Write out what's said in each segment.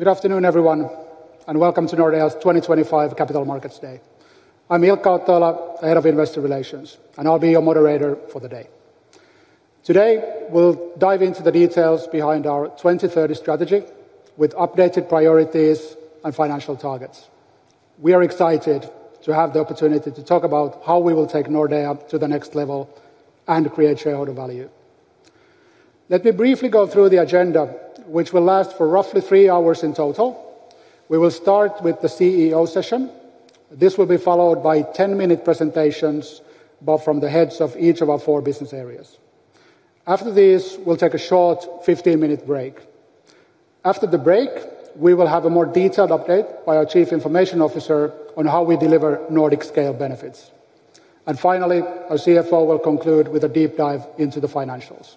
Good afternoon, everyone, and welcome to Nordea's 2025 Capital Markets Day. I'm Ilkka Ottoila, Head of Investor Relations, and I'll be your moderator for the day. Today, we'll dive into the details behind our 2030 strategy with updated priorities and financial targets. We are excited to have the opportunity to talk about how we will take Nordea to the next level and create shareholder value. Let me briefly go through the agenda, which will last for roughly three hours in total. We will start with the CEO session. This will be followed by 10-minute presentations from the heads of each of our four business areas. After this, we'll take a short 15-minute break. After the break, we will have a more detailed update by our Chief Information Officer on how we deliver Nordic-scale benefits. Finally, our CFO will conclude with a deep dive into the financials.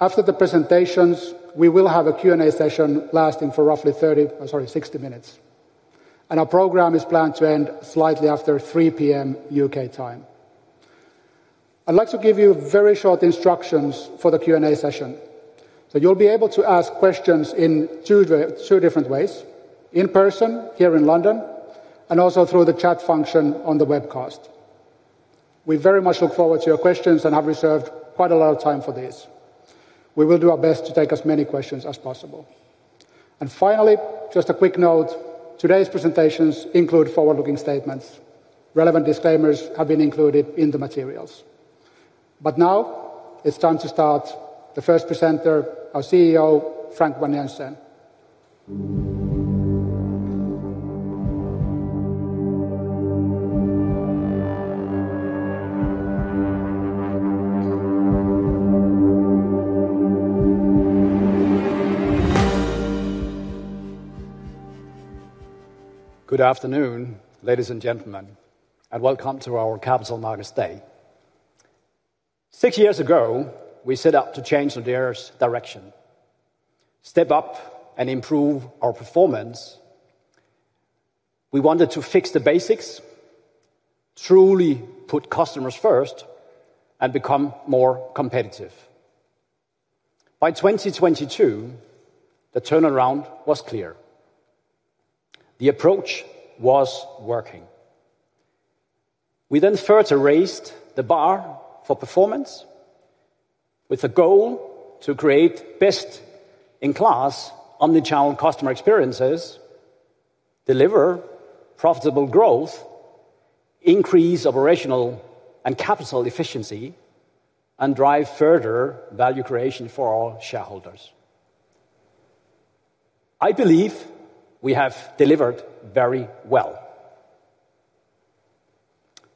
After the presentations, we will have a Q&A session lasting for roughly 30—sorry, 60 minutes. Our program is planned to end slightly after 3:00 P.M. U.K. time. I'd like to give you very short instructions for the Q&A session. You'll be able to ask questions in two different ways: in person here in London and also through the chat function on the webcast. We very much look forward to your questions and have reserved quite a lot of time for these. We will do our best to take as many questions as possible. Finally, just a quick note: today's presentations include forward-looking statements. Relevant disclaimers have been included in the materials. Now, it's time to start the first presenter, our CEO, Frank Vang-Jensen. Good afternoon, ladies and gentlemen, and welcome to our Capital Markets Day. Six years ago, we set out to change Nordea's direction. Step up and improve our performance. We wanted to fix the basics. Truly put customers first. Become more competitive. By 2022, the turnaround was clear. The approach was working. We then further raised the bar for performance with the goal to create best-in-class omnichannel customer experiences, deliver profitable growth, increase operational and capital efficiency, and drive further value creation for our shareholders. I believe we have delivered very well.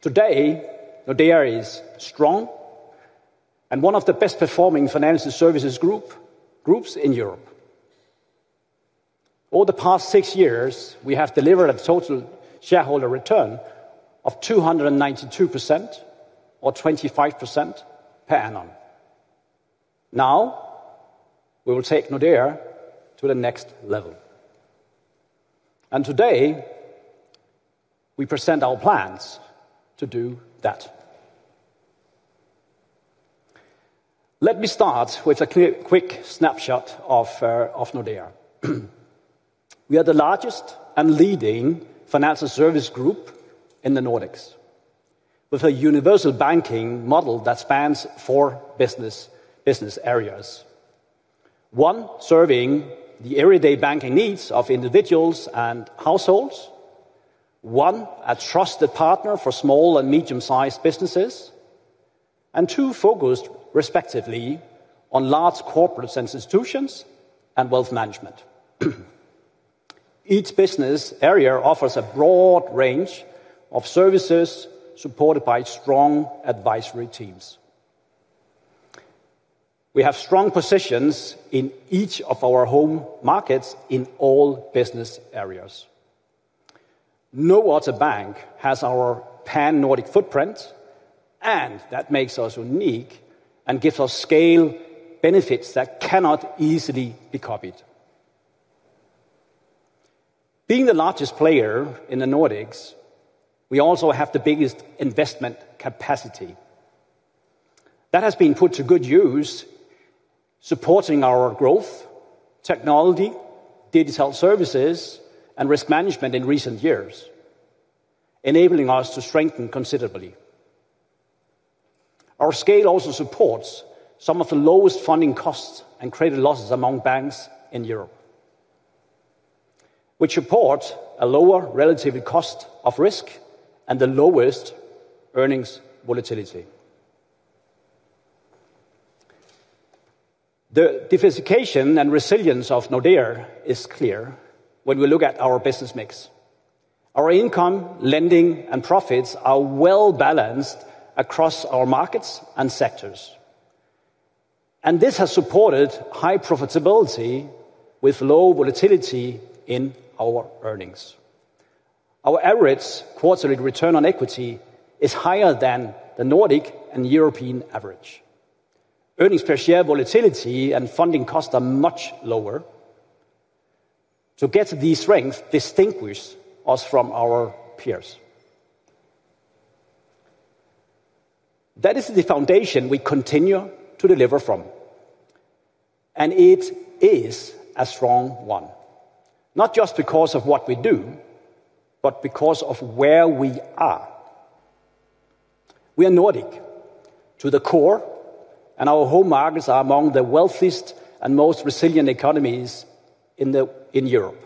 Today, Nordea is strong and one of the best-performing financial services groups in Europe. Over the past six years, we have delivered a total shareholder return of 292% or 25% per annum. Now, we will take Nordea to the next level. Today, we present our plans to do that. Let me start with a quick snapshot of Nordea. We are the largest and leading financial service group in the Nordics, with a universal banking model that spans four business areas. One serving the everyday banking needs of individuals and households. One a trusted partner for small and medium-sized businesses. And two focused, respectively, on large corporates and institutions and wealth management. Each business area offers a broad range of services supported by strong advisory teams. We have strong positions in each of our home markets in all business areas. No other bank has our pan-Nordic footprint. That makes us unique and gives us scale benefits that cannot easily be copied. Being the largest player in the Nordics, we also have the biggest investment capacity. That has been put to good use, supporting our growth, technology, digital services, and risk management in recent years. Enabling us to strengthen considerably. Our scale also supports some of the lowest funding costs and credit losses among banks in Europe, which supports a lower relative cost of risk and the lowest earnings volatility. The diversification and resilience of Nordea is clear when we look at our business mix. Our income, lending, and profits are well-balanced across our markets and sectors. This has supported high profitability with low volatility in our earnings. Our average quarterly return on equity is higher than the Nordic and European average. Earnings per share volatility and funding costs are much lower. These strengths distinguish us from our peers. That is the foundation we continue to deliver from, and it is a strong one, not just because of what we do, but because of where we are. We are Nordic to the core, and our home markets are among the wealthiest and most resilient economies in Europe.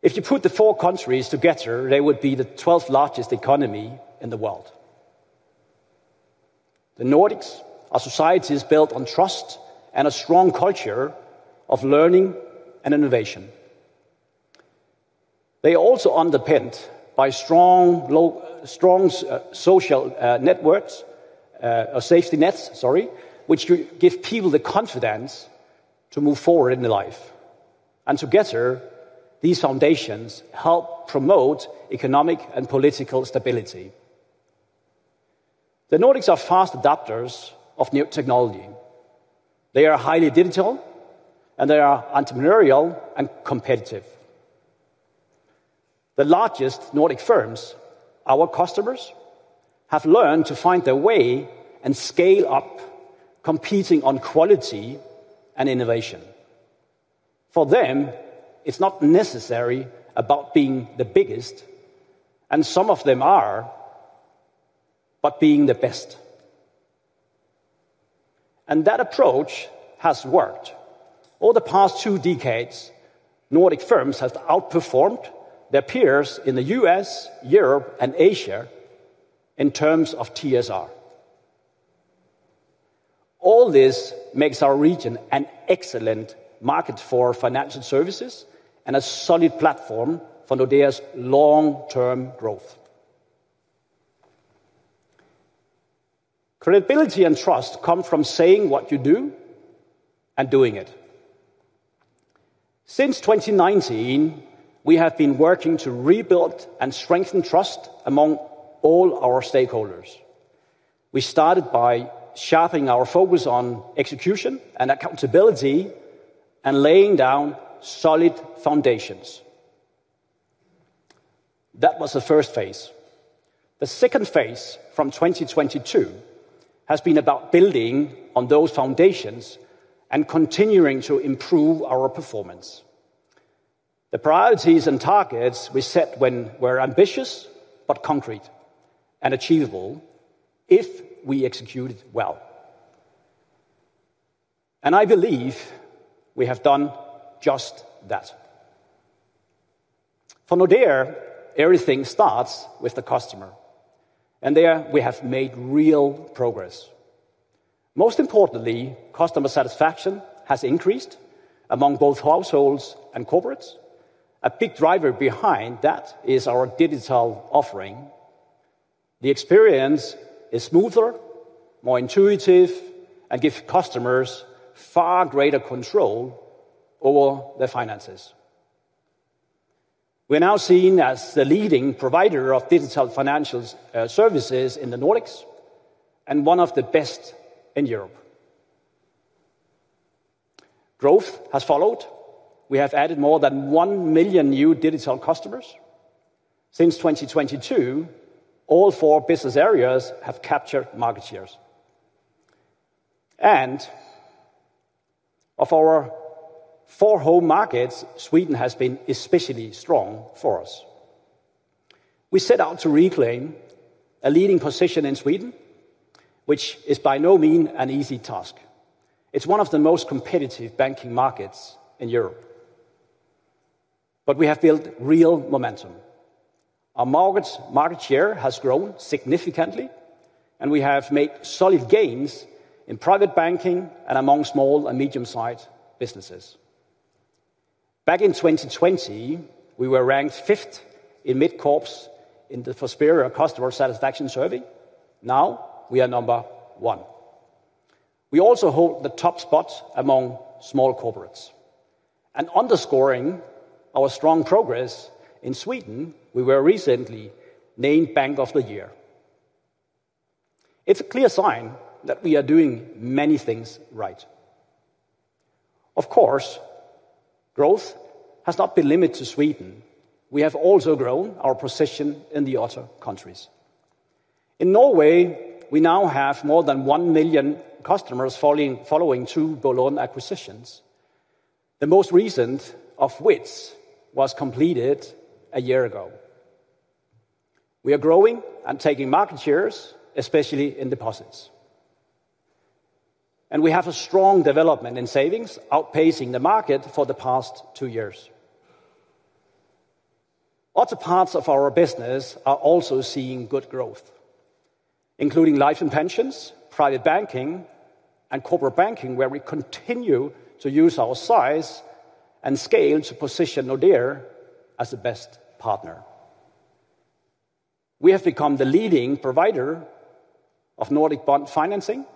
If you put the four countries together, they would be the 12th largest economy in the world. The Nordics are societies built on trust and a strong culture of learning and innovation. They are also underpinned by strong social networks, or safety nets, sorry, which give people the confidence to move forward in life. Together, these foundations help promote economic and political stability. The Nordics are fast adopters of new technology. They are highly digital, and they are entrepreneurial and competitive. The largest Nordic firms, our customers, have learned to find their way and scale up, competing on quality and innovation. For them, it's not necessarily about being the biggest, and some of them are, but being the best. That approach has worked. Over the past two decades, Nordic firms have outperformed their peers in the U.S., Europe, and Asia in terms of TSR. All this makes our region an excellent market for financial services and a solid platform for Nordea's long-term growth. Credibility and trust come from saying what you do. And doing it. Since 2019, we have been working to rebuild and strengthen trust among all our stakeholders. We started by sharpening our focus on execution and accountability and laying down solid foundations. That was the first phase. The second phase from 2022 has been about building on those foundations and continuing to improve our performance. The priorities and targets we set were ambitious but concrete and achievable if we executed well. I believe we have done just that. For Nordea, everything starts with the customer, and there we have made real progress. Most importantly, customer satisfaction has increased among both households and corporates. A big driver behind that is our digital offering. The experience is smoother, more intuitive, and gives customers far greater control over their finances. We are now seen as the leading provider of digital financial services in the Nordics and one of the best in Europe. Growth has followed. We have added more than 1 million new digital customers since 2022. All four business areas have captured market shares. Of our four home markets, Sweden has been especially strong for us. We set out to reclaim a leading position in Sweden, which is by no means an easy task. It is one of the most competitive banking markets in Europe. We have built real momentum. Our market share has grown significantly, and we have made solid gains in private banking and among small and medium-sized businesses. Back in 2020, we were ranked fifth in mid-corps in the Prospero customer satisfaction survey. Now we are number one. We also hold the top spot among small corporates. Underscoring our strong progress in Sweden, we were recently named Bank of the Year. It is a clear sign that we are doing many things right. Of course, growth has not been limited to Sweden. We have also grown our position in the other countries. In Norway, we now have more than 1 million customers following two Boligkreditt acquisitions, the most recent of which was completed a year ago. We are growing and taking market shares, especially in deposits. We have a strong development in savings, outpacing the market for the past two years. Other parts of our business are also seeing good growth, including life and pensions, private banking, and corporate banking, where we continue to use our size and scale to position Nordea as the best partner. We have become the leading provider of Nordic bond financing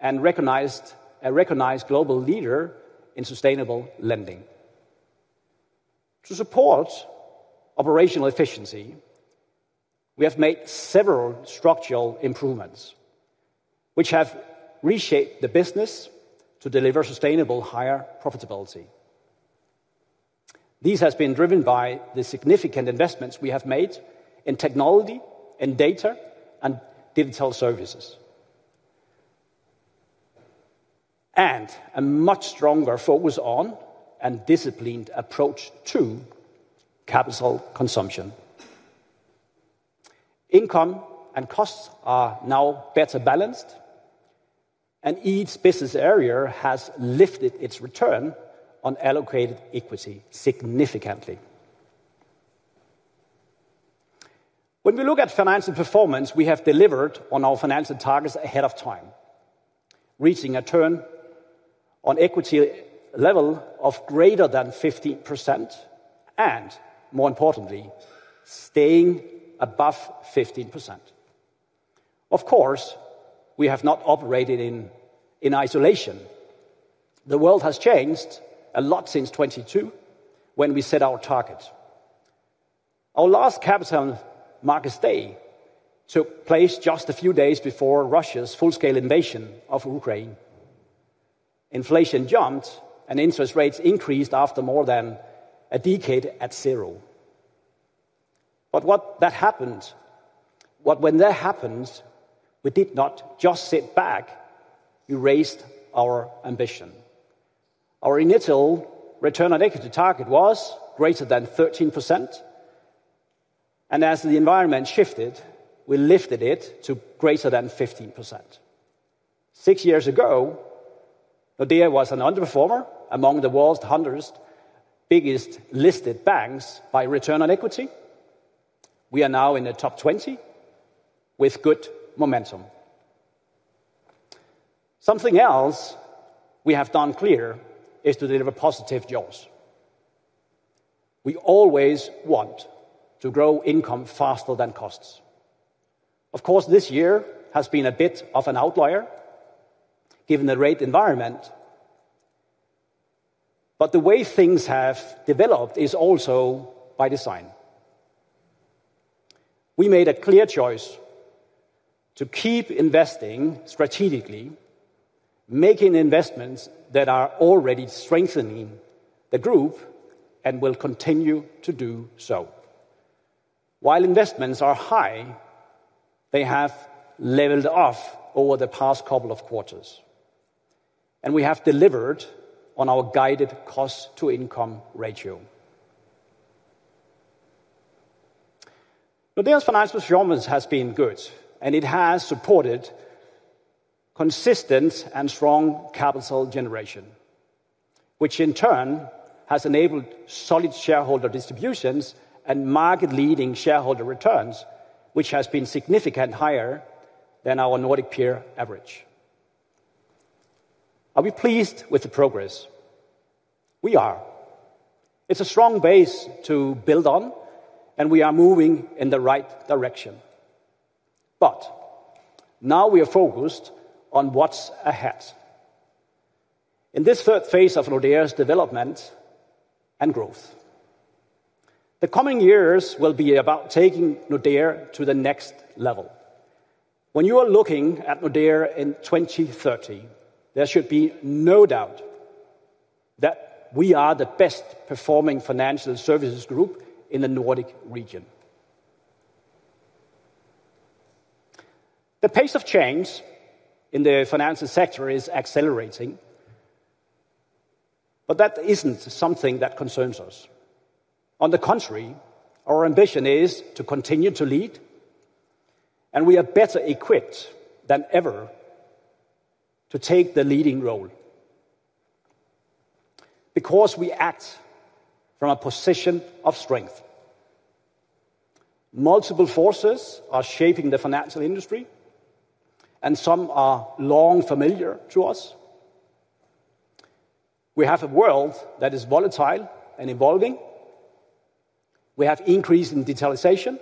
and recognized a global leader in sustainable lending. To support operational efficiency, we have made several structural improvements, which have reshaped the business to deliver sustainable higher profitability. These have been driven by the significant investments we have made in technology and data and digital services, and a much stronger focus on and disciplined approach to capital consumption. Income and costs are now better balanced, and each business area has lifted its return on allocated equity significantly. When we look at financial performance, we have delivered on our financial targets ahead of time, reaching a return on equity level of greater than 15%, and more importantly, staying above 15%. Of course, we have not operated in isolation. The world has changed a lot since 2022 when we set our target. Our last Capital Markets Day took place just a few days before Russia's full-scale invasion of Ukraine. Inflation jumped and interest rates increased after more than a decade at zero. What happened? When that happened, we did not just sit back. We raised our ambition. Our initial return on equity target was greater than 13%. As the environment shifted, we lifted it to greater than 15%. Six years ago, Nordea was an underperformer among the world's 100 biggest listed banks by return on equity. We are now in the top 20, with good momentum. Something else we have done clear is to deliver positive jobs. We always want to grow income faster than costs. Of course, this year has been a bit of an outlier, given the rate environment. The way things have developed is also by design. We made a clear choice. To keep investing strategically, making investments that are already strengthening the group and will continue to do so. While investments are high, they have leveled off over the past couple of quarters, and we have delivered on our guided cost-to-income ratio. Nordea's financial performance has been good, and it has supported consistent and strong capital generation, which in turn has enabled solid shareholder distributions and market-leading shareholder returns, which has been significantly higher than our Nordic peer average. Are we pleased with the progress? We are. It is a strong base to build on, and we are moving in the right direction. Now we are focused on what is ahead. In this third phase of Nordea's development and growth, the coming years will be about taking Nordea to the next level. When you are looking at Nordea in 2030, there should be no doubt. That we are the best-performing financial services group in the Nordic region. The pace of change in the financial sector is accelerating, but that is not something that concerns us. On the contrary, our ambition is to continue to lead, and we are better equipped than ever to take the leading role. Because we act from a position of strength. Multiple forces are shaping the financial industry. Some are long familiar to us. We have a world that is volatile and evolving. We have increased digitalization.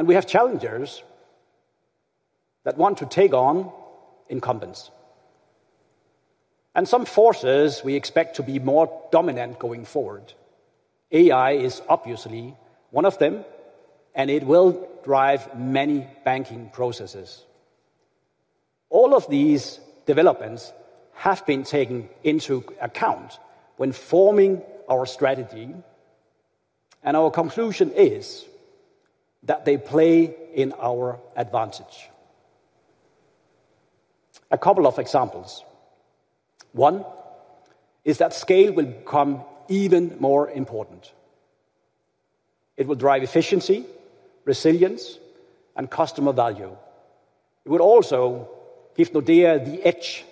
We have challengers that want to take on incumbents. Some forces we expect to be more dominant going forward. AI is obviously one of them, and it will drive many banking processes. All of these developments have been taken into account when forming our strategy, and our conclusion is that they play in our advantage. A couple of examples. One is that scale will become even more important. It will drive efficiency, resilience, and customer value. It will also give Nordea the edge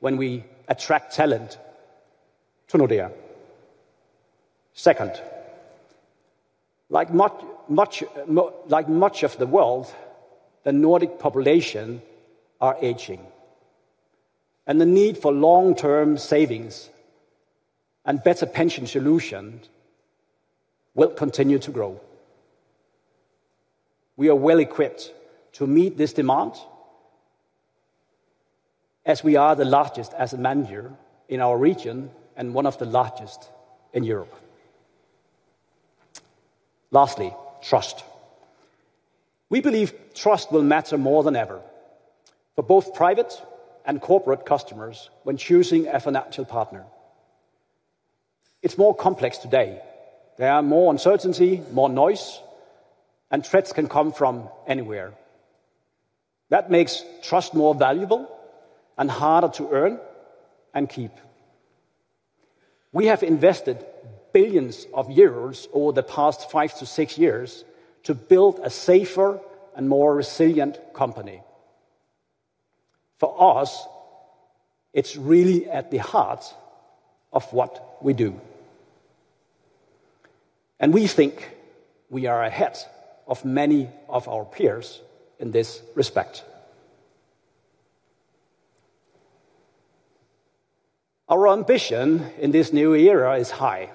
when we attract talent to Nordea. Second. Like much of the world. The Nordic population are aging. The need for long-term savings and better pension solutions will continue to grow. We are well equipped to meet this demand, as we are the largest asset manager in our region and one of the largest in Europe. Lastly, trust. We believe trust will matter more than ever for both private and corporate customers when choosing a financial partner. It's more complex today. There is more uncertainty, more noise, and threats can come from anywhere. That makes trust more valuable and harder to earn and keep. We have invested billions of euros over the past five to six years to build a safer and more resilient company. For us. It's really at the heart of what we do. We think we are ahead of many of our peers in this respect. Our ambition in this new era is high.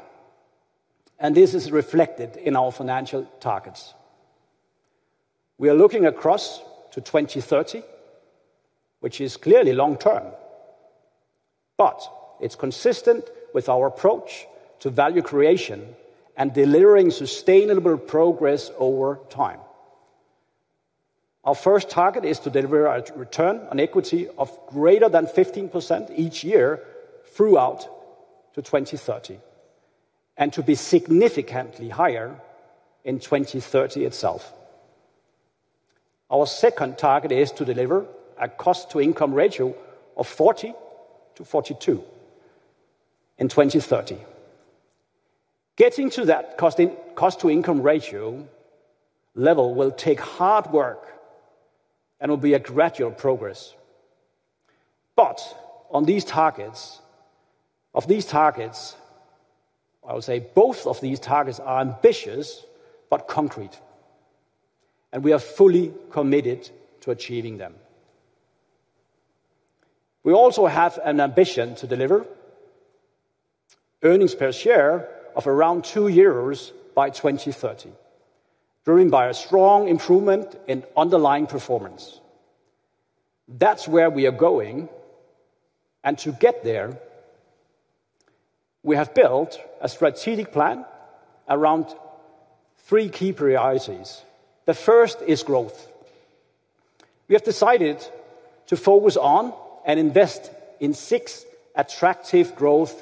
This is reflected in our financial targets. We are looking across to 2030, which is clearly long-term, but it's consistent with our approach to value creation and delivering sustainable progress over time. Our first target is to deliver a return on equity of greater than 15% each year throughout to 2030, and to be significantly higher in 2030 itself. Our second target is to deliver a cost-to-income ratio of 40%-42% in 2030. Getting to that cost-to-income ratio level will take hard work and will be a gradual progress. Of these targets, I will say both of these targets are ambitious but concrete. We are fully committed to achieving them. We also have an ambition to deliver earnings per share of around 2 euros by 2030, driven by a strong improvement in underlying performance. That is where we are going. To get there, we have built a strategic plan around three key priorities. The first is growth. We have decided to focus on and invest in six attractive growth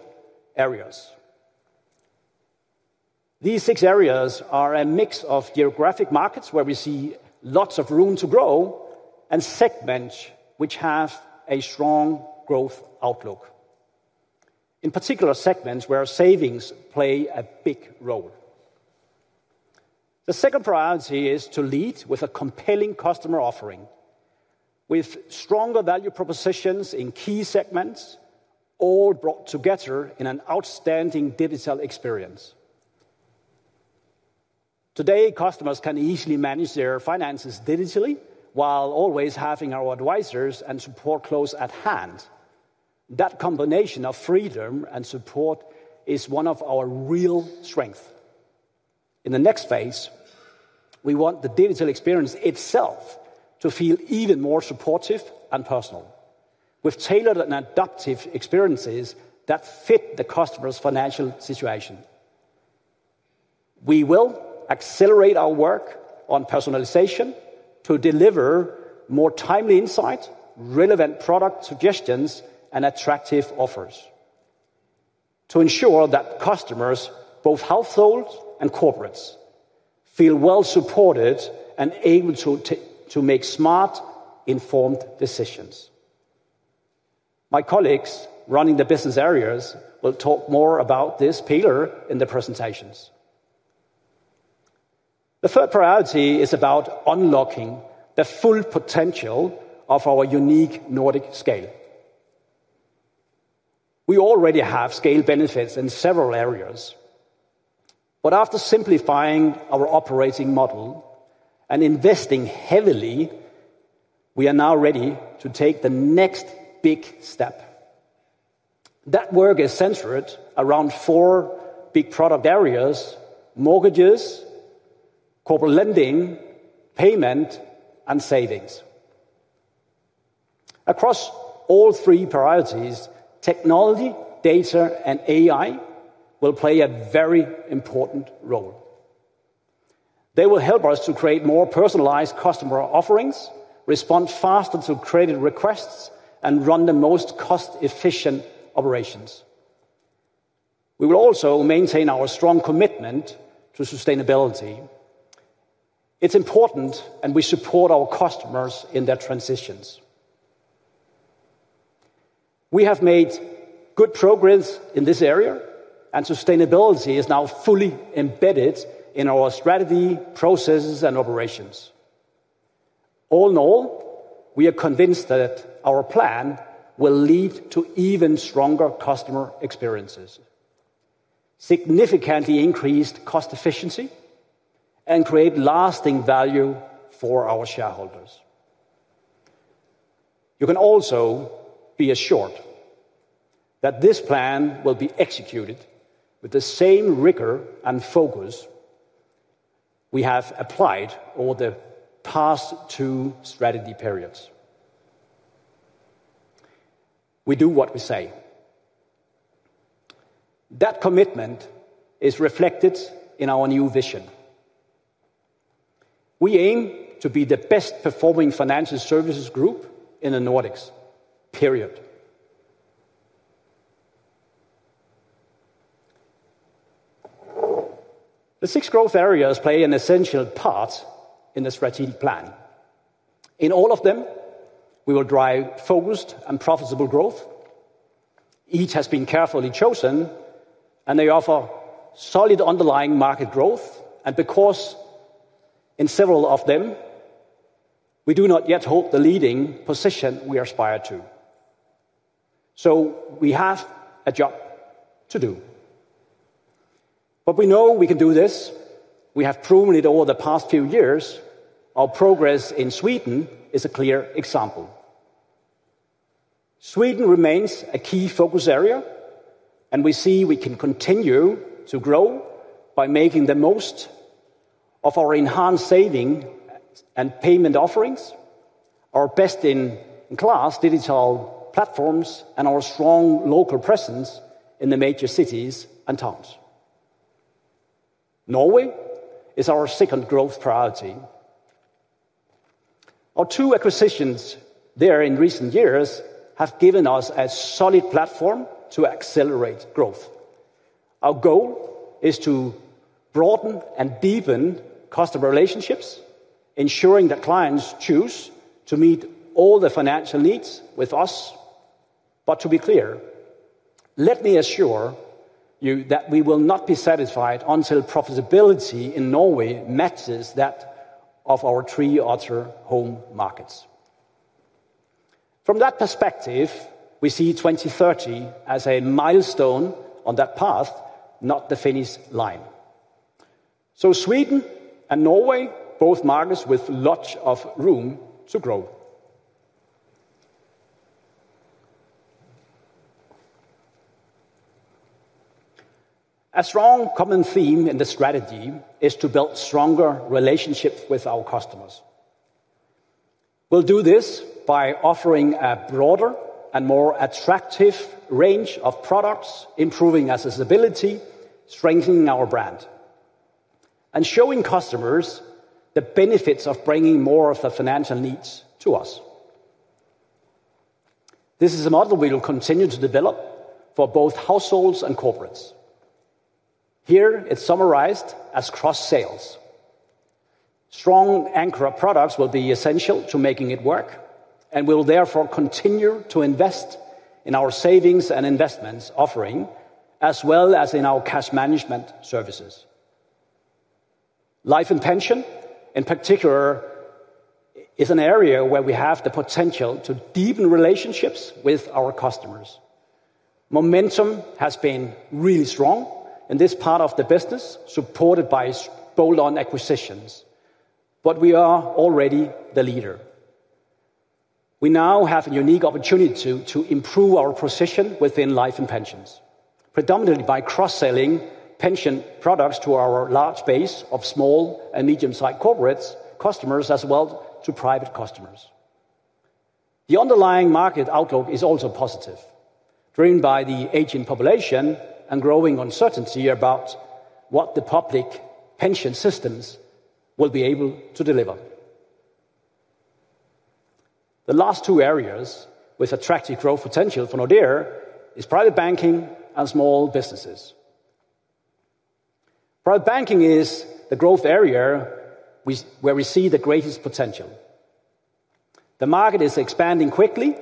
areas. These six areas are a mix of geographic markets where we see lots of room to grow and segments which have a strong growth outlook, in particular segments where savings play a big role. The second priority is to lead with a compelling customer offering, with stronger value propositions in key segments, all brought together in an outstanding digital experience. Today, customers can easily manage their finances digitally while always having our advisors and support close at hand. That combination of freedom and support is one of our real strengths. In the next phase, we want the digital experience itself to feel even more supportive and personal, with tailored and adaptive experiences that fit the customer's financial situation. We will accelerate our work on personalization to deliver more timely insight, relevant product suggestions, and attractive offers. To ensure that customers, both households and corporates, feel well supported and able to make smart, informed decisions. My colleagues running the business areas will talk more about this pillar in the presentations. The third priority is about unlocking the full potential of our unique Nordic scale. We already have scale benefits in several areas. After simplifying our operating model and investing heavily, we are now ready to take the next big step. That work is centered around four big product areas: mortgages, corporate lending, payment, and savings. Across all three priorities, technology, data, and AI will play a very important role. They will help us to create more personalized customer offerings, respond faster to created requests, and run the most cost-efficient operations. We will also maintain our strong commitment to sustainability. It is important, and we support our customers in their transitions. We have made good progress in this area, and sustainability is now fully embedded in our strategy, processes, and operations. All in all, we are convinced that our plan will lead to even stronger customer experiences, significantly increased cost efficiency, and create lasting value for our shareholders. You can also be assured that this plan will be executed with the same rigor and focus we have applied over the past two strategy periods. We do what we say. That commitment is reflected in our new vision. We aim to be the best-performing financial services group in the Nordics, period. The six growth areas play an essential part in the strategic plan. In all of them, we will drive focused and profitable growth. Each has been carefully chosen, and they offer solid underlying market growth. In several of them, we do not yet hold the leading position we aspire to. We have a job to do. We know we can do this. We have proven it over the past few years. Our progress in Sweden is a clear example. Sweden remains a key focus area, and we see we can continue to grow by making the most of our enhanced saving and payment offerings, our best-in-class digital platforms, and our strong local presence in the major cities and towns. Norway is our second growth priority. Our two acquisitions there in recent years have given us a solid platform to accelerate growth. Our goal is to broaden and deepen customer relationships, ensuring that clients choose to meet all the financial needs with us. To be clear, let me assure you that we will not be satisfied until profitability in Norway matches that of our three other home markets. From that perspective, we see 2030 as a milestone on that path, not the finish line. Sweden and Norway both mark us with lots of room to grow. A strong common theme in the strategy is to build stronger relationships with our customers. We'll do this by offering a broader and more attractive range of products, improving accessibility, strengthening our brand, and showing customers the benefits of bringing more of the financial needs to us. This is a model we will continue to develop for both households and corporates. Here, it's summarized as cross-sales. Strong anchor products will be essential to making it work, and we'll therefore continue to invest in our savings and investments offering, as well as in our cash management services. Life and pensions, in particular, is an area where we have the potential to deepen relationships with our customers. Momentum has been really strong in this part of the business, supported by Bojana acquisitions. We are already the leader. We now have a unique opportunity to improve our position within life and pensions, predominantly by cross-selling pension products to our large base of small and medium-sized corporate customers, as well as to private customers. The underlying market outlook is also positive, driven by the aging population and growing uncertainty about what the public pension systems will be able to deliver. The last two areas with attractive growth potential for Nordea are private banking and small businesses. Private banking is the growth area. Where we see the greatest potential. The market is expanding quickly,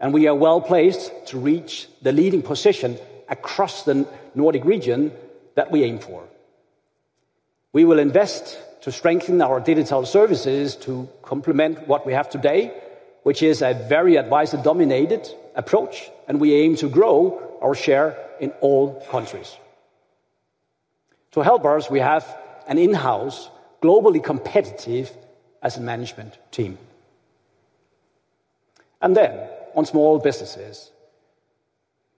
and we are well placed to reach the leading position across the Nordic region that we aim for. We will invest to strengthen our digital services to complement what we have today, which is a very advisor-dominated approach, and we aim to grow our share in all countries. To help us, we have an in-house, globally competitive asset management team. Then, on small businesses.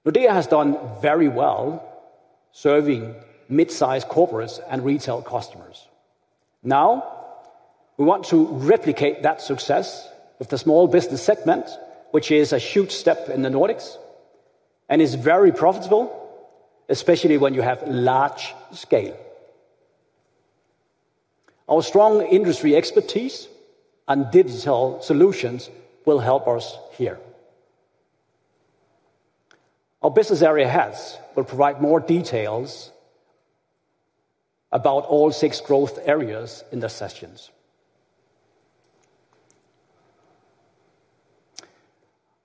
Nordea has done very well. Serving mid-sized corporates and retail customers. Now, we want to replicate that success in the small business segment, which is a huge step in the Nordics and is very profitable, especially when you have large scale. Our strong industry expertise and digital solutions will help us here. Our business area has, will provide more details about all six growth areas in the sessions.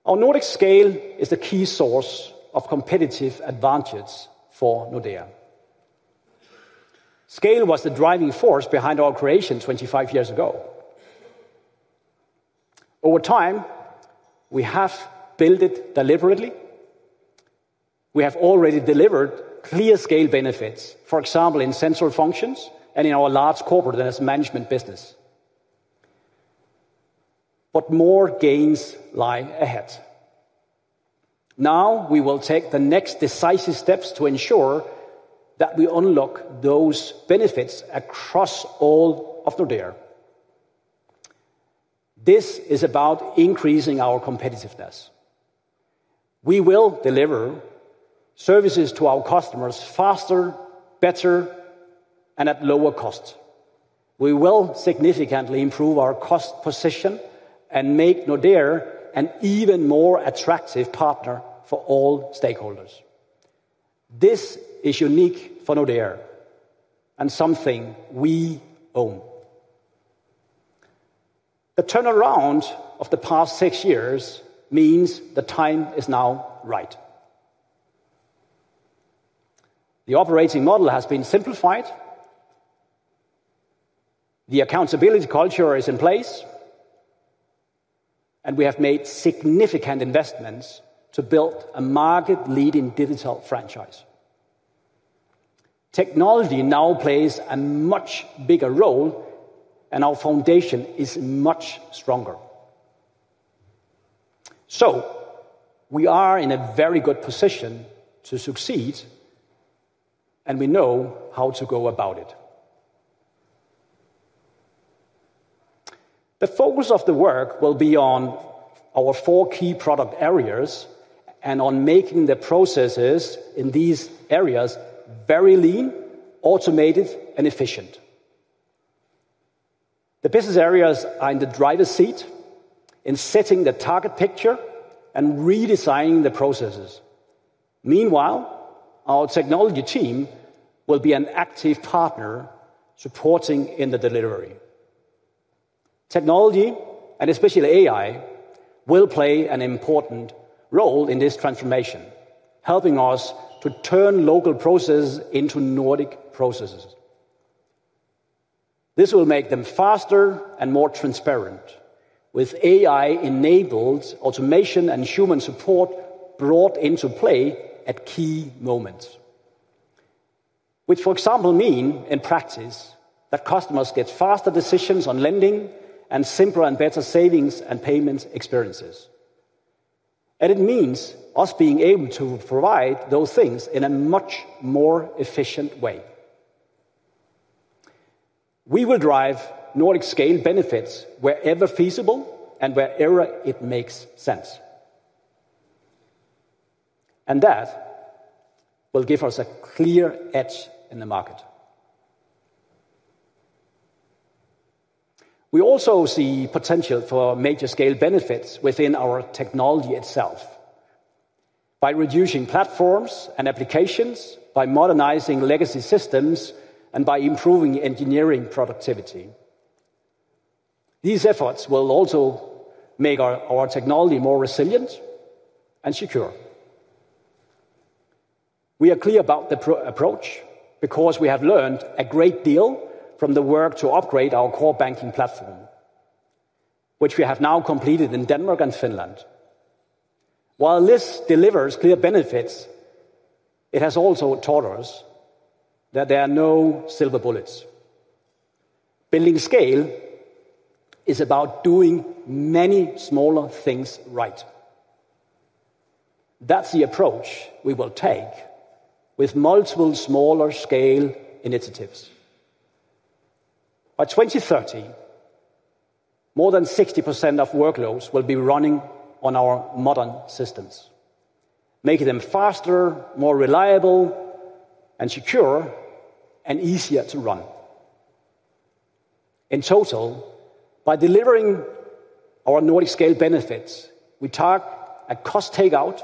Our Nordic scale is the key source of competitive advantages for Nordea. Scale was the driving force behind our creation 25 years ago. Over time, we have built it deliberately. We have already delivered clear scale benefits, for example, in sensor functions and in our large corporate asset management business. More gains lie ahead. Now we will take the next decisive steps to ensure that we unlock those benefits across all of Nordea. This is about increasing our competitiveness. We will deliver services to our customers faster, better, and at lower cost. We will significantly improve our cost position and make Nordea an even more attractive partner for all stakeholders. This is unique for Nordea. It is something we own. The turnaround of the past six years means the time is now right. The operating model has been simplified. The accountability culture is in place, and we have made significant investments to build a market-leading digital franchise. Technology now plays a much bigger role, and our foundation is much stronger. We are in a very good position to succeed. We know how to go about it. The focus of the work will be on our four key product areas and on making the processes in these areas very lean, automated, and efficient. The business areas are in the driver's seat in setting the target picture and redesigning the processes. Meanwhile, our technology team will be an active partner supporting in the delivery. Technology, and especially AI, will play an important role in this transformation, helping us to turn local processes into Nordic processes. This will make them faster and more transparent, with AI-enabled automation and human support brought into play at key moments. Which, for example, mean in practice that customers get faster decisions on lending and simpler and better savings and payment experiences. It means us being able to provide those things in a much more efficient way. We will drive Nordic scale benefits wherever feasible and wherever it makes sense. That will give us a clear edge in the market. We also see potential for major scale benefits within our technology itself. By reducing platforms and applications, by modernizing legacy systems, and by improving engineering productivity. These efforts will also make our technology more resilient and secure. We are clear about the approach because we have learned a great deal from the work to upgrade our core banking platform, which we have now completed in Denmark and Finland. While this delivers clear benefits, it has also taught us that there are no silver bullets. Building scale. is about doing many smaller things right. That is the approach we will take with multiple smaller scale initiatives. By 2030, more than 60% of workloads will be running on our modern systems, making them faster, more reliable, secure, and easier to run. In total, by delivering our Nordic scale benefits, we talk a cost takeout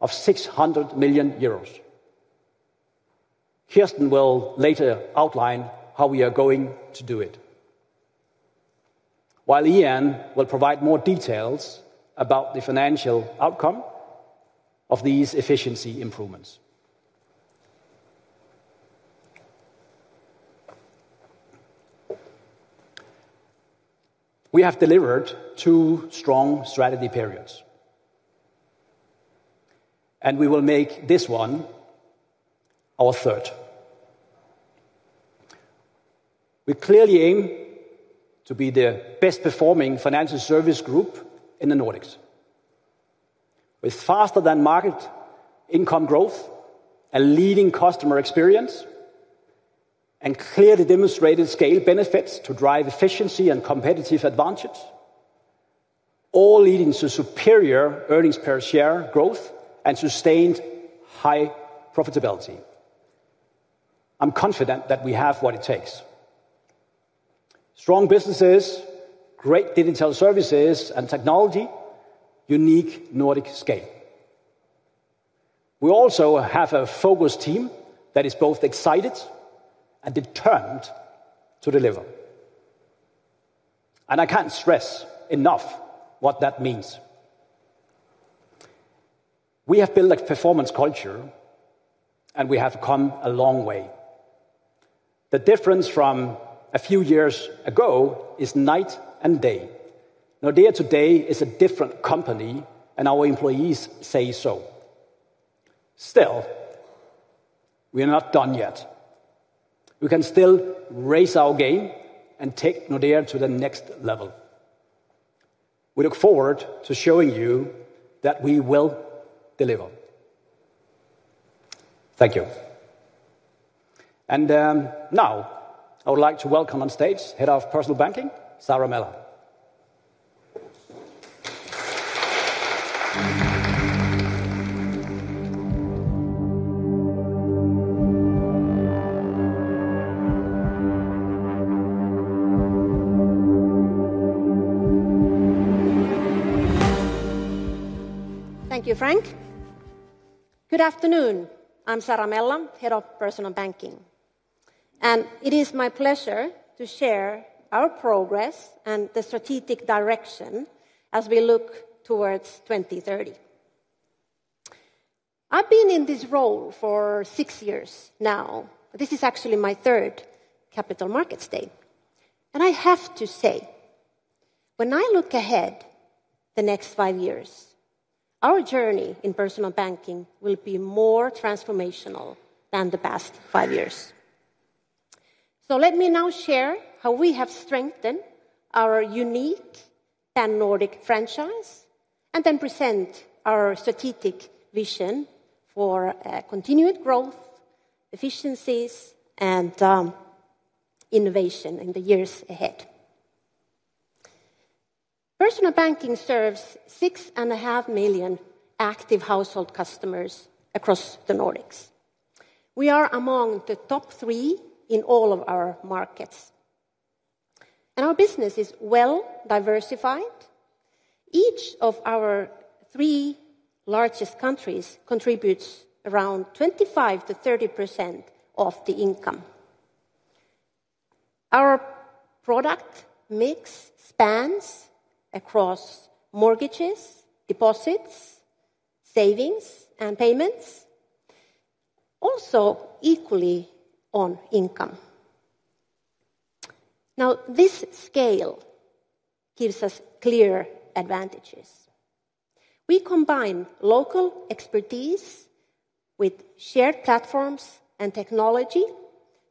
of 600 million euros. Kirsten will later outline how we are going to do it, while Ian will provide more details about the financial outcome of these efficiency improvements. We have delivered two strong strategy periods, and we will make this one our third. We clearly aim to be the best-performing financial service group in the Nordics, with faster-than-market income growth, a leading customer experience, and clearly demonstrated scale benefits to drive efficiency and competitive advantage. All leading to superior earnings per share growth and sustained high profitability. I'm confident that we have what it takes. Strong businesses, great digital services, and technology, unique Nordic scale. We also have a focused team that is both excited and determined to deliver. I can't stress enough what that means. We have built a performance culture. We have come a long way. The difference from a few years ago is night and day. Nordea today is a different company, and our employees say so. Still, we are not done yet. We can still raise our game and take Nordea to the next level. We look forward to showing you that we will deliver. Thank you. Now, I would like to welcome on stage Head of Personal Banking, Sara Mella. Thank you, Frank. Good afternoon. I'm Sara Mella, Head of Personal Banking. It is my pleasure to share our progress and the strategic direction as we look towards 2030. I have been in this role for six years now. This is actually my third Capital Markets Day. I have to say, when I look ahead, the next five years, our journey in personal banking will be more transformational than the past five years. Let me now share how we have strengthened our unique pan-Nordic franchise and then present our strategic vision for continued growth, efficiencies, and innovation in the years ahead. Personal banking serves six and a half million active household customers across the Nordics. We are among the top three in all of our markets. Our business is well diversified. Each of our three largest countries contributes around 25%-30% of the income. Our product mix spans across mortgages, deposits, savings, and payments, also equally on income. Now, this scale gives us clear advantages. We combine local expertise with shared platforms and technology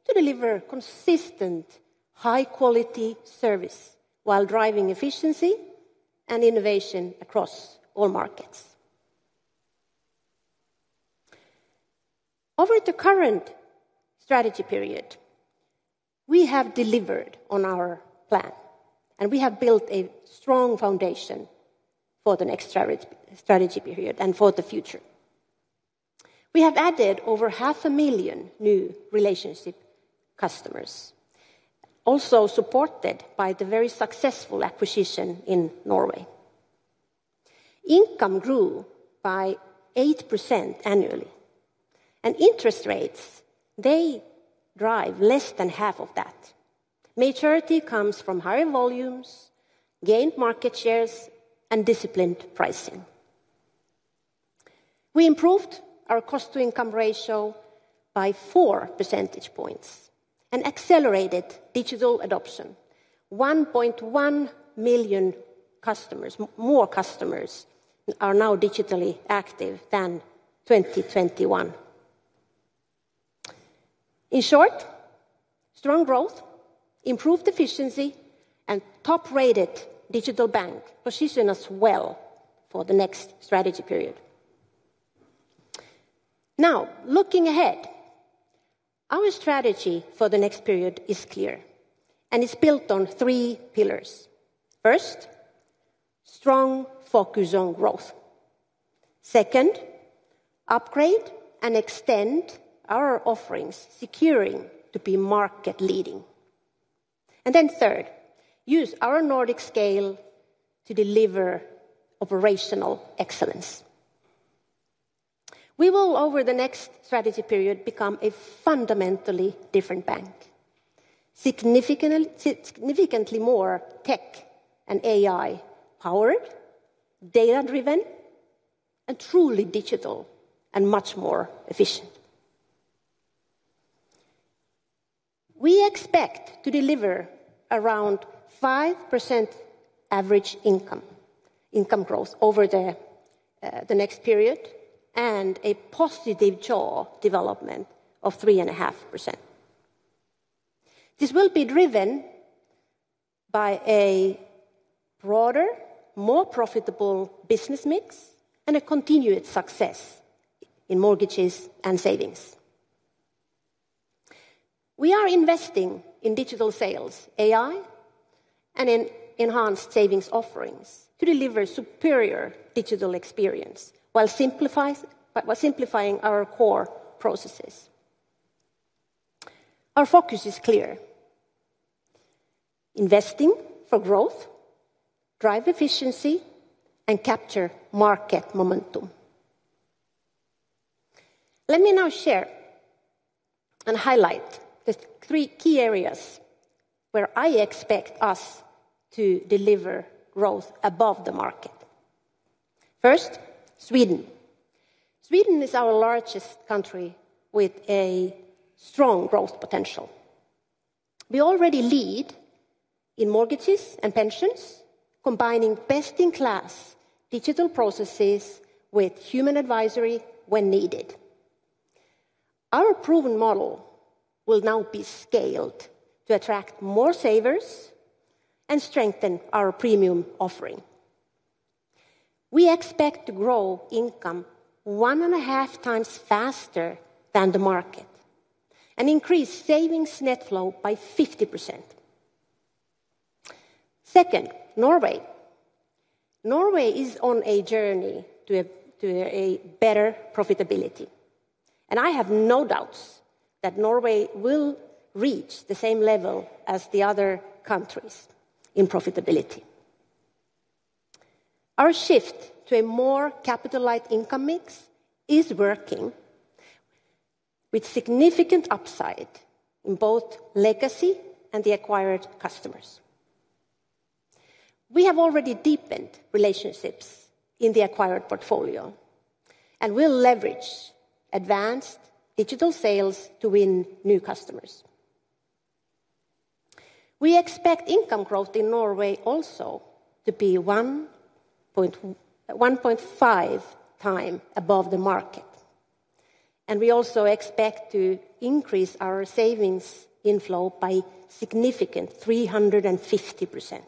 to deliver consistent, high-quality service while driving efficiency and innovation across all markets. Over the current strategy period, we have delivered on our plan, and we have built a strong foundation for the next strategy period and for the future. We have added over 500,000 new relationship customers, also supported by the very successful acquisition in Norway. Income grew by 8% annually, and interest rates, they drive less than half of that. Maturity comes from higher volumes, gained market shares, and disciplined pricing. We improved our cost-to-income ratio by four percentage points and accelerated digital adoption. 1.1 million more customers are now digitally active than 2021. In short, strong growth, improved efficiency, and top-rated digital bank position us well for the next strategy period. Now, looking ahead, our strategy for the next period is clear and is built on three pillars. First. Strong focus on growth. Second. Upgrade and extend our offerings, securing to be market-leading. Third, use our Nordic scale to deliver operational excellence. We will, over the next strategy period, become a fundamentally different bank. Significantly more tech and AI-powered, data-driven, and truly digital and much more efficient. We expect to deliver around 5% average income growth over the next period and a positive jaw development of 3.5%. This will be driven by a broader, more profitable business mix and a continued success in mortgages and savings. We are investing in digital sales, AI, and enhanced savings offerings to deliver superior digital experience while simplifying our core processes. Our focus is clear. Investing for growth. Drive efficiency, and capture market momentum. Let me now share. to highlight the three key areas where I expect us to deliver growth above the market. First, Sweden. Sweden is our largest country with strong growth potential. We already lead in mortgages and pensions, combining best-in-class digital processes with human advisory when needed. Our proven model will now be scaled to attract more savers and strengthen our premium offering. We expect to grow income one and a half times faster than the market and increase savings net flow by 50%. Second, Norway. Norway is on a journey to better profitability, and I have no doubts that Norway will reach the same level as the other countries in profitability. Our shift to a more capital-like income mix is working, with significant upside in both legacy and the acquired customers. We have already deepened relationships in the acquired portfolio, and we will leverage advanced digital sales to win new customers. We expect income growth in Norway also to be 1-1.5x above the market. We also expect to increase our savings inflow by a significant 350%.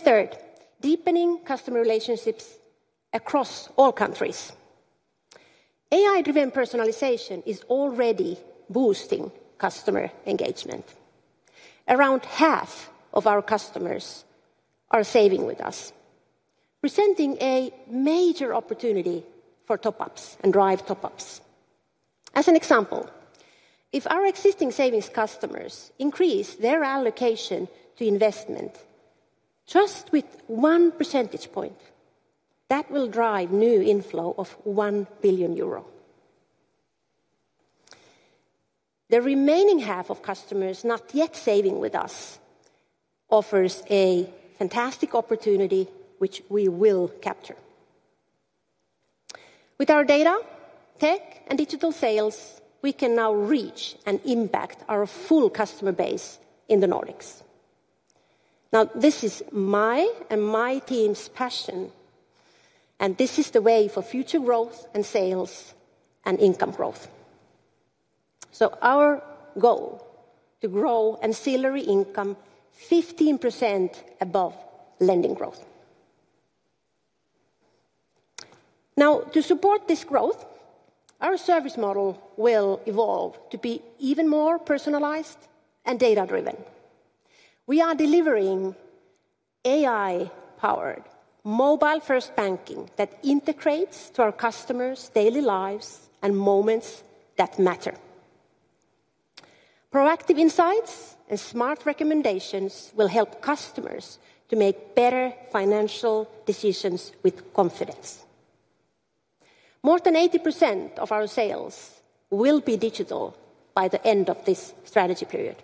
Third, deepening customer relationships across all countries. AI-driven personalization is already boosting customer engagement. Around half of our customers are saving with us, presenting a major opportunity for top-ups and drive top-ups. As an example, if our existing savings customers increase their allocation to investment just with one percentage point, that will drive new inflow of 1 billion euro. The remaining half of customers not yet saving with us offers a fantastic opportunity which we will capture. With our data, tech, and digital sales, we can now reach and impact our full customer base in the Nordics. This is my and my team's passion, and this is the way for future growth and sales and income growth. Our goal is to grow ancillary income 15% above lending growth. To support this growth, our service model will evolve to be even more personalized and data-driven. We are delivering AI-powered mobile-first banking that integrates to our customers' daily lives and moments that matter. Proactive insights and smart recommendations will help customers to make better financial decisions with confidence. More than 80% of our sales will be digital by the end of this strategy period.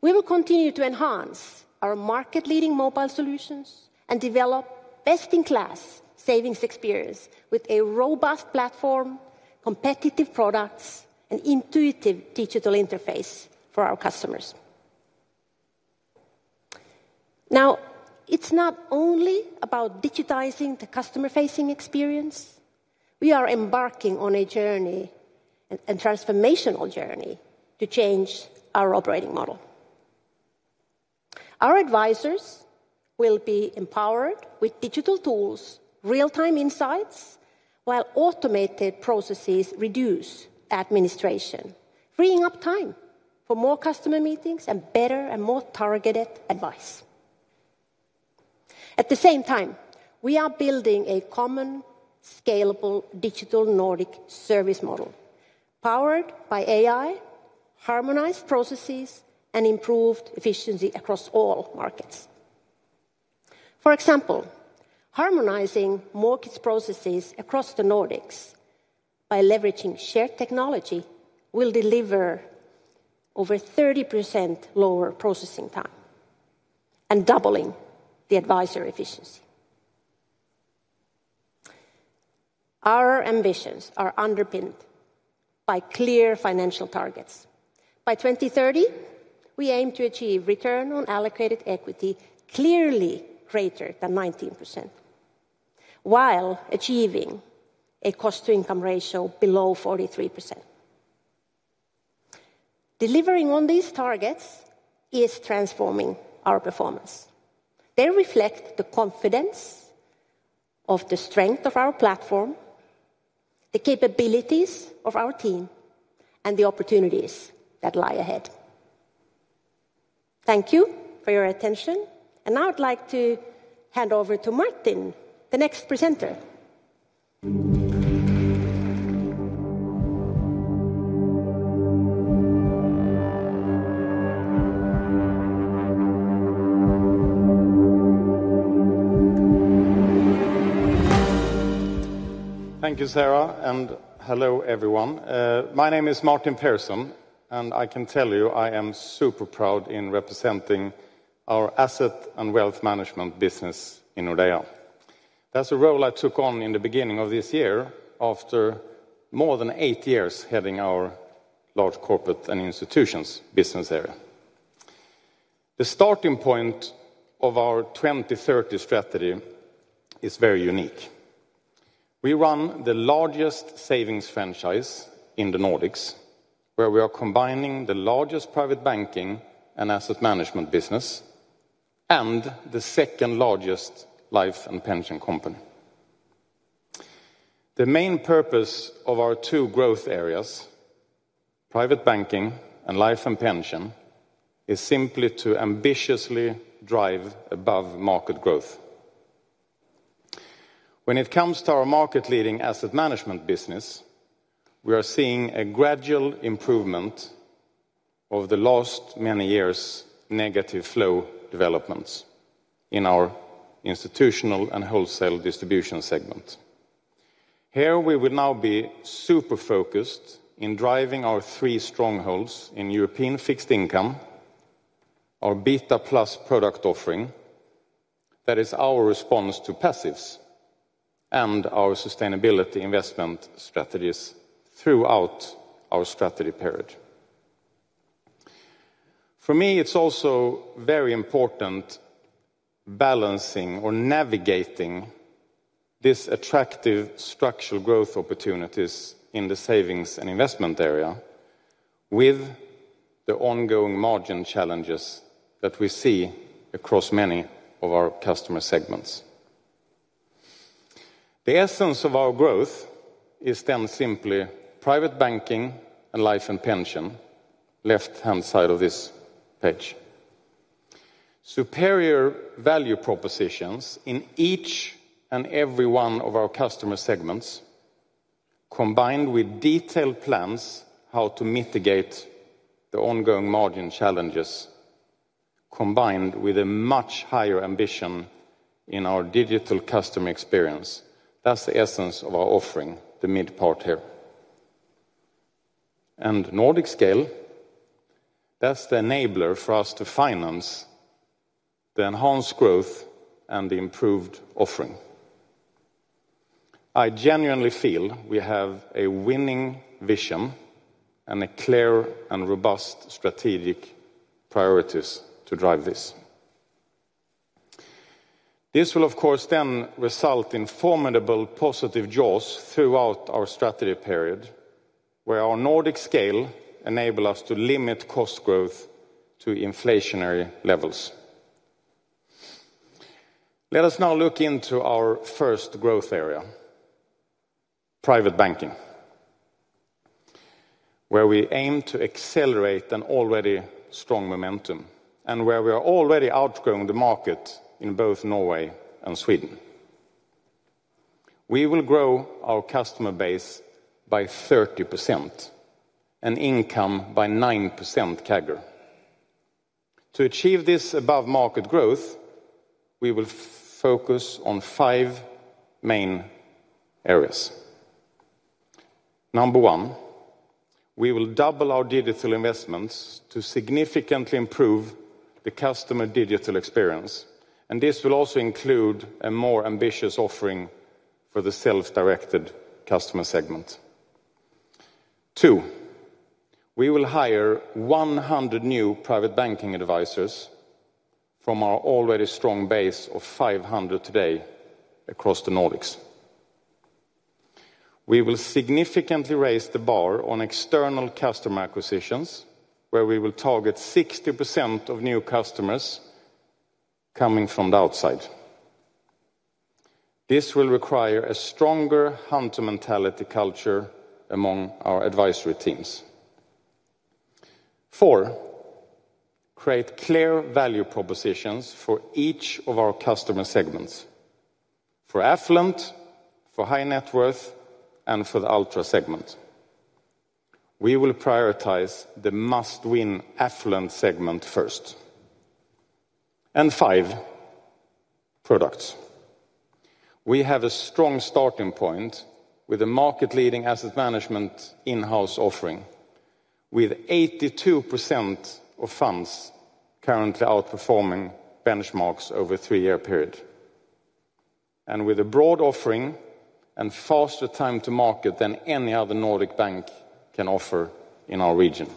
We will continue to enhance our market-leading mobile solutions and develop best-in-class savings experience with a robust platform, competitive products, and intuitive digital interface for our customers. It is not only about digitizing the customer-facing experience. We are embarking on a journey, a transformational journey to change our operating model. Our advisors will be empowered with digital tools, real-time insights, while automated processes reduce administration, freeing up time for more customer meetings and better and more targeted advice. At the same time, we are building a common, scalable digital Nordic service model powered by AI, harmonized processes, and improved efficiency across all markets. For example, harmonizing mortgage processes across the Nordics by leveraging shared technology will deliver over 30% lower processing time and doubling the advisory efficiency. Our ambitions are underpinned by clear financial targets. By 2030, we aim to achieve return on allocated equity clearly greater than 19% while achieving a cost-to-income ratio below 43%. Delivering on these targets is transforming our performance. They reflect the confidence of the strength of our platform, the capabilities of our team, and the opportunities that lie ahead. Thank you for your attention. Now I'd like to hand over to Martin, the next presenter. Thank you, Sara, and hello everyone. My name is Martin Persson, and I can tell you I am super proud in representing our asset and wealth management business in Nordea. That's a role I took on in the beginning of this year after more than eight years heading our large corporates and institutions business area. The starting point of our 2030 strategy is very unique. We run the largest savings franchise in the Nordics, where we are combining the largest private banking and asset management business and the second largest life and pension company. The main purpose of our two growth areas, private banking and life and pension, is simply to ambitiously drive above market growth. When it comes to our market-leading asset management business, we are seeing a gradual improvement. Of the last many years' negative flow developments in our institutional and wholesale distribution segment. Here, we will now be super focused in driving our three strongholds in European fixed income, our BetaPlus product offering—that is our response to passives—and our sustainability investment strategies throughout our strategy period. For me, it's also very important, balancing or navigating this attractive structural growth opportunities in the savings and investment area with the ongoing margin challenges that we see across many of our customer segments. The essence of our growth is then simply private banking and life and pension, left-hand side of this page. Superior value propositions in each and every one of our customer segments, combined with detailed plans how to mitigate the ongoing margin challenges, combined with a much higher ambition in our digital customer experience. That's the essence of our offering, the mid part here. Nordic scale is the enabler for us to finance the enhanced growth and the improved offering. I genuinely feel we have a winning vision and clear and robust strategic priorities to drive this. This will, of course, then result in formidable positive jaws throughout our strategy period, where our Nordic scale enables us to limit cost growth to inflationary levels. Let us now look into our first growth area: private banking, where we aim to accelerate an already strong momentum and where we are already outgrowing the market in both Norway and Sweden. We will grow our customer base by 30% and income by 9% CAGR. To achieve this above-market growth, we will focus on five main areas. Number one, we will double our digital investments to significantly improve the customer digital experience, and this will also include a more ambitious offering for the self-directed customer segment. Two, we will hire 100 new private banking advisors from our already strong base of 500 today across the Nordics. We will significantly raise the bar on external customer acquisitions, where we will target 60% of new customers coming from the outside. This will require a stronger hunter mentality culture among our advisory teams. Four, create clear value propositions for each of our customer segments: for affluent, for high net worth, and for the ultra segment. We will prioritize the must-win affluent segment first. Five, products. We have a strong starting point with a market-leading asset management in-house offering, with 82% of funds currently outperforming benchmarks over a three-year period, and with a broad offering and faster time to market than any other Nordic bank can offer in our region.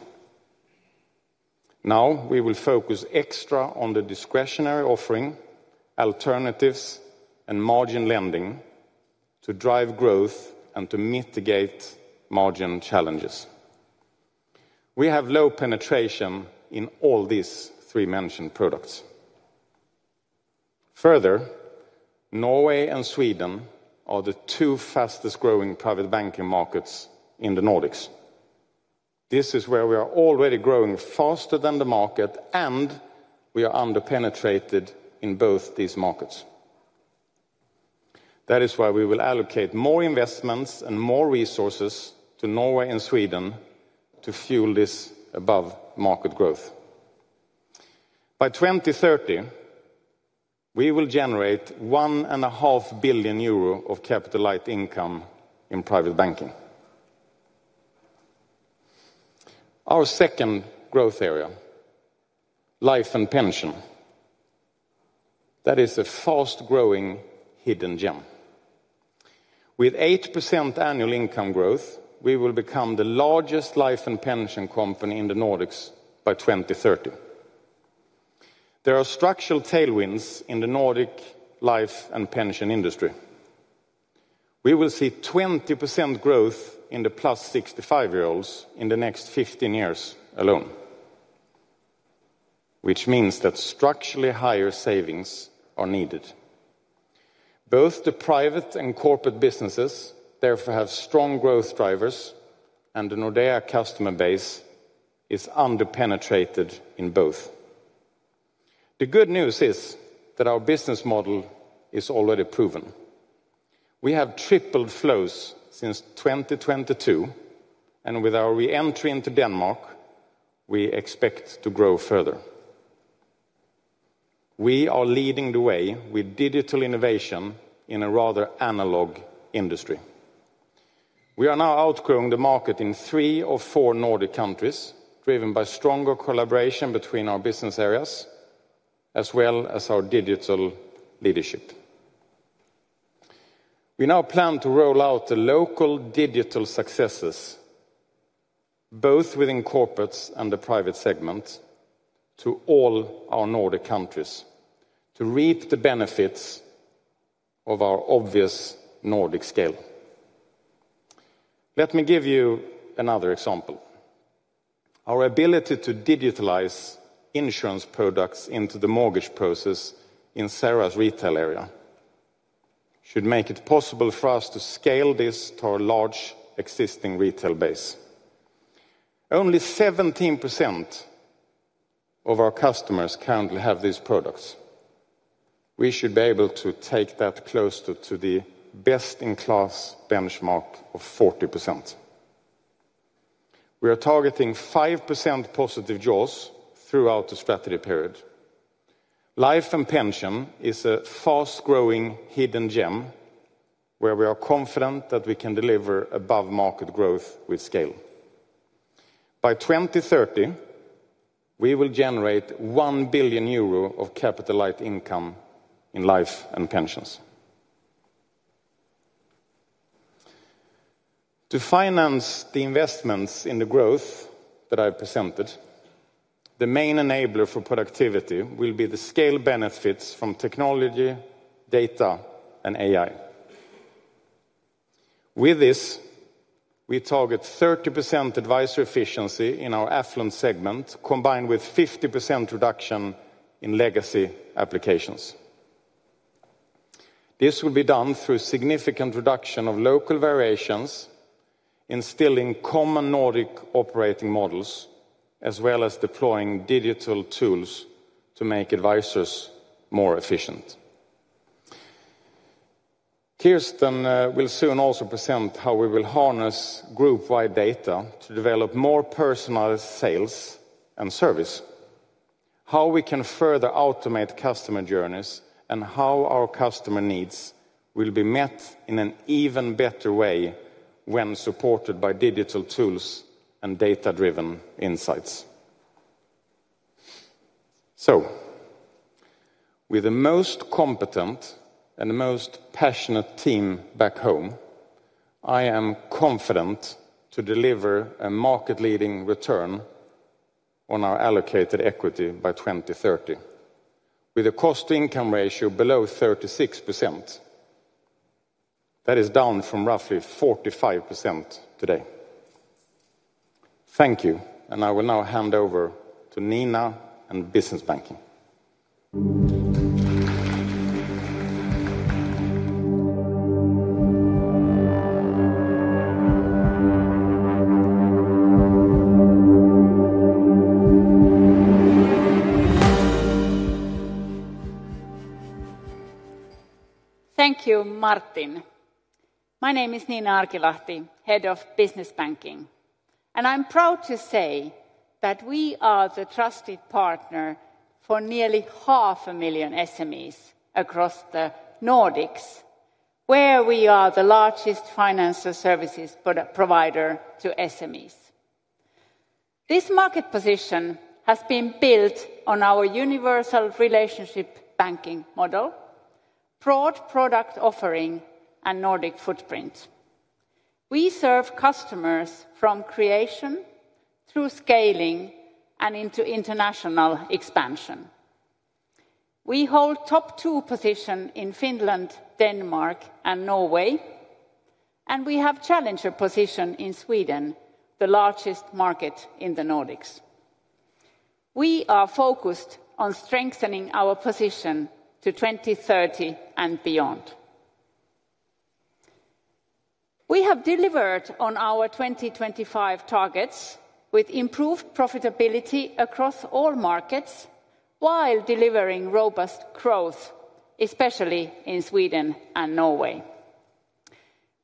Now, we will focus extra on the discretionary offering, alternatives, and margin lending to drive growth and to mitigate margin challenges. We have low penetration in all these three mentioned products. Further, Norway and Sweden are the two fastest-growing private banking markets in the Nordics. This is where we are already growing faster than the market, and we are under-penetrated in both these markets. That is why we will allocate more investments and more resources to Norway and Sweden to fuel this above-market growth. By 2030, we will generate 1.5 billion euro of capital-like income in private banking. Our second growth area, life and pension, that is a fast-growing hidden gem. With 8% annual income growth, we will become the largest life and pension company in the Nordics by 2030. There are structural tailwinds in the Nordic life and pension industry. We will see 20% growth in the plus 65-year-olds in the next 15 years alone, which means that structurally higher savings are needed. Both the private and corporate businesses, therefore, have strong growth drivers, and the Nordea customer base is under-penetrated in both. The good news is that our business model is already proven. We have tripled flows since 2022, and with our re-entry into Denmark, we expect to grow further. We are leading the way with digital innovation in a rather analog industry. We are now outgrowing the market in three or four Nordic countries, driven by stronger collaboration between our business areas as well as our digital leadership. We now plan to roll out the local digital successes, both within corporates and the private segment, to all our Nordic countries to reap the benefits of our obvious Nordic scale. Let me give you another example. Our ability to digitalize insurance products into the mortgage process in Sara's retail area should make it possible for us to scale this to our large existing retail base. Only 17% of our customers currently have these products. We should be able to take that closer to the best-in-class benchmark of 40%. We are targeting 5% positive jaws throughout the strategy period. Life and pensions is a fast-growing hidden gem, where we are confident that we can deliver above-market growth with scale. By 2030, we will generate 1 billion euro of capital-like income in life and pensions. To finance the investments in the growth that I've presented, the main enabler for productivity will be the scale benefits from technology, data, and AI. With this, we target 30% advisory efficiency in our affluent segment, combined with 50% reduction in legacy applications. This will be done through significant reduction of local variations. Instilling common Nordic operating models, as well as deploying digital tools to make advisors more efficient. Kirsten will soon also present how we will harness group-wide data to develop more personalized sales and service. How we can further automate customer journeys, and how our customer needs will be met in an even better way when supported by digital tools and data-driven insights. With the most competent and the most passionate team back home, I am confident to deliver a market-leading return on our allocated equity by 2030, with a cost-to-income ratio below 36%. That is down from roughly 45% today. Thank you, and I will now hand over to Nina and business banking. Thank you, Martin. My name is Nina Arkilahti, Head of Business Banking. And I'm proud to say that we are the trusted partner for nearly half a million SMEs across the Nordics. Where we are the largest financial services provider to SMEs. This market position has been built on our universal relationship banking model, broad product offering, and Nordic footprint. We serve customers from creation through scaling and into international expansion. We hold top two positions in Finland, Denmark, and Norway. We have a challenger position in Sweden, the largest market in the Nordics. We are focused on strengthening our position to 2030 and beyond. We have delivered on our 2025 targets with improved profitability across all markets while delivering robust growth, especially in Sweden and Norway.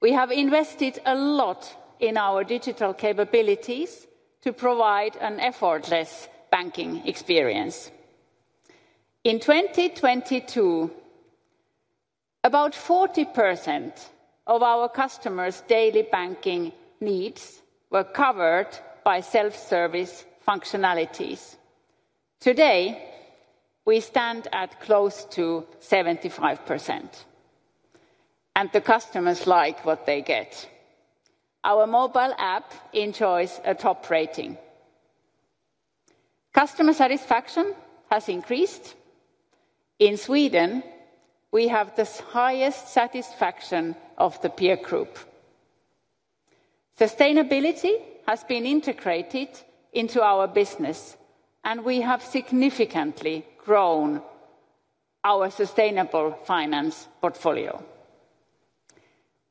We have invested a lot in our digital capabilities to provide an effortless banking experience. In 2022, about 40% of our customers' daily banking needs were covered by self-service functionalities. Today, we stand at close to 75%. The customers like what they get. Our mobile app enjoys a top rating. Customer satisfaction has increased. In Sweden, we have the highest satisfaction of the peer group. Sustainability has been integrated into our business. We have significantly grown our sustainable finance portfolio.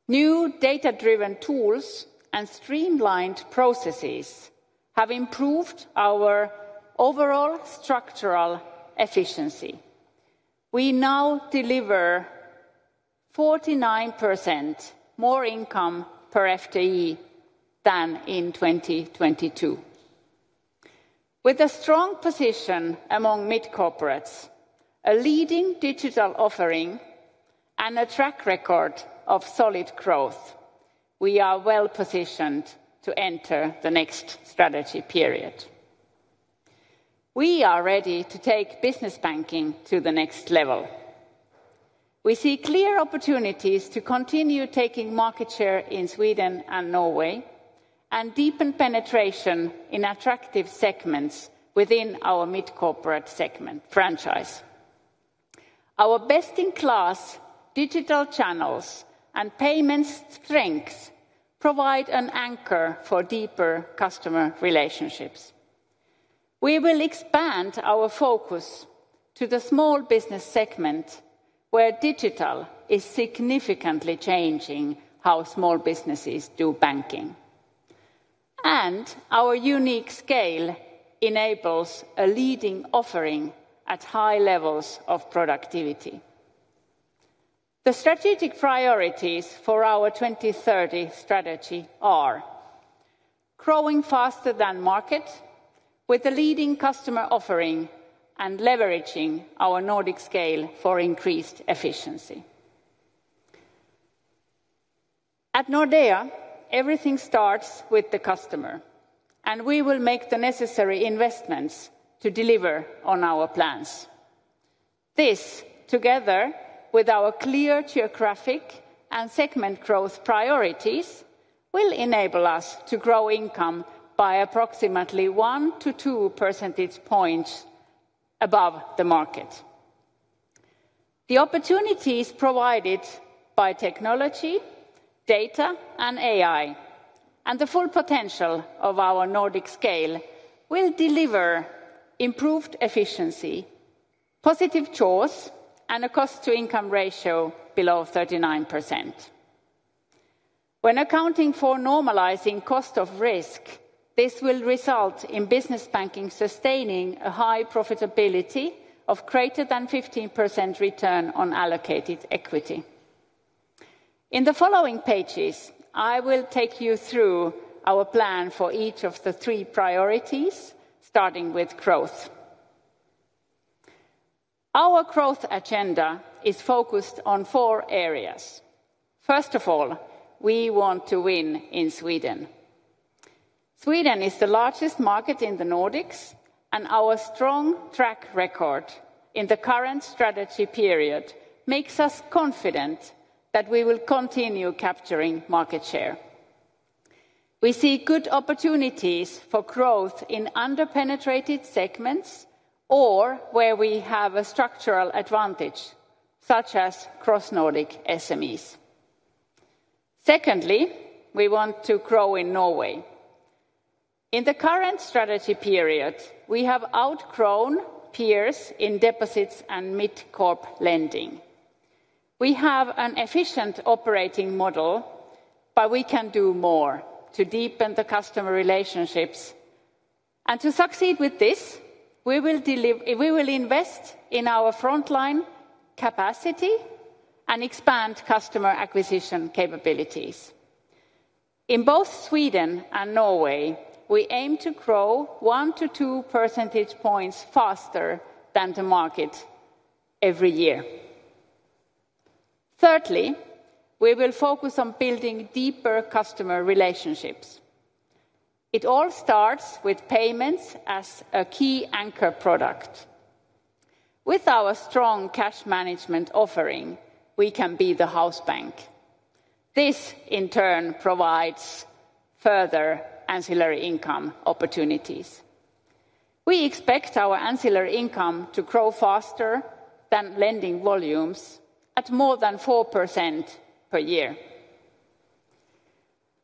New data-driven tools and streamlined processes have improved our overall structural efficiency. We now deliver 49% more income per FTE than in 2022. With a strong position among mid-corporates, a leading digital offering, and a track record of solid growth, we are well positioned to enter the next strategy period. We are ready to take business banking to the next level. We see clear opportunities to continue taking market share in Sweden and Norway and deepen penetration in attractive segments within our mid-corporate franchise. Our best-in-class digital channels and payment strengths provide an anchor for deeper customer relationships. We will expand our focus to the small business segment, where digital is significantly changing how small businesses do banking. Our unique scale enables a leading offering at high levels of productivity. The strategic priorities for our 2030 strategy are growing faster than market with a leading customer offering and leveraging our Nordic scale for increased efficiency. At Nordea, everything starts with the customer, and we will make the necessary investments to deliver on our plans. This, together with our clear geographic and segment growth priorities, will enable us to grow income by approximately 1-2 percentage points above the market. The opportunities provided by technology, data, and AI, and the full potential of our Nordic scale will deliver improved efficiency, positive jaws, and a cost-to-income ratio below 39%. When accounting for normalizing cost of risk, this will result in business banking sustaining a high profitability of greater than 15% return on allocated equity. In the following pages, I will take you through our plan for each of the three priorities, starting with growth. Our growth agenda is focused on four areas. First of all, we want to win in Sweden. Sweden is the largest market in the Nordics, and our strong track record in the current strategy period makes us confident that we will continue capturing market share. We see good opportunities for growth in under-penetrated segments or where we have a structural advantage, such as cross-Nordic SMEs. Secondly, we want to grow in Norway. In the current strategy period, we have outgrown peers in deposits and mid-corp lending. We have an efficient operating model, but we can do more to deepen the customer relationships. To succeed with this, we will invest in our frontline capacity and expand customer acquisition capabilities. In both Sweden and Norway, we aim to grow 1-2 percentage points faster than the market every year. Thirdly, we will focus on building deeper customer relationships. It all starts with payments as a key anchor product. With our strong cash management offering, we can be the house bank. This, in turn, provides further ancillary income opportunities. We expect our ancillary income to grow faster than lending volumes at more than 4% per year.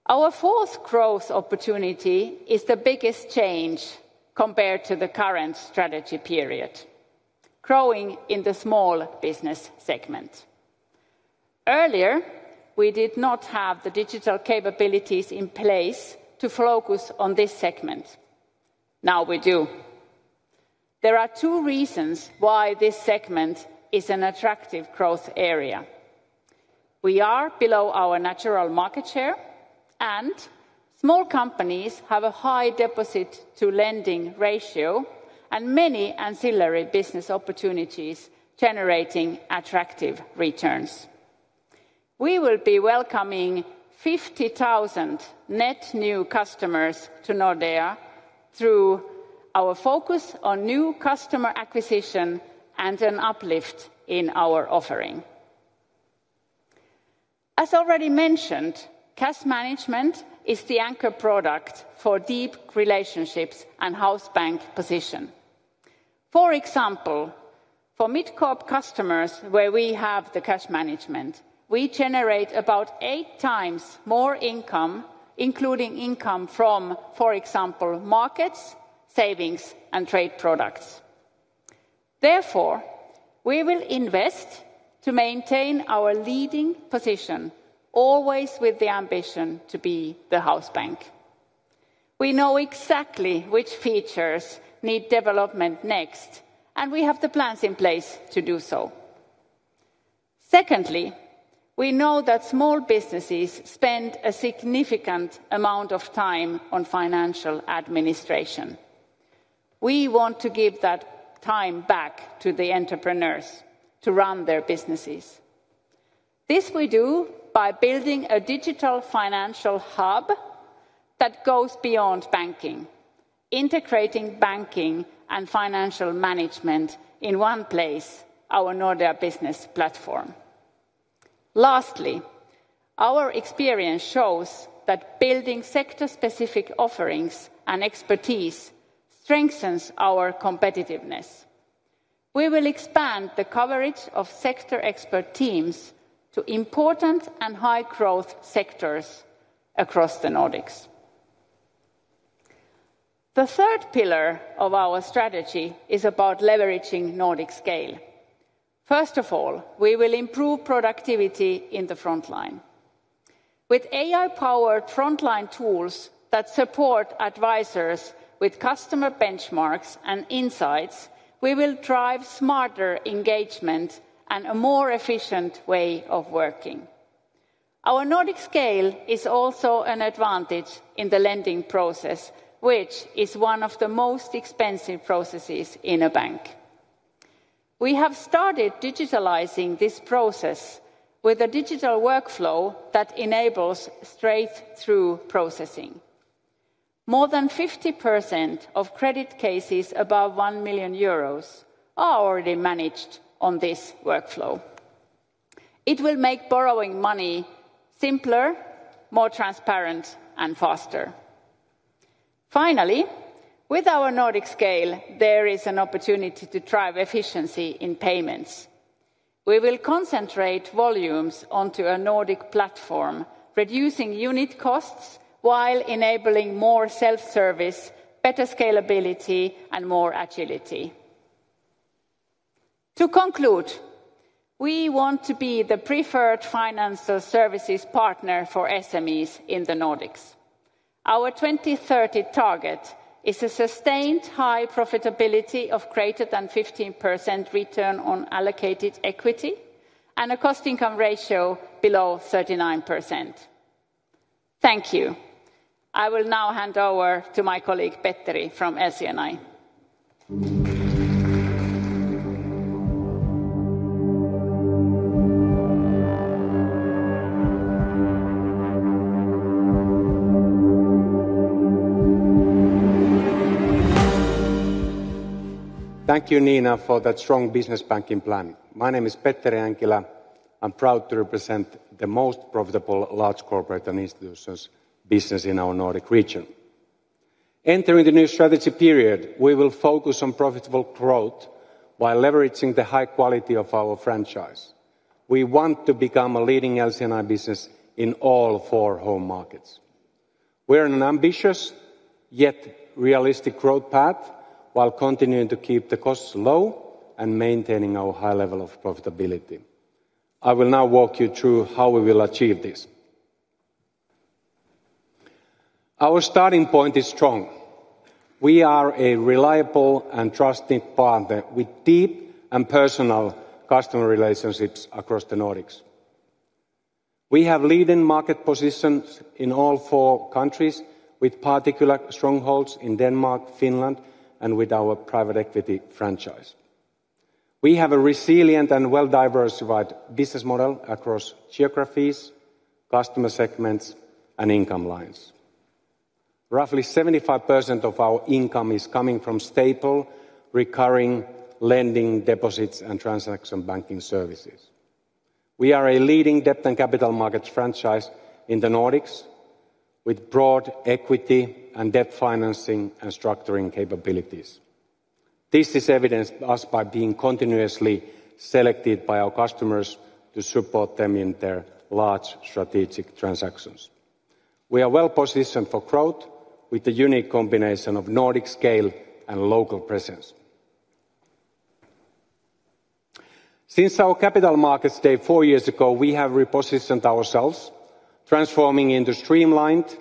Our fourth growth opportunity is the biggest change compared to the current strategy period. Growing in the small business segment. Earlier, we did not have the digital capabilities in place to focus on this segment. Now we do. There are two reasons why this segment is an attractive growth area. We are below our natural market share, and small companies have a high deposit-to-lending ratio, and many ancillary business opportunities generating attractive returns. We will be welcoming 50,000 net new customers to Nordea through our focus on new customer acquisition and an uplift in our offering. As already mentioned, cash management is the anchor product for deep relationships and house bank position. For example, for mid-corp customers where we have the cash management, we generate about eight times more income, including income from, for example, markets, savings, and trade products. Therefore, we will invest to maintain our leading position. Always with the ambition to be the house bank. We know exactly which features need development next, and we have the plans in place to do so. Secondly, we know that small businesses spend a significant amount of time on financial administration. We want to give that time back to the entrepreneurs to run their businesses. This we do by building a digital financial hub that goes beyond banking, integrating banking and financial management in one place, our Nordea business platform. Lastly, our experience shows that building sector-specific offerings and expertise strengthens our competitiveness. We will expand the coverage of sector expert teams to important and high-growth sectors across the Nordics. The third pillar of our strategy is about leveraging Nordic scale. First of all, we will improve productivity in the frontline. With AI-powered frontline tools that support advisors with customer benchmarks and insights, we will drive smarter engagement and a more efficient way of working. Our Nordic scale is also an advantage in the lending process, which is one of the most expensive processes in a bank. We have started digitalizing this process. With a digital workflow that enables straight-through processing. More than 50% of credit cases above 1 million euros are already managed on this workflow. It will make borrowing money simpler, more transparent, and faster. Finally, with our Nordic scale, there is an opportunity to drive efficiency in payments. We will concentrate volumes onto a Nordic platform, reducing unit costs while enabling more self-service, better scalability, and more agility. To conclude, we want to be the preferred financial services partner for SMEs in the Nordics. Our 2030 target is a sustained high profitability of greater than 15% return on allocated equity and a cost-to-income ratio below 39%. Thank you. I will now hand over to my colleague Petteri from SCNI. Thank you, Nina, for that strong business banking plan. My name is Petteri Änkilä. I'm proud to represent the most profitable large corporate and institutions business in our Nordic region. Entering the new strategy period, we will focus on profitable growth while leveraging the high quality of our franchise. We want to become a leading LC&I business in all four home markets. We are on an ambitious yet realistic growth path while continuing to keep the costs low and maintaining our high level of profitability. I will now walk you through how we will achieve this. Our starting point is strong. We are a reliable and trusted partner with deep and personal customer relationships across the Nordics. We have leading market positions in all four countries, with particular strongholds in Denmark, Finland, and with our private equity franchise. We have a resilient and well-diversified business model across geographies, customer segments, and income lines. Roughly 75% of our income is coming from stable, recurring lending, deposits, and transaction banking services. We are a leading debt and capital markets franchise in the Nordics, with broad equity and debt financing and structuring capabilities. This is evidenced by being continuously selected by our customers to support them in their large strategic transactions. We are well positioned for growth with the unique combination of Nordic scale and local presence. Since our capital markets day four years ago, we have repositioned ourselves, transforming into a streamlined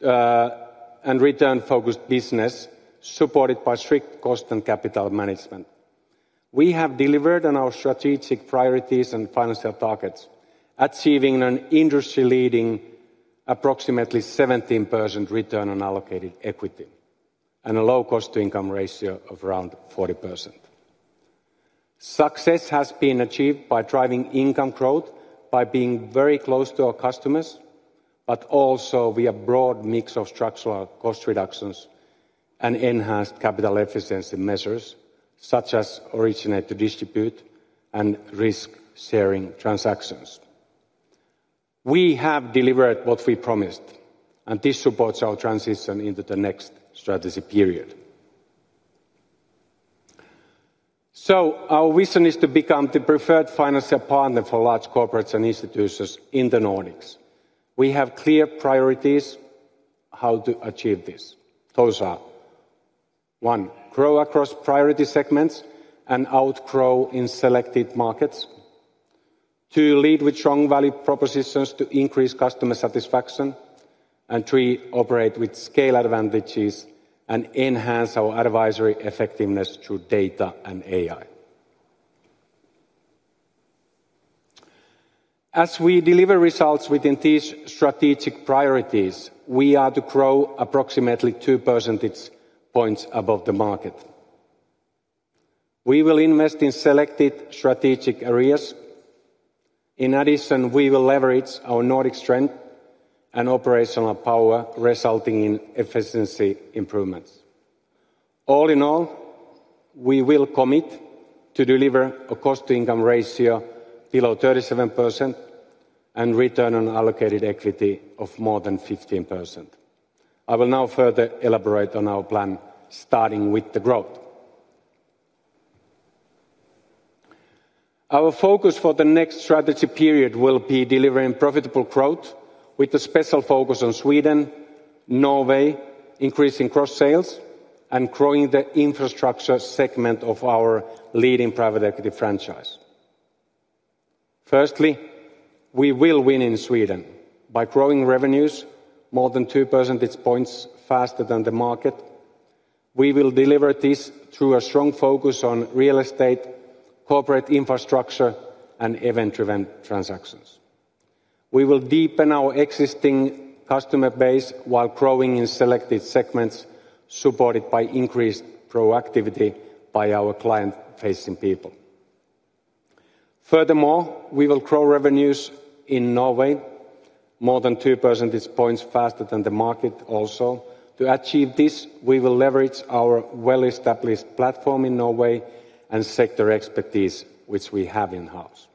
and return-focused business, supported by strict cost and capital management. We have delivered on our strategic priorities and financial targets, achieving an industry-leading approximately 17% return on allocated equity and a low cost-to-income ratio of around 40%. Success has been achieved by driving income growth, by being very close to our customers, but also via a broad mix of structural cost reductions and enhanced capital efficiency measures such as originate-to-distribute and risk-sharing transactions. We have delivered what we promised, and this supports our transition into the next strategy period. Our vision is to become the preferred financial partner for large corporates and institutions in the Nordics. We have clear priorities. How to achieve this? Those are: one, grow across priority segments and outgrow in selected markets; two, lead with strong value propositions to increase customer satisfaction; and three, operate with scale advantages and enhance our advisory effectiveness through data and AI. As we deliver results within these strategic priorities, we are to grow approximately 2 percentage points above the market. We will invest in selected strategic areas. In addition, we will leverage our Nordic strength and operational power, resulting in efficiency improvements. All in all, we will commit to deliver a cost-to-income ratio below 37% and return on allocated equity of more than 15%. I will now further elaborate on our plan, starting with the growth. Our focus for the next strategy period will be delivering profitable growth with a special focus on Sweden, Norway, increasing cross-sales, and growing the infrastructure segment of our leading private equity franchise. Firstly, we will win in Sweden by growing revenues more than 2 percentage points faster than the market. We will deliver this through a strong focus on real estate, corporate infrastructure, and event-driven transactions. We will deepen our existing customer base while growing in selected segments, supported by increased proactivity by our client-facing people. Furthermore, we will grow revenues in Norway more than 2 percentage points faster than the market. Also, to achieve this, we will leverage our well-established platform in Norway and sector expertise, which we have in-house.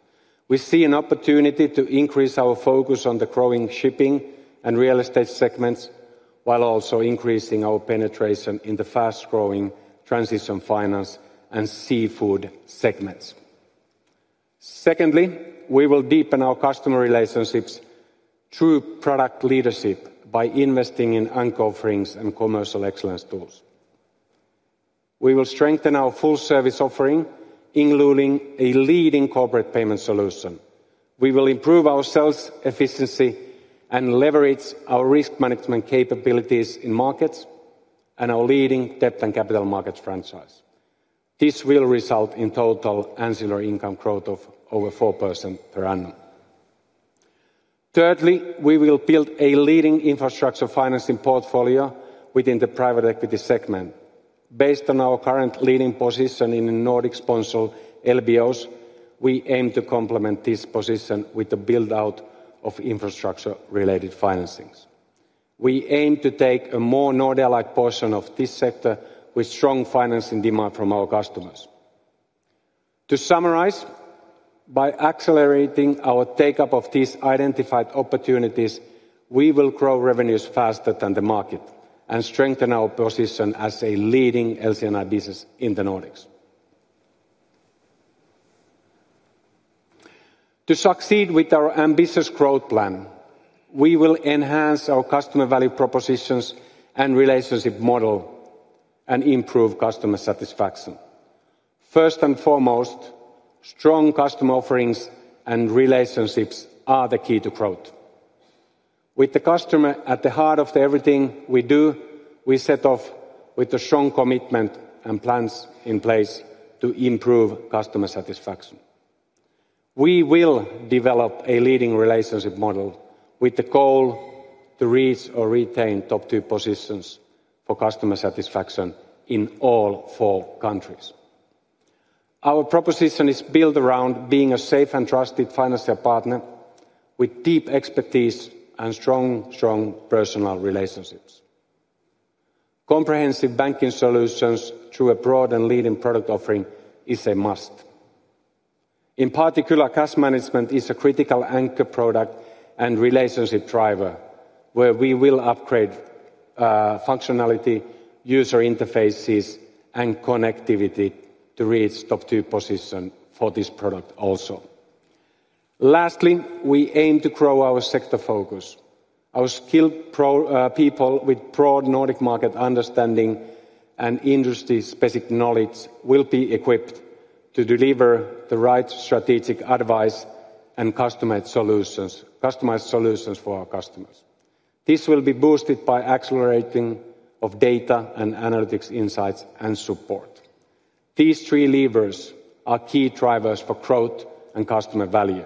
We see an opportunity to increase our focus on the growing shipping and real estate segments while also increasing our penetration in the fast-growing transition finance and seafood segments. Secondly, we will deepen our customer relationships through product leadership by investing in anchor offerings and commercial excellence tools. We will strengthen our full-service offering, including a leading corporate payment solution. We will improve our sales efficiency and leverage our risk management capabilities in markets and our leading debt and capital markets franchise. This will result in total ancillary income growth of over 4% per annum. Thirdly, we will build a leading infrastructure financing portfolio within the private equity segment. Based on our current leading position in the Nordic sponsor LBOs, we aim to complement this position with the build-out of infrastructure-related financings. We aim to take a more Nordea-like portion of this sector with strong financing demand from our customers. To summarize. By accelerating our take-up of these identified opportunities, we will grow revenues faster than the market and strengthen our position as a leading LC&I business in the Nordics. To succeed with our ambitious growth plan, we will enhance our customer value propositions and relationship model. We will improve customer satisfaction. First and foremost, strong customer offerings and relationships are the key to growth. With the customer at the heart of everything we do, we set off with a strong commitment and plans in place to improve customer satisfaction. We will develop a leading relationship model with the goal to reach or retain top two positions for customer satisfaction in all four countries. Our proposition is built around being a safe and trusted financial partner with deep expertise and strong, strong personal relationships. Comprehensive banking solutions through a broad and leading product offering is a must. In particular, cash management is a critical anchor product and relationship driver where we will upgrade functionality, user interfaces, and connectivity to reach top two positions for this product also. Lastly, we aim to grow our sector focus. Our skilled people with broad Nordic market understanding and industry-specific knowledge will be equipped to deliver the right strategic advice and customized solutions for our customers. This will be boosted by accelerating data and analytics insights and support. These three levers are key drivers for growth and customer value.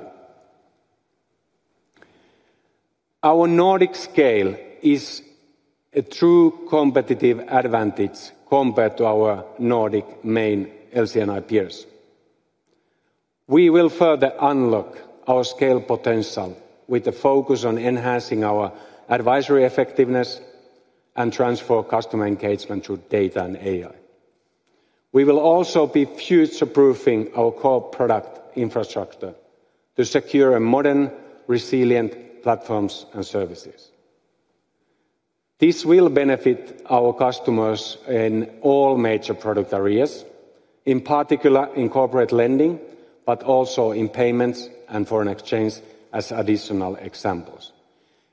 Our Nordic scale is a true competitive advantage compared to our Nordic main LC&I peers. We will further unlock our scale potential with the focus on enhancing our advisory effectiveness and transfer customer engagement through data and AI. We will also be future-proofing our core product infrastructure to secure modern, resilient platforms and services. This will benefit our customers in all major product areas, in particular in corporate lending, but also in payments and foreign exchange as additional examples.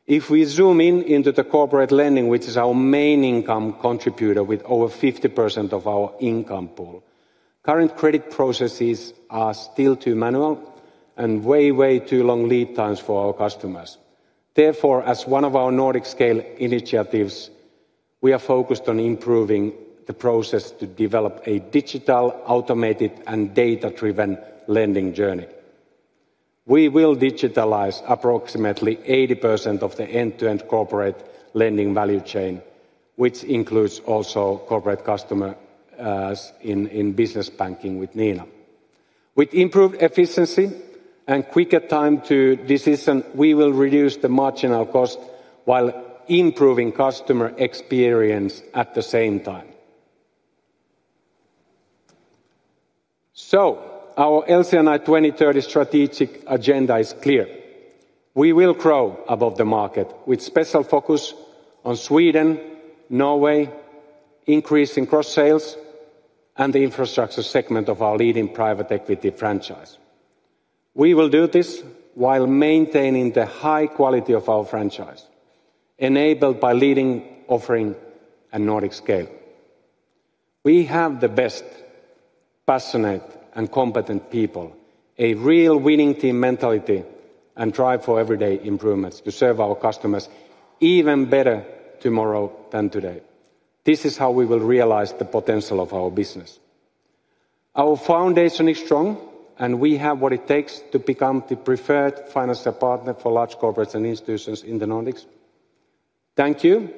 If we zoom in into the corporate lending, which is our main income contributor with over 50% of our income pool, current credit processes are still too manual and way, way too long lead times for our customers. Therefore, as one of our Nordic scale initiatives, we are focused on improving the process to develop a digital, automated, and data-driven lending journey. We will digitalize approximately 80% of the end-to-end corporate lending value chain, which includes also corporate customers in business banking with Nina. With improved efficiency and quicker time to decision, we will reduce the marginal cost while improving customer experience at the same time. Our LC&I 2030 strategic agenda is clear. We will grow above the market with special focus on Sweden, Norway, increasing cross-sales, and the infrastructure segment of our leading private equity franchise. We will do this while maintaining the high quality of our franchise, enabled by leading offering and Nordic scale. We have the best, passionate and competent people, a real winning team mentality, and drive for everyday improvements to serve our customers even better tomorrow than today. This is how we will realize the potential of our business. Our foundation is strong, and we have what it takes to become the preferred financial partner for large corporates and institutions in the Nordics. Thank you.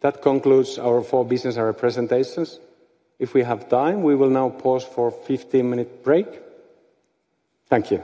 That concludes our four business representations. If we have time, we will now pause for a 15-minute break. Thank you.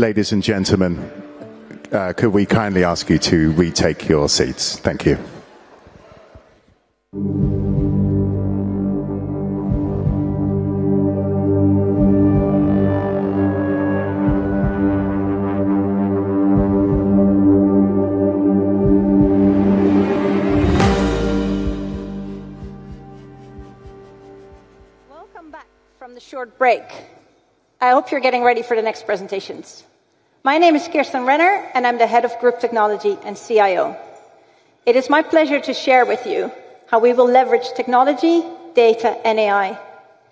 Ladies and gentlemen, could we kindly ask you to retake your seats? Thank you. Welcome back from the short break. I hope you're getting ready for the next presentations. My name is Kirsten Renner, and I'm the Head of Group Technology and CIO. It is my pleasure to share with you how we will leverage technology, data, and AI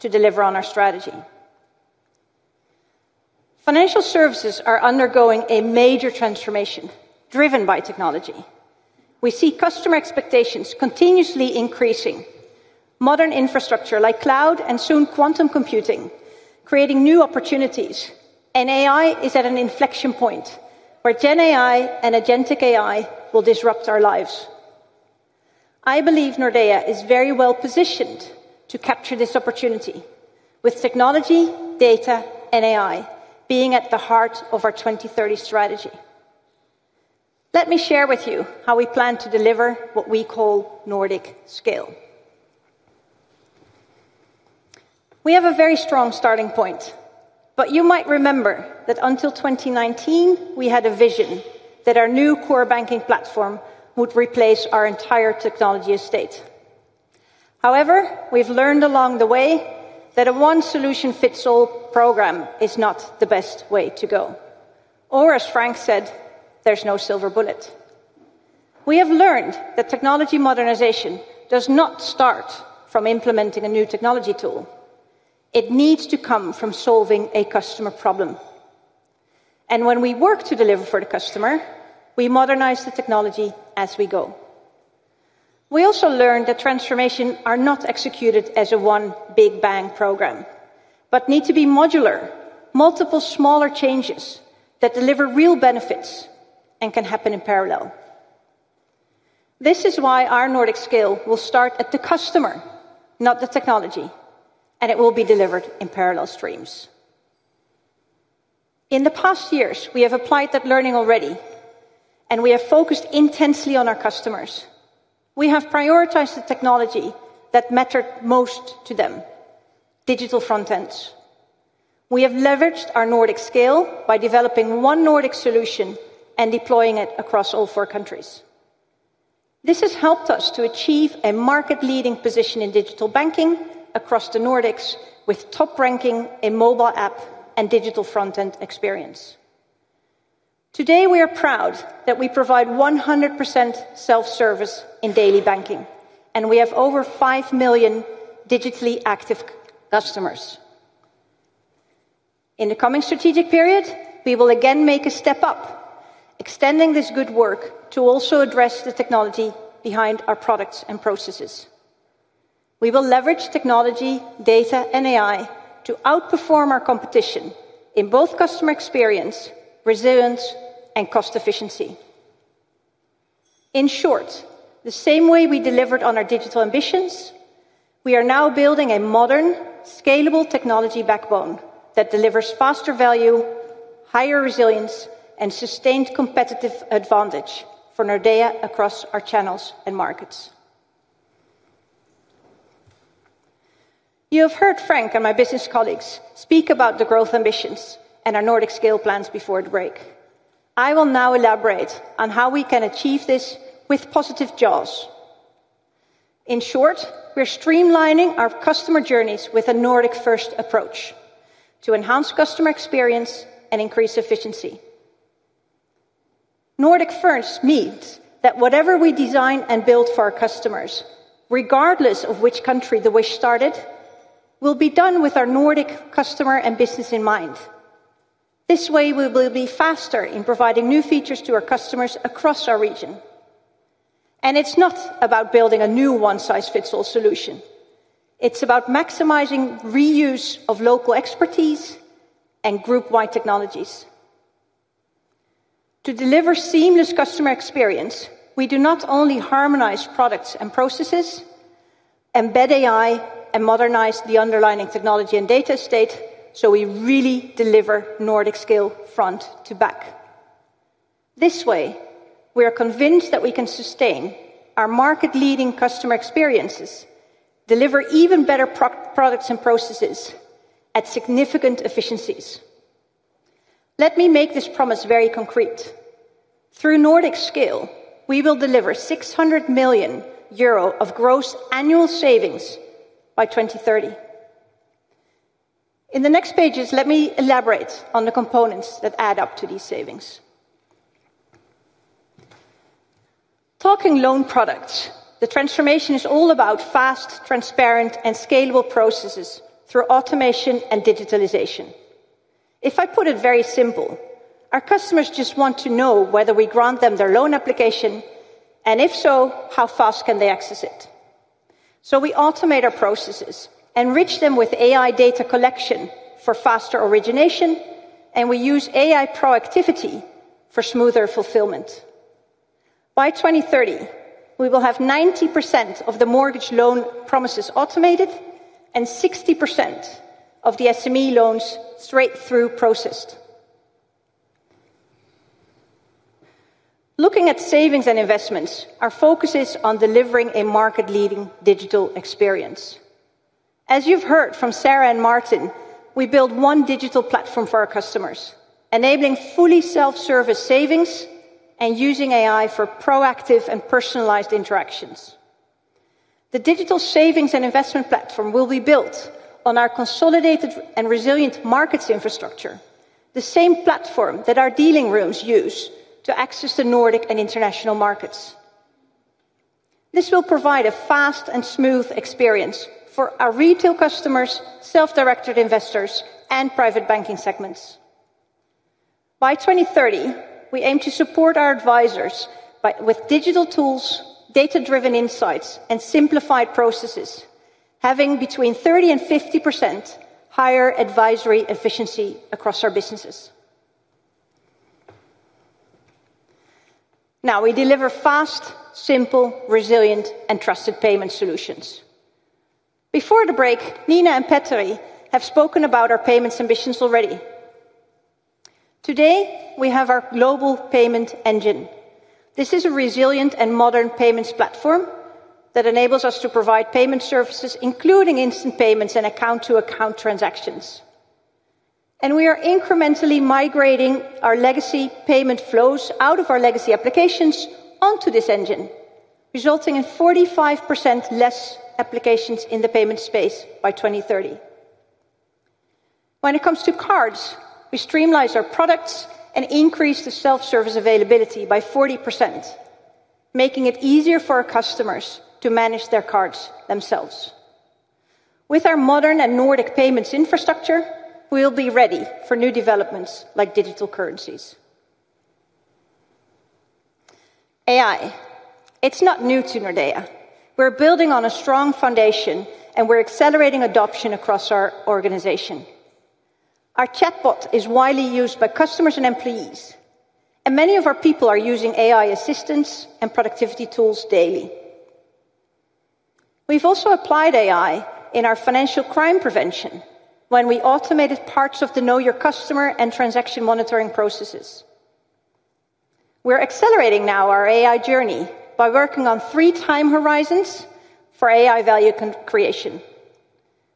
to deliver on our strategy. Financial services are undergoing a major transformation driven by technology. We see customer expectations continuously increasing. Modern infrastructure like cloud and soon quantum computing are creating new opportunities, and AI is at an inflection point where GenAI and agentic AI will disrupt our lives. I believe Nordea is very well positioned to capture this opportunity, with technology, data, and AI being at the heart of our 2030 strategy. Let me share with you how we plan to deliver what we call Nordic scale. We have a very strong starting point, but you might remember that until 2019, we had a vision that our new core banking platform would replace our entire technology estate. However, we have learned along the way that a one-solution-fits-all program is not the best way to go. Or, as Frank said, there is no silver bullet. We have learned that technology modernization does not start from implementing a new technology tool. It needs to come from solving a customer problem. When we work to deliver for the customer, we modernize the technology as we go. We also learned that transformations are not executed as a one big bang program, but need to be modular, multiple smaller changes that deliver real benefits and can happen in parallel. This is why our Nordic scale will start at the customer, not the technology, and it will be delivered in parallel streams. In the past years, we have applied that learning already, and we have focused intensely on our customers. We have prioritized the technology that mattered most to them: digital front ends. We have leveraged our Nordic scale by developing one Nordic solution and deploying it across all four countries. This has helped us to achieve a market-leading position in digital banking across the Nordics, with top-ranking mobile app and digital front end experience. Today, we are proud that we provide 100% self-service in daily banking, and we have over 5 million digitally active customers. In the coming strategic period, we will again make a step up, extending this good work to also address the technology behind our products and processes. We will leverage technology, data, and AI to outperform our competition in both customer experience, resilience, and cost efficiency. In short, the same way we delivered on our digital ambitions, we are now building a modern, scalable technology backbone that delivers faster value, higher resilience, and sustained competitive advantage for Nordea across our channels and markets. You have heard Frank and my business colleagues speak about the growth ambitions and our Nordic Scale plans before the break. I will now elaborate on how we can achieve this with positive jaws. In short, we're streamlining our customer journeys with a Nordic-first approach to enhance customer experience and increase efficiency. Nordic-first means that whatever we design and build for our customers, regardless of which country the wish started, will be done with our Nordic customer and business in mind. This way, we will be faster in providing new features to our customers across our region. It is not about building a new one-size-fits-all solution. It's about maximizing reuse of local expertise and group-wide technologies. To deliver seamless customer experience, we do not only harmonize products and processes. Embed AI, and modernize the underlying technology and data estate so we really deliver Nordic scale front to back. This way, we are convinced that we can sustain our market-leading customer experiences, deliver even better products and processes at significant efficiencies. Let me make this promise very concrete. Through Nordic scale, we will deliver 600 million euro of gross annual savings by 2030. In the next pages, let me elaborate on the components that add up to these savings. Talking loan products, the transformation is all about fast, transparent, and scalable processes through automation and digitalization. If I put it very simple, our customers just want to know whether we grant them their loan application, and if so, how fast can they access it? We automate our processes, enrich them with AI data collection for faster origination, and we use AI proactivity for smoother fulfillment. By 2030, we will have 90% of the mortgage loan promises automated and 60% of the SME loans straight through processed. Looking at savings and investments, our focus is on delivering a market-leading digital experience. As you've heard from Sara and Martin, we build one digital platform for our customers, enabling fully self-service savings and using AI for proactive and personalized interactions. The digital savings and investment platform will be built on our consolidated and resilient markets infrastructure, the same platform that our dealing rooms use to access the Nordic and international markets. This will provide a fast and smooth experience for our retail customers, self-directed investors, and private banking segments. By 2030, we aim to support our advisors with digital tools, data-driven insights, and simplified processes, having between 30%-50% higher advisory efficiency across our businesses. Now, we deliver fast, simple, resilient, and trusted payment solutions. Before the break, Nina and Petteri have spoken about our payments ambitions already. Today, we have our global payment engine. This is a resilient and modern payments platform that enables us to provide payment services, including instant payments and account-to-account transactions. We are incrementally migrating our legacy payment flows out of our legacy applications onto this engine, resulting in 45% less applications in the payment space by 2030. When it comes to cards, we streamline our products and increase the self-service availability by 40%, making it easier for our customers to manage their cards themselves. With our modern and Nordic payments infrastructure, we will be ready for new developments like digital currencies. AI, it's not new to Nordea. We're building on a strong foundation, and we're accelerating adoption across our organization. Our chatbot is widely used by customers and employees, and many of our people are using AI assistance and productivity tools daily. We've also applied AI in our financial crime prevention when we automated parts of the Know Your Customer and transaction monitoring processes. We're accelerating now our AI journey by working on three time horizons for AI value creation.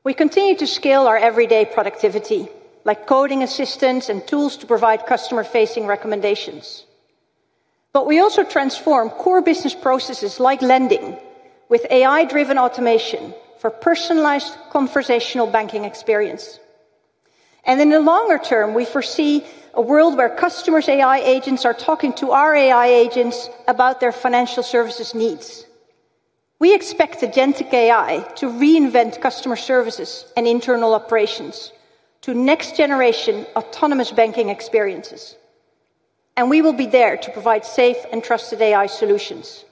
We continue to scale our everyday productivity, like coding assistance and tools to provide customer-facing recommendations. We also transform core business processes like lending with AI-driven automation for personalized conversational banking experience. In the longer term, we foresee a world where customers' AI agents are talking to our AI agents about their financial services needs. We expect agentic AI to reinvent customer services and internal operations to next-generation autonomous banking experiences. We will be there to provide safe and trusted AI solutions.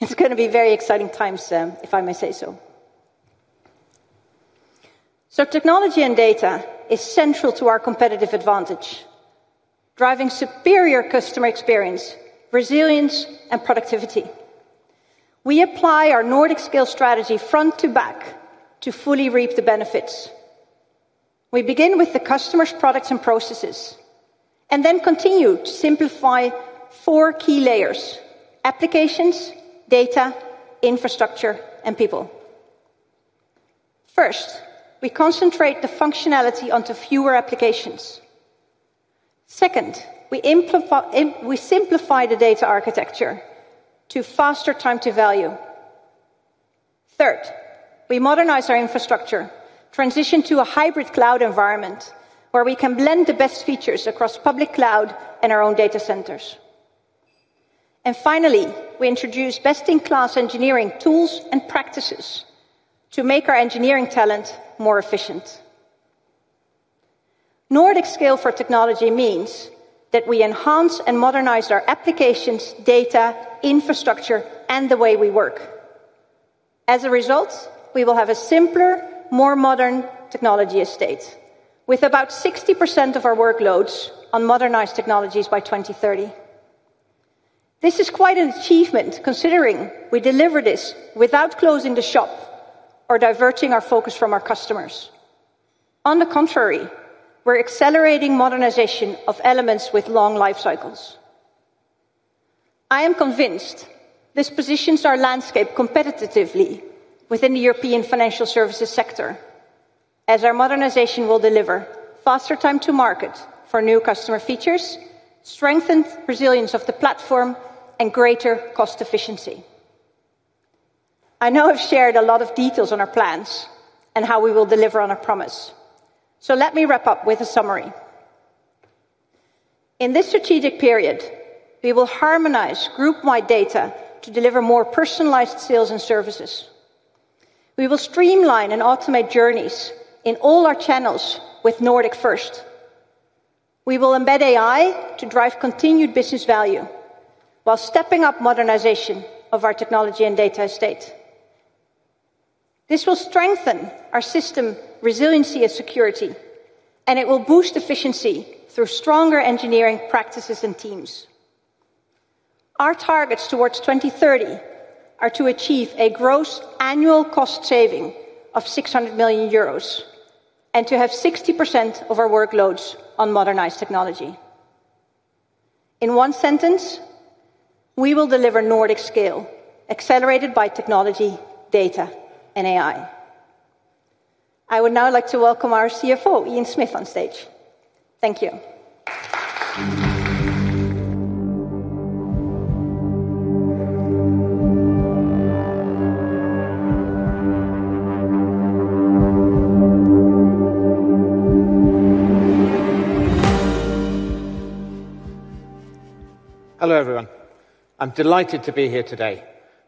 It is going to be very exciting times, if I may say so. Technology and data is central to our competitive advantage, driving superior customer experience, resilience, and productivity. We apply our Nordic scale strategy front to back to fully reap the benefits. We begin with the customer's products and processes and then continue to simplify four key layers: applications, data, infrastructure, and people. First, we concentrate the functionality onto fewer applications. Second, we simplify the data architecture to faster time to value. Third, we modernize our infrastructure, transition to a hybrid cloud environment where we can blend the best features across public cloud and our own data centers. Finally, we introduce best-in-class engineering tools and practices to make our engineering talent more efficient. Nordic scale for technology means that we enhance and modernize our applications, data, infrastructure, and the way we work. As a result, we will have a simpler, more modern technology estate with about 60% of our workloads on modernized technologies by 2030. This is quite an achievement considering we deliver this without closing the shop or diverting our focus from our customers. On the contrary, we're accelerating modernization of elements with long life cycles. I am convinced this positions our landscape competitively within the European financial services sector, as our modernization will deliver faster time to market for new customer features, strengthened resilience of the platform, and greater cost efficiency. I know I've shared a lot of details on our plans and how we will deliver on our promise. Let me wrap up with a summary. In this strategic period, we will harmonize group-wide data to deliver more personalized sales and services. We will streamline and automate journeys in all our channels with Nordic-first. We will embed AI to drive continued business value while stepping up modernization of our technology and data estate. This will strengthen our system resiliency and security, and it will boost efficiency through stronger engineering practices and teams. Our targets towards 2030 are to achieve a gross annual cost saving of 600 million euros and to have 60% of our workloads on modernized technology. In one sentence, we will deliver Nordic scale accelerated by technology, data, and AI. I would now like to welcome our CFO, Ian Smith, on stage. Thank you. Hello everyone. I'm delighted to be here today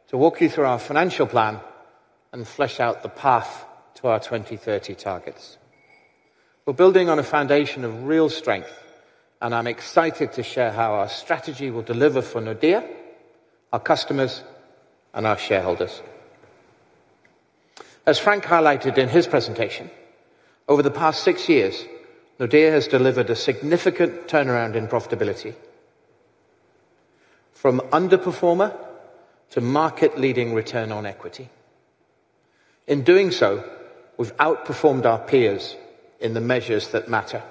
to walk you through our financial plan and flesh out the path to our 2030 targets. We're building on a foundation of real strength, and I'm excited to share how our strategy will deliver for Nordea, our customers, and our shareholders. As Frank highlighted in his presentation, over the past six years, Nordea has delivered a significant turnaround in profitability. From underperformer to market-leading return on equity. In doing so, we've outperformed our peers in the measures that matter,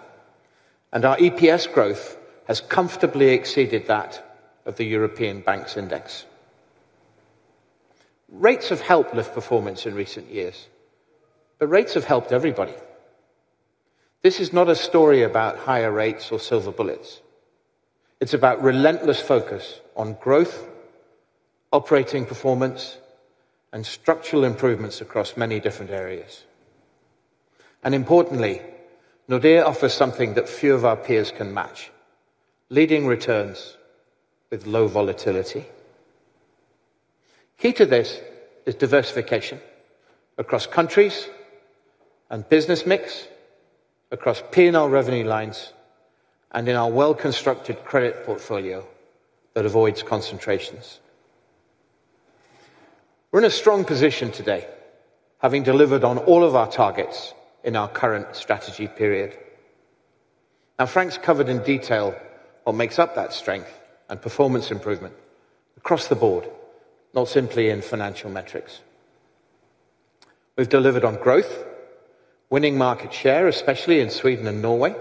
and our EPS growth has comfortably exceeded that of the European banks index. Rates have helped lift performance in recent years, but rates have helped everybody. This is not a story about higher rates or silver bullets. It's about relentless focus on growth, operating performance, and structural improvements across many different areas. Importantly, Nordea offers something that few of our peers can match: leading returns with low volatility. Key to this is diversification across countries, business mix across P&L revenue lines, and in our well-constructed credit portfolio that avoids concentrations. We are in a strong position today, having delivered on all of our targets in our current strategy period. Frank has covered in detail what makes up that strength and performance improvement across the board, not simply in financial metrics. We have delivered on growth, winning market share, especially in Sweden and Norway.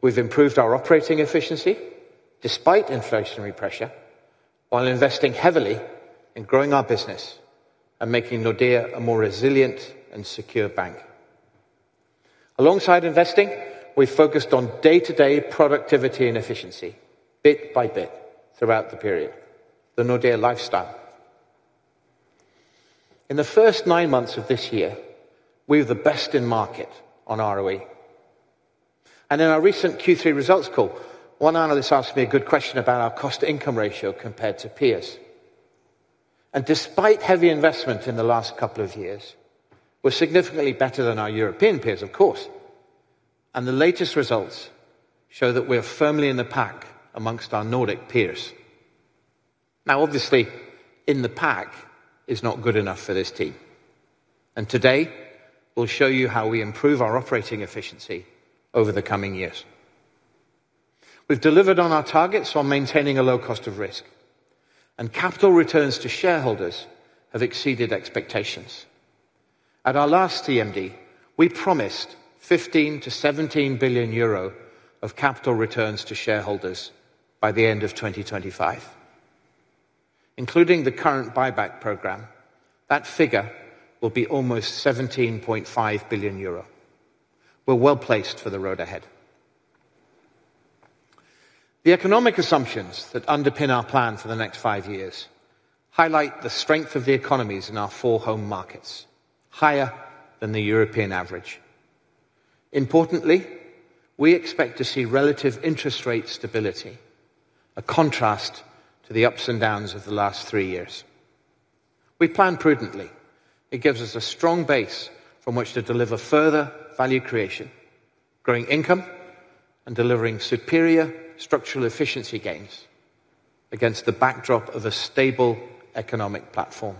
We have improved our operating efficiency despite inflationary pressure while investing heavily in growing our business and making Nordea a more resilient and secure bank. Alongside investing, we have focused on day-to-day productivity and efficiency bit by bit throughout the period. The Nordea lifestyle. In the first nine months of this year, we were the best in market on ROE. In our recent Q3 results call, one analyst asked me a good question about our cost-to-income ratio compared to peers. Despite heavy investment in the last couple of years, we're significantly better than our European peers, of course. The latest results show that we're firmly in the pack amongst our Nordic peers. Obviously, in the pack is not good enough for this team. Today, we'll show you how we improve our operating efficiency over the coming years. We've delivered on our targets while maintaining a low cost of risk. Capital returns to shareholders have exceeded expectations. At our last TMD, we promised 15 billion-17 billion euro of capital returns to shareholders by the end of 2025. Including the current buyback program, that figure will be almost 17.5 billion euro. We're well placed for the road ahead. The economic assumptions that underpin our plan for the next five years highlight the strength of the economies in our four home markets, higher than the European average. Importantly, we expect to see relative interest rate stability, a contrast to the ups and downs of the last three years. We plan prudently. It gives us a strong base from which to deliver further value creation, growing income, and delivering superior structural efficiency gains against the backdrop of a stable economic platform.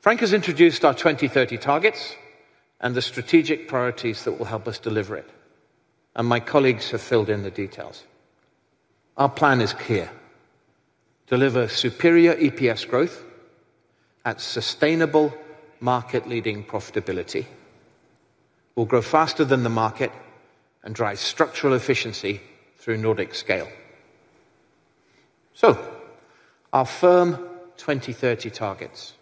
Frank has introduced our 2030 targets and the strategic priorities that will help us deliver it. My colleagues have filled in the details. Our plan is clear deliver superior EPS growth. At sustainable market-leading profitability. We will grow faster than the market and drive structural efficiency through Nordic scale. Our firm 2030 targets: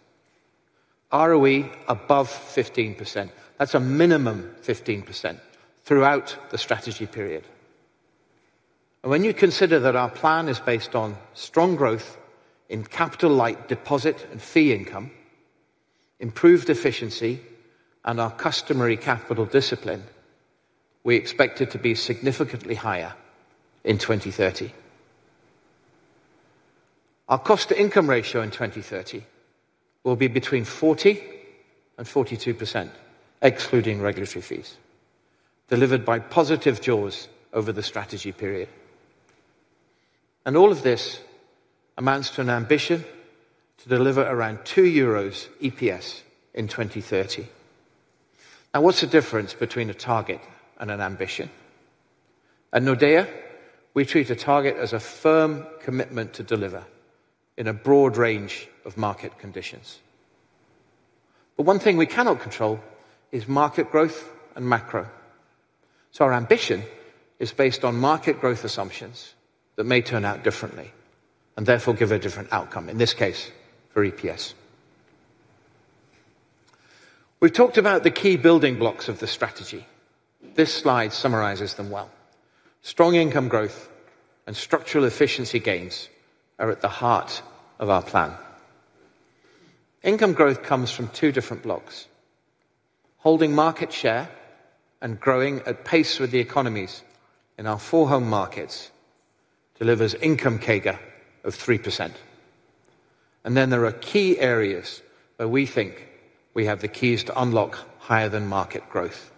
ROE above 15%. That is a minimum 15% throughout the strategy period. When you consider that our plan is based on strong growth in capital-like deposit and fee income, improved efficiency, and our customary capital discipline, we expect it to be significantly higher in 2030. Our cost-to-income ratio in 2030 will be between 40%-42%, excluding regulatory fees, delivered by positive jaws over the strategy period. All of this amounts to an ambition to deliver around 2 euros EPS in 2030. Now, what's the difference between a target and an ambition? At Nordea, we treat a target as a firm commitment to deliver in a broad range of market conditions. One thing we cannot control is market growth and macro. Our ambition is based on market growth assumptions that may turn out differently and therefore give a different outcome, in this case, for EPS. We've talked about the key building blocks of the strategy. This slide summarizes them well. Strong income growth and structural efficiency gains are at the heart of our plan. Income growth comes from two different blocks. Holding market share and growing at pace with the economies in our four home markets delivers income CAGR of 3%. There are key areas where we think we have the keys to unlock higher-than-market growth.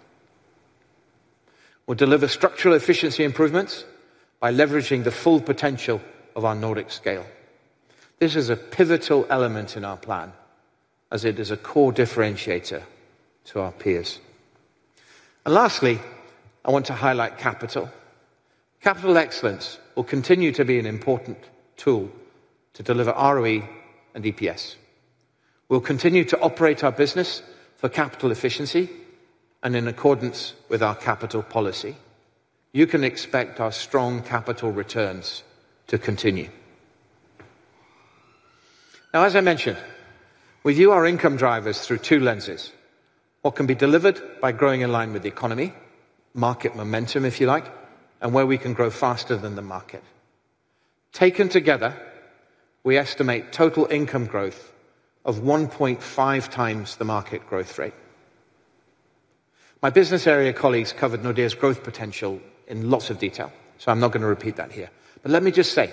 We'll deliver structural efficiency improvements by leveraging the full potential of our Nordic scale. This is a pivotal element in our plan, as it is a core differentiator to our peers. Lastly, I want to highlight capital. Capital excellence will continue to be an important tool to deliver ROE and EPS. We'll continue to operate our business for capital efficiency and in accordance with our capital policy. You can expect our strong capital returns to continue. Now, as I mentioned, we view our income drivers through two lenses: what can be delivered by growing in line with the economy, market momentum if you like, and where we can grow faster than the market. Taken together, we estimate total income growth of 1.5x the market growth rate. My business area colleagues covered Nordea's growth potential in lots of detail, so I'm not going to repeat that here. Let me just say.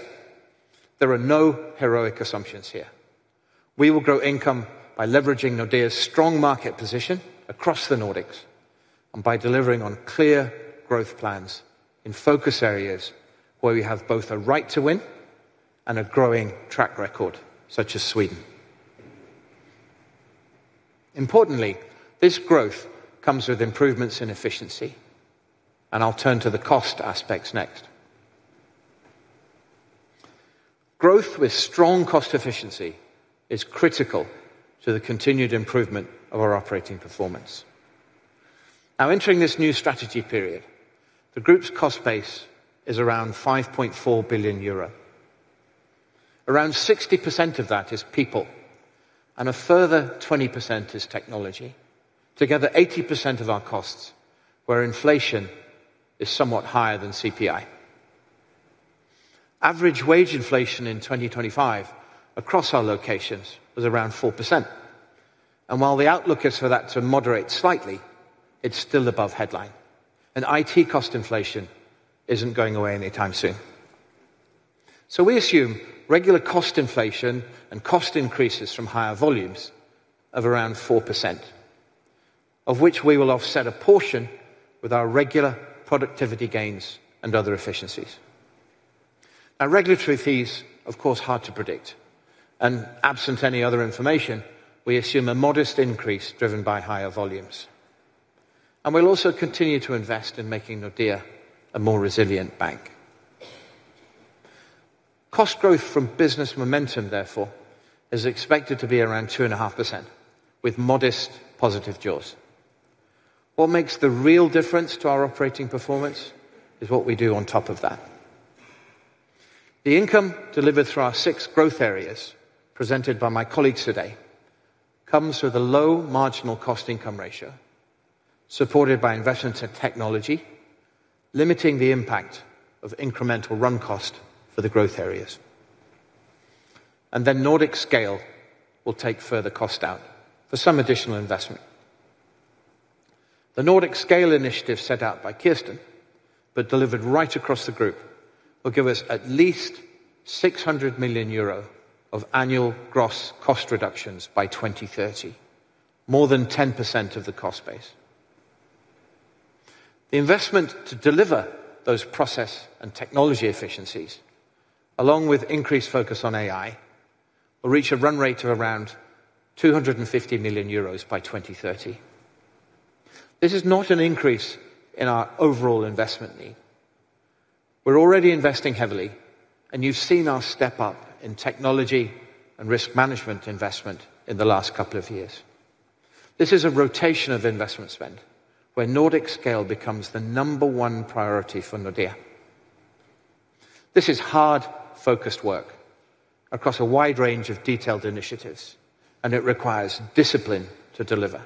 There are no heroic assumptions here. We will grow income by leveraging Nordea's strong market position across the Nordics and by delivering on clear growth plans in focus areas where we have both a right to win and a growing track record, such as Sweden. Importantly, this growth comes with improvements in efficiency, and I'll turn to the cost aspects next. Growth with strong cost efficiency is critical to the continued improvement of our operating performance. Now, entering this new strategy period, the group's cost base is around 5.4 billion euro. Around 60% of that is people. A further 20% is technology. Together, 80% of our costs where inflation is somewhat higher than CPI. Average wage inflation in 2025 across our locations was around 4%. While the outlook is for that to moderate slightly, it is still above headline. IT cost inflation is not going away anytime soon. We assume regular cost inflation and cost increases from higher volumes of around 4%, of which we will offset a portion with our regular productivity gains and other efficiencies. Regulatory fees, of course, are hard to predict. Absent any other information, we assume a modest increase driven by higher volumes. We will also continue to invest in making Nordea a more resilient bank. Cost growth from business momentum, therefore, is expected to be around 2.5%, with modest positive jaws. What makes the real difference to our operating performance is what we do on top of that. The income delivered through our six growth areas, presented by my colleagues today, comes with a low marginal cost income ratio. Supported by investments in technology, limiting the impact of incremental run cost for the growth areas. Nordic Scale will take further cost out for some additional investment. The Nordic Scale initiative set out by Kirsten but delivered right across the group will give us at least 600 million euro of annual gross cost reductions by 2030, more than 10% of the cost base. The investment to deliver those process and technology efficiencies, along with increased focus on AI, will reach a run rate of around 250 million euros by 2030. This is not an increase in our overall investment need. We're already investing heavily, and you've seen our step up in technology and risk management investment in the last couple of years. This is a rotation of investment spend where Nordic scale becomes the number one priority for Nordea. This is hard-focused work across a wide range of detailed initiatives, and it requires discipline to deliver.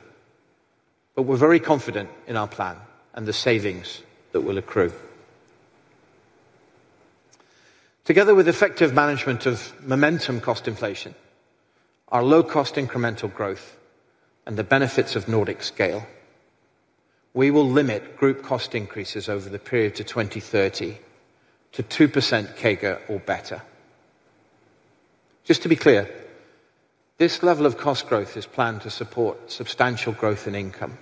We're very confident in our plan and the savings that will accrue. Together with effective management of momentum cost inflation, our low-cost incremental growth, and the benefits of Nordic scale, we will limit group cost increases over the period to 2030 to 2% CAGR or better. Just to be clear. This level of cost growth is planned to support substantial growth in income.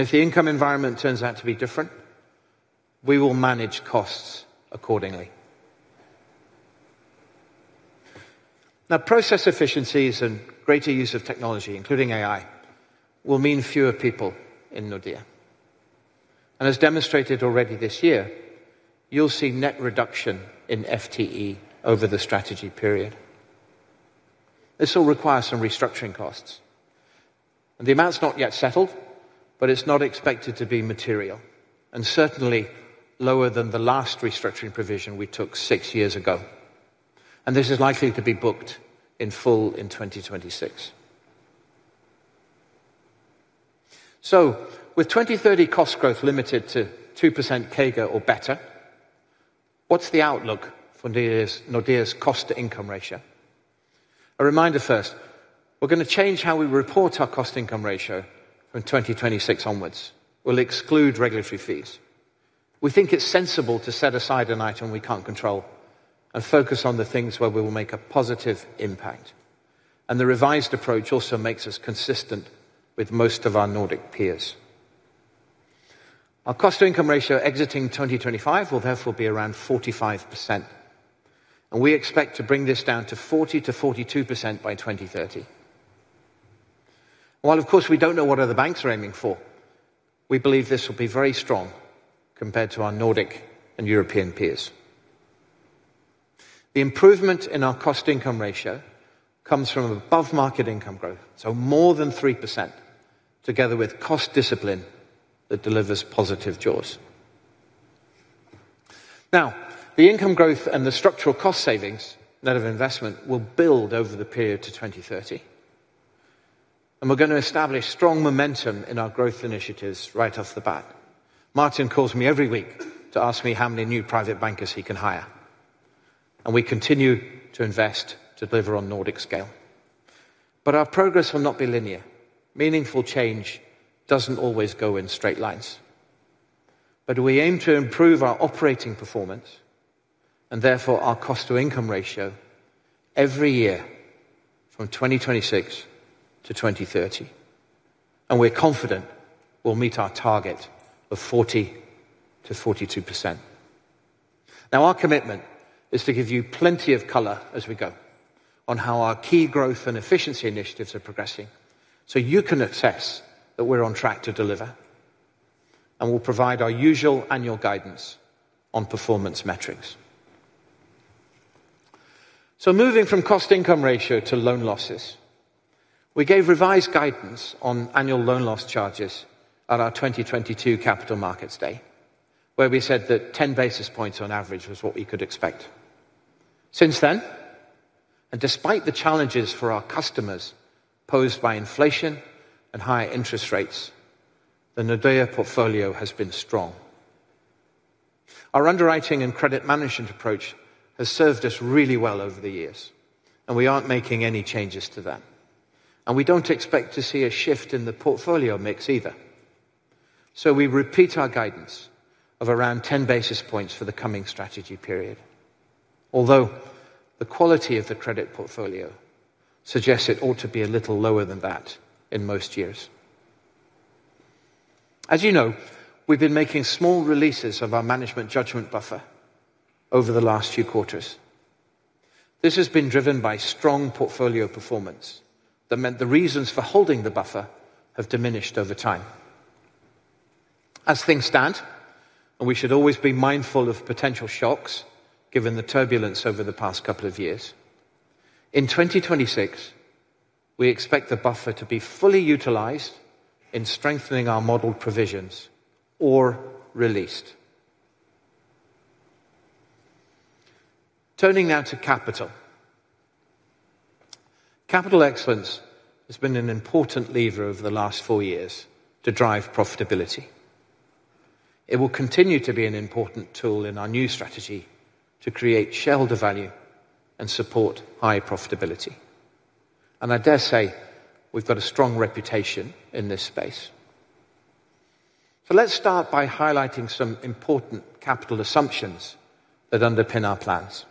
If the income environment turns out to be different, we will manage costs accordingly. Now, process efficiencies and greater use of technology, including AI, will mean fewer people in Nordea. As demonstrated already this year, you'll see net reduction in FTE over the strategy period. This will require some restructuring costs. The amount's not yet settled, but it's not expected to be material and certainly lower than the last restructuring provision we took six years ago. This is likely to be booked in full in 2026. With 2030 cost growth limited to 2% CAGR or better, what's the outlook for Nordea's cost-to-income ratio? A reminder first: we're going to change how we report our cost-to-income ratio from 2026 onwards. We'll exclude regulatory fees. We think it's sensible to set aside an item we can't control and focus on the things where we will make a positive impact. The revised approach also makes us consistent with most of our Nordic peers. Our cost-to-income ratio exiting 2025 will therefore be around 45%. We expect to bring this down to 40%-42% by 2030. While, of course, we don't know what other banks are aiming for, we believe this will be very strong compared to our Nordic and European peers. The improvement in our cost-to-income ratio comes from above-market income growth, so more than 3%, together with cost discipline that delivers positive jaws. Now, the income growth and the structural cost savings net of investment will build over the period to 2030. We're going to establish strong momentum in our growth initiatives right off the bat. Martin calls me every week to ask me how many new private bankers he can hire. We continue to invest to deliver on Nordic scale. Our progress will not be linear. Meaningful change does not always go in straight lines. We aim to improve our operating performance and therefore our cost-to-income ratio every year from 2026 to 2030. We are confident we will meet our target of 40%-42%. Our commitment is to give you plenty of color as we go on how our key growth and efficiency initiatives are progressing so you can assess that we are on track to deliver. We will provide our usual annual guidance on performance metrics. Moving from cost-to-income ratio to loan losses, we gave revised guidance on annual loan loss charges at our 2022 Capital Markets Day, where we said that 10 basis points on average was what we could expect. Since then, and despite the challenges for our customers posed by inflation and higher interest rates, the Nordea portfolio has been strong. Our underwriting and credit management approach has served us really well over the years, and we are not making any changes to that. We do not expect to see a shift in the portfolio mix either. We repeat our guidance of around 10 basis points for the coming strategy period, although the quality of the credit portfolio suggests it ought to be a little lower than that in most years. As you know, we have been making small releases of our management judgment buffer over the last few quarters. This has been driven by strong portfolio performance that meant the reasons for holding the buffer have diminished over time. As things stand, and we should always be mindful of potential shocks given the turbulence over the past couple of years, in 2026 we expect the buffer to be fully utilized in strengthening our model provisions or released. Turning now to capital. Capital excellence has been an important lever over the last four years to drive profitability. It will continue to be an important tool in our new strategy to create shareholder value and support high profitability. I dare say we've got a strong reputation in this space. Let's start by highlighting some important capital assumptions that underpin our plans.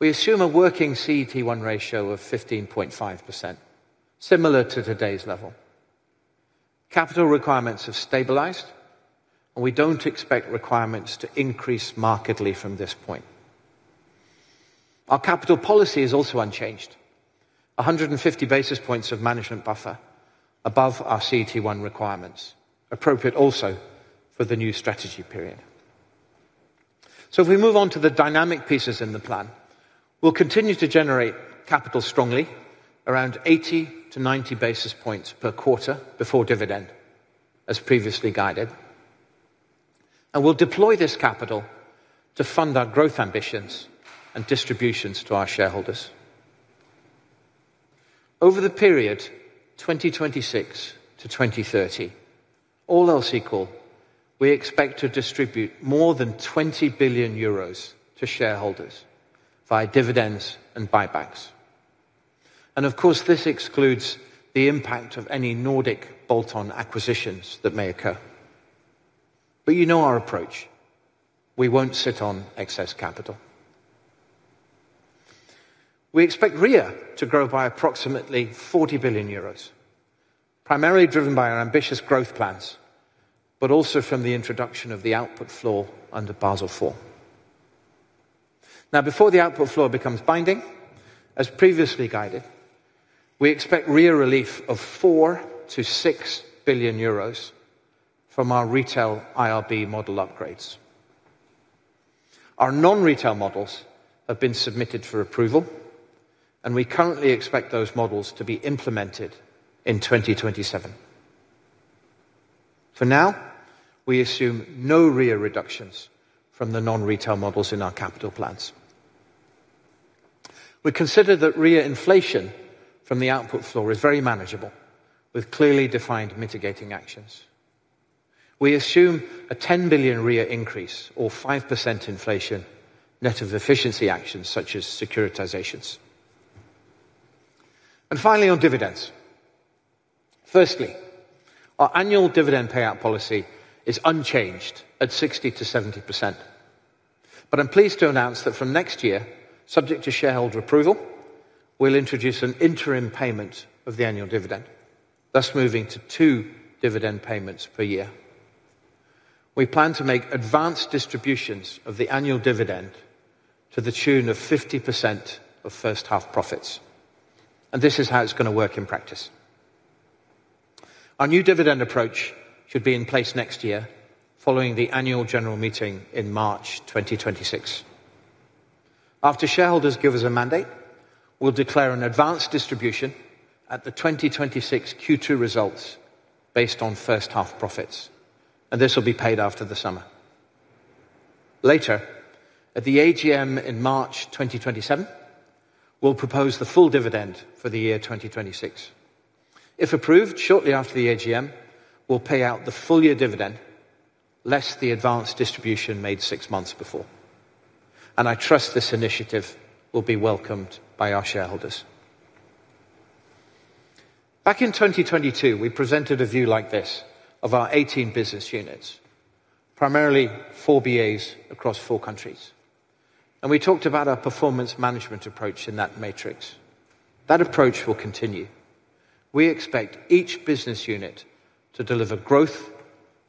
We assume a working CET1 ratio of 15.5%. Similar to today's level. Capital requirements have stabilized, and we don't expect requirements to increase markedly from this point. Our capital policy is also unchanged. 150 basis points of management buffer above our CET1 requirements, appropriate also for the new strategy period. If we move on to the dynamic pieces in the plan, we will continue to generate capital strongly, around 80-90 basis points per quarter before dividend, as previously guided. We will deploy this capital to fund our growth ambitions and distributions to our shareholders. Over the period 2026 to 2030, all else equal, we expect to distribute more than 20 billion euros to shareholders via dividends and buybacks. This excludes the impact of any Nordic bolt-on acquisitions that may occur. You know our approach. We will not sit on excess capital. We expect REA to grow by approximately 40 billion euros. Primarily driven by our ambitious growth plans, but also from the introduction of the output floor under Basel IV. Now, before the output floor becomes binding, as previously guided, we expect REA relief of 4 billion-6 billion euros from our retail IRB model upgrades. Our non-retail models have been submitted for approval, and we currently expect those models to be implemented in 2027. For now, we assume no REA reductions from the non-retail models in our capital plans. We consider that REA inflation from the output floor is very manageable with clearly defined mitigating actions. We assume a 10 billion REA increase or 5% inflation net of efficiency actions such as securitizations. Finally, on dividends. Firstly, our annual dividend payout policy is unchanged at 60%-70%. I'm pleased to announce that from next year, subject to shareholder approval, we'll introduce an interim payment of the annual dividend, thus moving to two dividend payments per year. We plan to make advanced distributions of the annual dividend to the tune of 50% of first-half profits. This is how it's going to work in practice. Our new dividend approach should be in place next year, following the annual general meeting in March 2026. After shareholders give us a mandate, we'll declare an advanced distribution at the 2026 Q2 results based on first-half profits, and this will be paid after the summer. Later, at the AGM in March 2027, we'll propose the full dividend for the year 2026. If approved shortly after the AGM, we'll pay out the full year dividend, less the advanced distribution made six months before. I trust this initiative will be welcomed by our shareholders. Back in 2022, we presented a view like this of our 18 business units, primarily four BAs across four countries. We talked about our performance management approach in that matrix. That approach will continue. We expect each business unit to deliver growth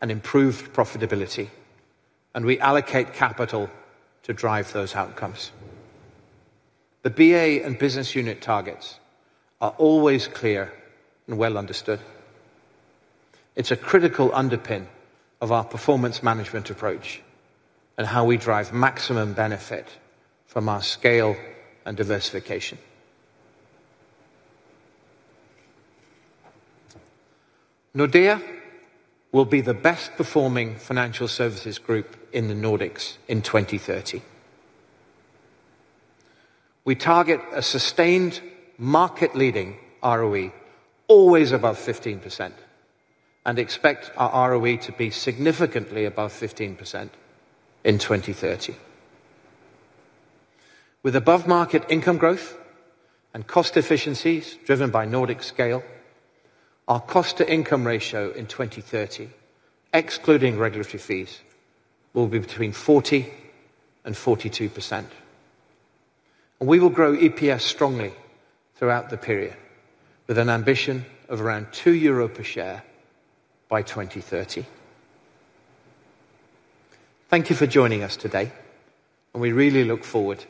and improved profitability, and we allocate capital to drive those outcomes. The BA and business unit targets are always clear and well understood. It is a critical underpin of our performance management approach and how we drive maximum benefit from our scale and diversification. Nordea will be the best-performing financial services group in the Nordics in 2030. We target a sustained market-leading ROE, always above 15%. We expect our ROE to be significantly above 15% in 2030, with above-market income growth and cost efficiencies driven by Nordic scale. Our cost-to-income ratio in 2030, excluding regulatory fees, will be between 40%-42%. We will grow EPS strongly throughout the period, with an ambition of around 2 euro per share by 2030. Thank you for joining us today, and we really look forward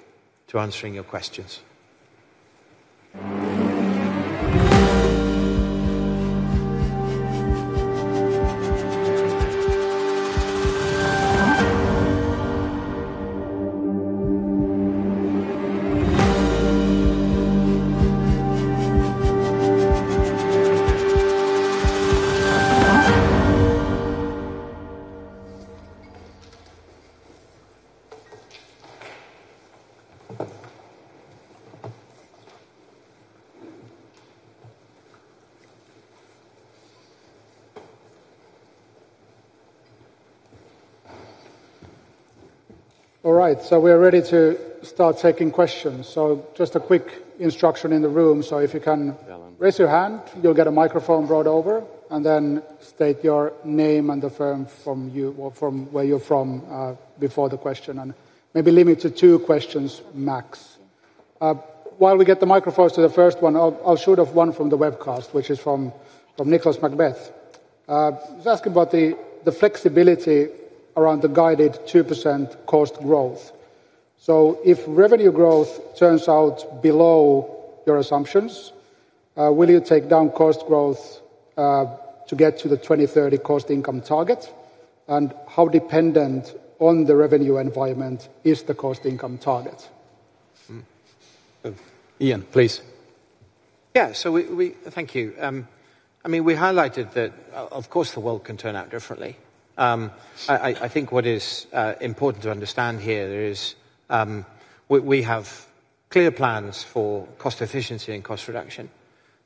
to answering your questions. All right, we are ready to start taking questions. Just a quick instruction in the room. If you can raise your hand, you will get a microphone brought over, and then state your name and the firm where you are from before the question. Maybe limit to two questions max. While we get the microphones to the first one, I will shoot off one from the webcast, which is from Nicolas McBeath. He is asking about the flexibility around the guided 2% cost growth. If revenue growth turns out below your assumptions, will you take down cost growth to get to the 2030 cost-to-income target? How dependent on the revenue environment is the cost-to-income target? Ian, please. Yeah, thank you. I mean, we highlighted that, of course, the world can turn out differently. I think what is important to understand here is we have clear plans for cost efficiency and cost reduction.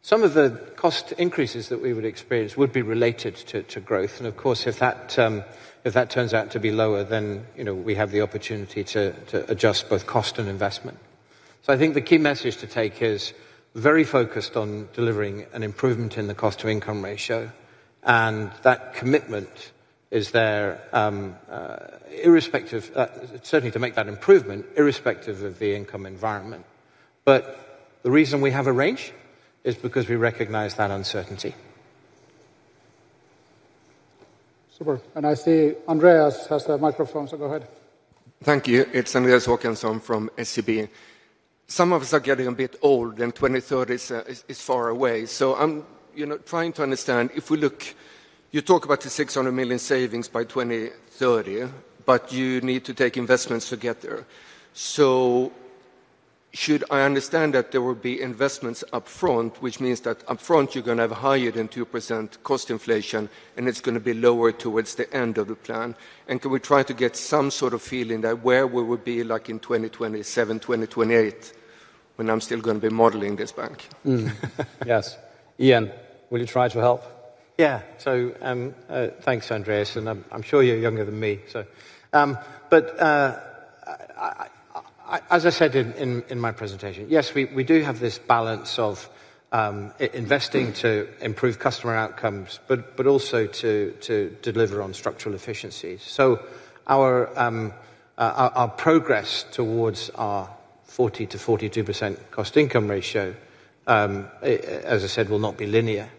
Some of the cost increases that we would experience would be related to growth. Of course, if that turns out to be lower, then we have the opportunity to adjust both cost and investment. I think the key message to take is very focused on delivering an improvement in the cost-to-income ratio. That commitment is there, certainly to make that improvement, irrespective of the income environment. The reason we have a range is because we recognize that uncertainty. Super. I see Andreas has the microphone, so go ahead. Thank you. It's Andreas Håkansson from SEB. Some of us are getting a bit old, and 2030 is far away. I'm trying to understand if we look, you talk about the 600 million savings by 2030, but you need to take investments to get there. Should I understand that there will be investments upfront, which means that upfront you're going to have a higher than 2% cost inflation, and it's going to be lower towards the end of the plan? Can we try to get some sort of feeling that where we would be like in 2027, 2028, when I'm still going to be modeling this bank? Yes. Ian, will you try to help? Yeah. Thanks, Andreas. I'm sure you're younger than me. As I said in my presentation, yes, we do have this balance of investing to improve customer outcomes, but also to deliver on structural efficiencies. Our progress towards our 40%-42% cost-to-income ratio. As I said, will not be linear.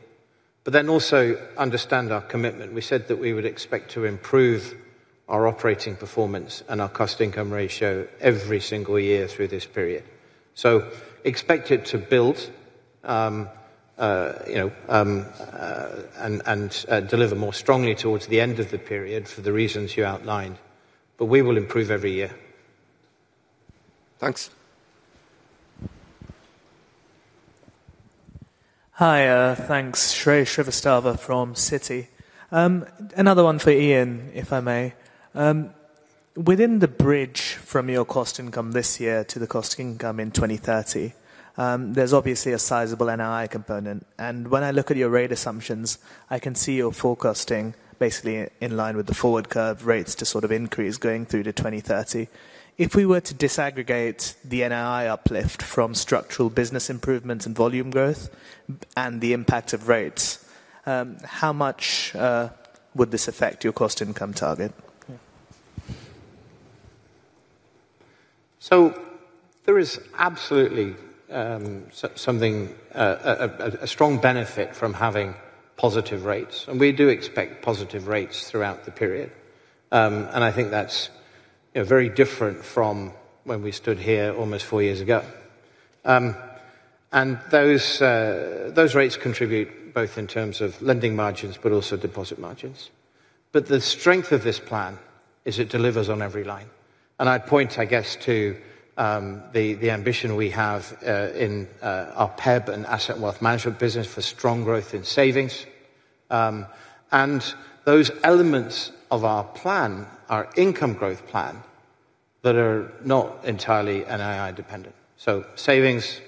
Also understand our commitment. We said that we would expect to improve our operating performance and our cost-to-income ratio every single year through this period. Expect it to build and deliver more strongly towards the end of the period for the reasons you outlined. We will improve every year. Thanks. Hi, thanks, Shrey Srivastava from Citi. Another one for Ian, if I may. Within the bridge from your cost-to-income this year to the cost-to-income in 2030, there is obviously a sizable NII component. When I look at your rate assumptions, I can see you are forecasting basically in line with the forward curve rates to sort of increase going through to 2030. If we were to disaggregate the NII uplift from structural business improvements and volume growth and the impact of rates, how much would this affect your cost-to-income target? There is absolutely something, a strong benefit from having positive rates. We do expect positive rates throughout the period. I think that is very different from when we stood here almost four years ago. Those rates contribute both in terms of lending margins but also deposit margins. The strength of this plan is it delivers on every line. I would point, I guess, to the ambition we have in our PEB and asset wealth management business for strong growth in savings. Those elements of our plan, our income growth plan, are not entirely NII dependent. Savings,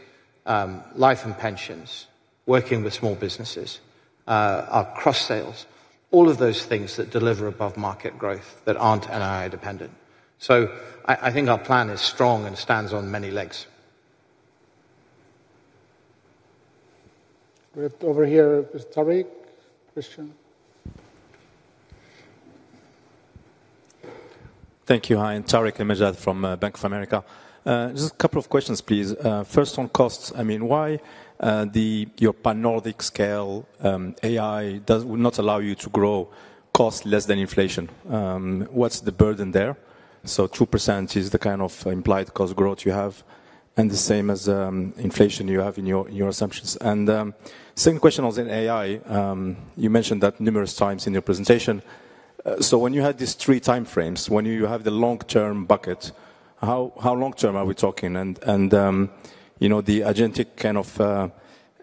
life and pensions, working with small businesses, our cross-sales, all of those things that deliver above market growth that are not NII dependent. I think our plan is strong and stands on many legs. Over here, Tarik, Christian. Thank you. Hi, Tarik El Mejjad from Bank of America. Just a couple of questions, please. First, on costs. I mean, why. Your pan-Nordic cale AI will not allow you to grow cost less than inflation? What's the burden there? So 2% is the kind of implied cost growth you have and the same as inflation you have in your assumptions. Same question on AI. You mentioned that numerous times in your presentation. When you had these three time frames, when you have the long-term bucket, how long-term are we talking? The agentic kind of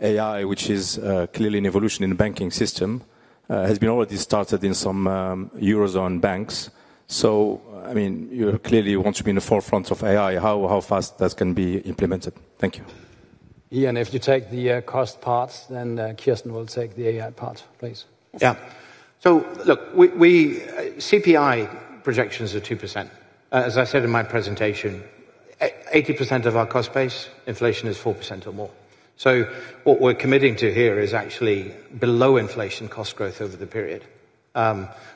AI, which is clearly an evolution in the banking system, has been already started in some Eurozone banks. I mean, you clearly want to be in the forefront of AI. How fast that can be implemented? Thank you. Ian, if you take the cost part, then Kirsten will take the AI part, please. Yeah. Look, CPI projections are 2%. As I said in my presentation. 80% of our cost base, inflation is 4% or more. What we're committing to here is actually below inflation cost growth over the period.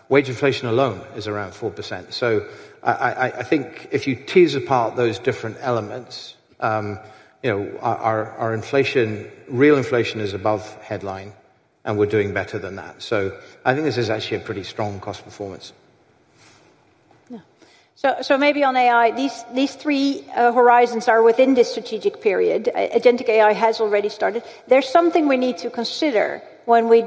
Wage inflation alone is around 4%. I think if you tease apart those different elements. Our real inflation is above headline, and we're doing better than that. I think this is actually a pretty strong cost performance. Yeah. Maybe on AI, these three horizons are within this strategic period. Agentic AI has already started. There is something we need to consider when we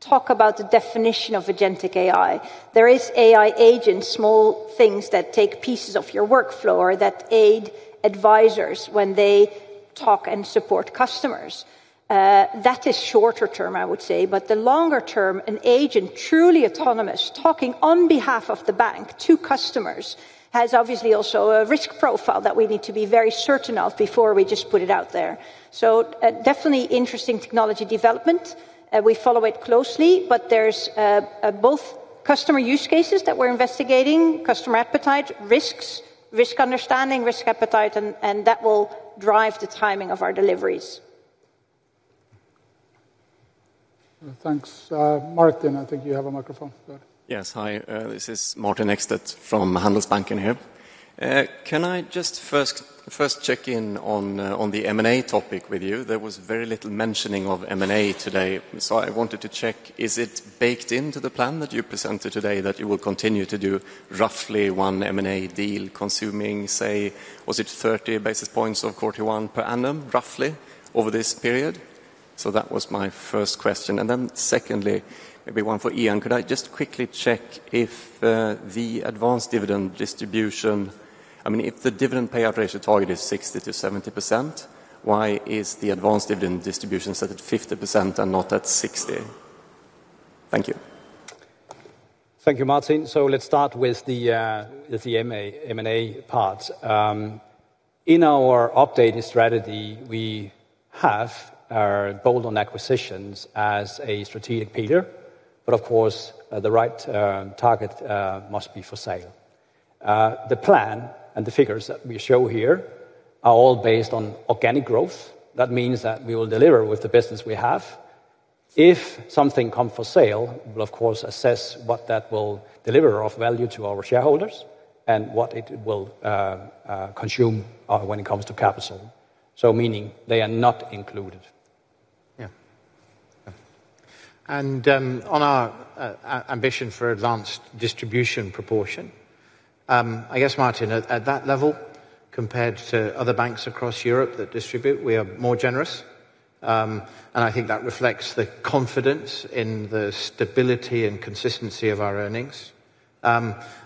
talk about the definition of agentic AI. There is AI agents, small things that take pieces of your workflow or that aid advisors when they talk and support customers. That is shorter term, I would say. The longer term, an agent, truly autonomous, talking on behalf of the bank to customers, has obviously also a risk profile that we need to be very certain of before we just put it out there. Definitely interesting technology development. We follow it closely, but there are both customer use cases that we are investigating, customer appetite, risks, risk understanding, risk appetite, and that will drive the timing of our deliveries. Thanks. Martin, I think you have a microphone. Yes. Hi. This is Martin Ekstedt from Handelsbanken here. Can I just first check in on the M&A topic with you? There was very little mentioning of M&A today, so I wanted to check, is it baked into the plan that you presented today that you will continue to do roughly one M&A deal consuming, say, was it 30 basis points or 41 per annum roughly over this period? That was my first question. Secondly, maybe one for Ian. Could I just quickly check if the advanced dividend distribution, I mean, if the dividend payout ratio target is 60%-70%, why is the advanced dividend distribution set at 50% and not at 60%? Thank you. Thank you, Martin. Let's start with the M&A part. In our updated strategy, we have our goal on acquisitions as a strategic pillar, but of course, the right target must be for sale. The plan and the figures that we show here are all based on organic growth. That means that we will deliver with the business we have. If something comes for sale, we will, of course, assess what that will deliver of value to our shareholders and what it will consume when it comes to capital. Meaning they are not included. Yeah. On our ambition for advanced distribution proportion, I guess, Martin, at that level, compared to other banks across Europe that distribute, we are more generous. I think that reflects the confidence in the stability and consistency of our earnings.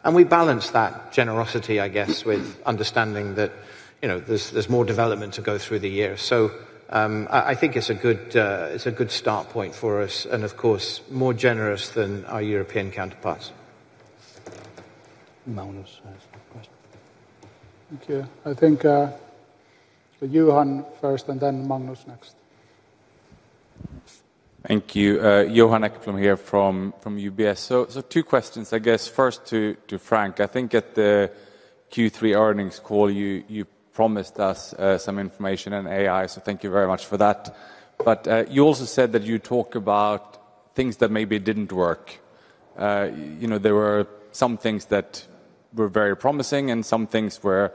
We balance that generosity, I guess, with understanding that there is more development to go through the year. I think it is a good start point for us and, of course, more generous than our European counterparts. Magnus has a question. Thank you. I think Johan first and then Magnus next. Thank you. Johan Ekblom here from UBS. Two questions, I guess. First to Frank. I think at the Q3 earnings call, you promised us some information on AI, so thank you very much for that. You also said that you would talk about things that maybe did not work. There were some things that were very promising and some things where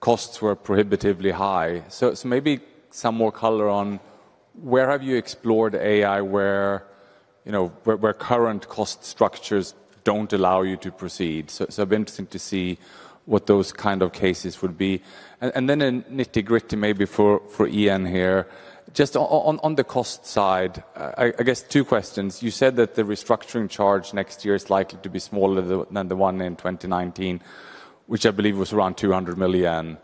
costs were prohibitively high. Maybe some more color on where have you explored AI where current cost structures do not allow you to proceed? It would be interesting to see what those kind of cases would be. A nitty-gritty maybe for Ian here, just on the cost side, I guess two questions. You said that the restructuring charge next year is likely to be smaller than the one in 2019, which I believe was around 200 million.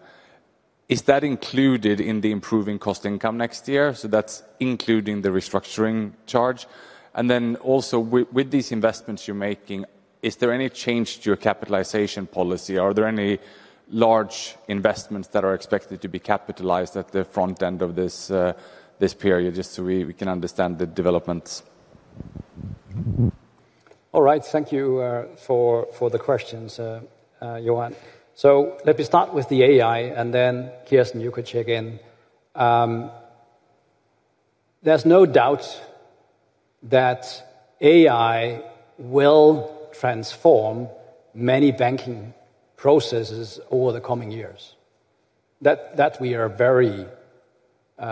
Is that included in the improving cost income next year? That is including the restructuring charge. Also, with these investments you are making, is there any change to your capitalization policy? Are there any large investments that are expected to be capitalized at the front end of this period, just so we can understand the developments? All right. Thank you for the questions, Johan. Let me start with the AI, and then Kirsten, you could check in. There is no doubt that AI will transform many banking processes over the coming years. That we are very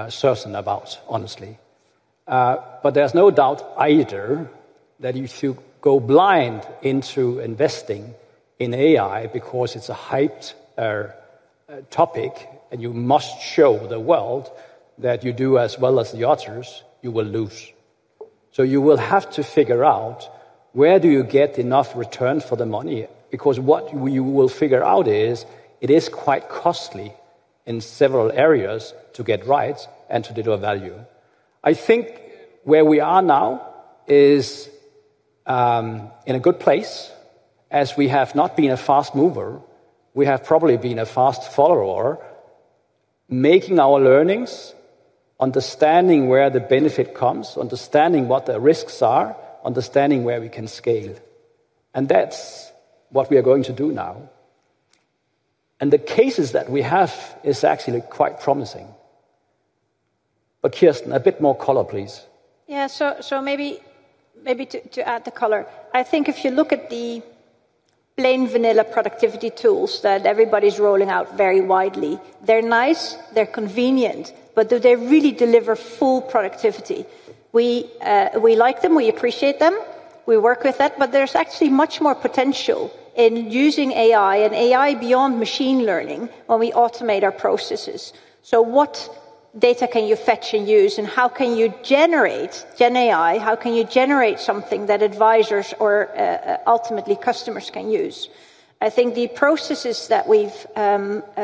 certain about, honestly. There is no doubt either that if you go blind into investing in AI because it is a hyped topic and you must show the world that you do as well as the others, you will lose. You will have to figure out where you get enough return for the money. What you will figure out is it is quite costly in several areas to get right and to deliver value. I think where we are now is in a good place. As we have not been a fast mover, we have probably been a fast follower. Making our learnings, understanding where the benefit comes, understanding what the risks are, understanding where we can scale. That is what we are going to do now. The cases that we have are actually quite promising. Kirsten, a bit more color, please. Yeah. Maybe to add the color, I think if you look at the plain vanilla productivity tools that everybody's rolling out very widely, they're nice, they're convenient, but do they really deliver full productivity? We like them, we appreciate them, we work with that, but there is actually much more potential in using AI and AI beyond machine learning when we automate our processes. What data can you fetch and use, and how can you generate GenAI? How can you generate something that advisors or ultimately customers can use? I think the processes that we've.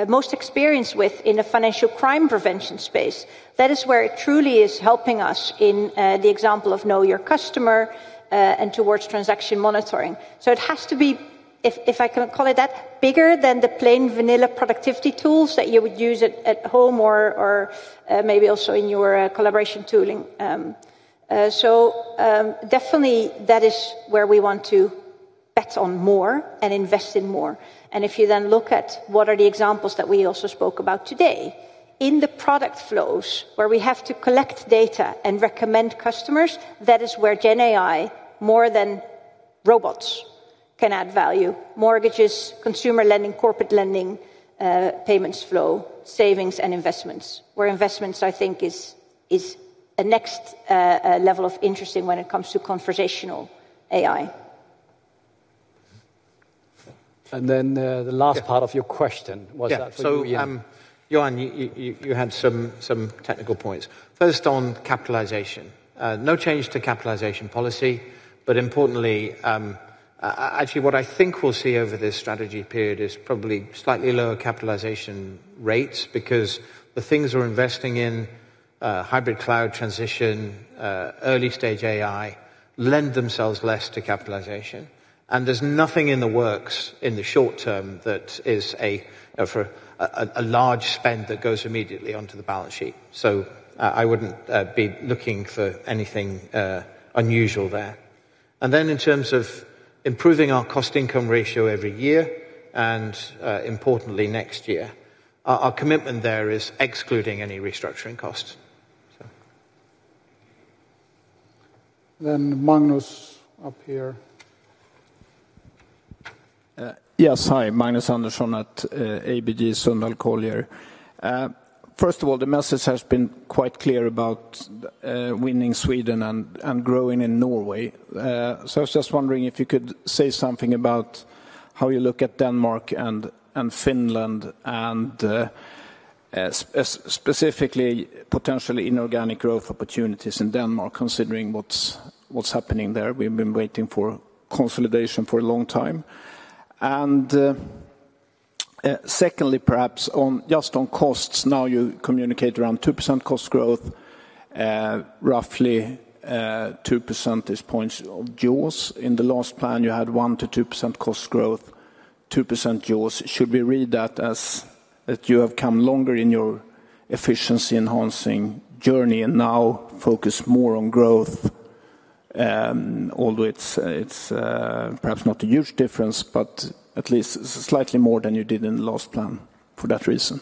Most experienced within the financial crime prevention space, that is where it truly is helping us in the example of Know Your Customer and towards transaction monitoring. It has to be, if I can call it that, bigger than the plain vanilla productivity tools that you would use at home or maybe also in your collaboration tooling. Definitely that is where we want to bet on more and invest in more. If you then look at what are the examples that we also spoke about today, in the product flows where we have to collect data and recommend customers, that is where GenAI, more than robots, can add value: mortgages, consumer lending, corporate lending, payments flow, savings, and investments, where investments, I think, is a next level of interesting when it comes to conversational AI. Then the last part of your question, was that for you? Yeah. Johan, you had some technical points. First, on capitalization, no change to capitalization policy, but importantly. Actually, what I think we will see over this strategy period is probably slightly lower capitalization rates because the things we are investing in. Hybrid cloud transition. Early stage AI, lend themselves less to capitalization. There is nothing in the works in the short -erm that is a large spend that goes immediately onto the balance sheet. I would not be looking for anything unusual there. In terms of improving our cost-to-income ratio every year and, importantly, next year, our commitment there is excluding any restructuring costs. Magnus up here. Yes. Hi. Magnus Andersson at ABG Sundal Collier. First of all, the message has been quite clear about winning Sweden and growing in Norway. I was just wondering if you could say something about how you look at Denmark and Finland and specifically potentially inorganic growth opportunities in Denmark, considering what's happening there. We've been waiting for consolidation for a long time. Secondly, perhaps just on costs, now you communicate around 2% cost growth. Roughly 2% is points of Giosg. In the last plan, you had 1%-2% cost growth, 2% Giosg. Should we read that as you have come longer in your efficiency-enhancing journey and now focus more on growth, although it's perhaps not a huge difference, but at least slightly more than you did in the last plan for that reason?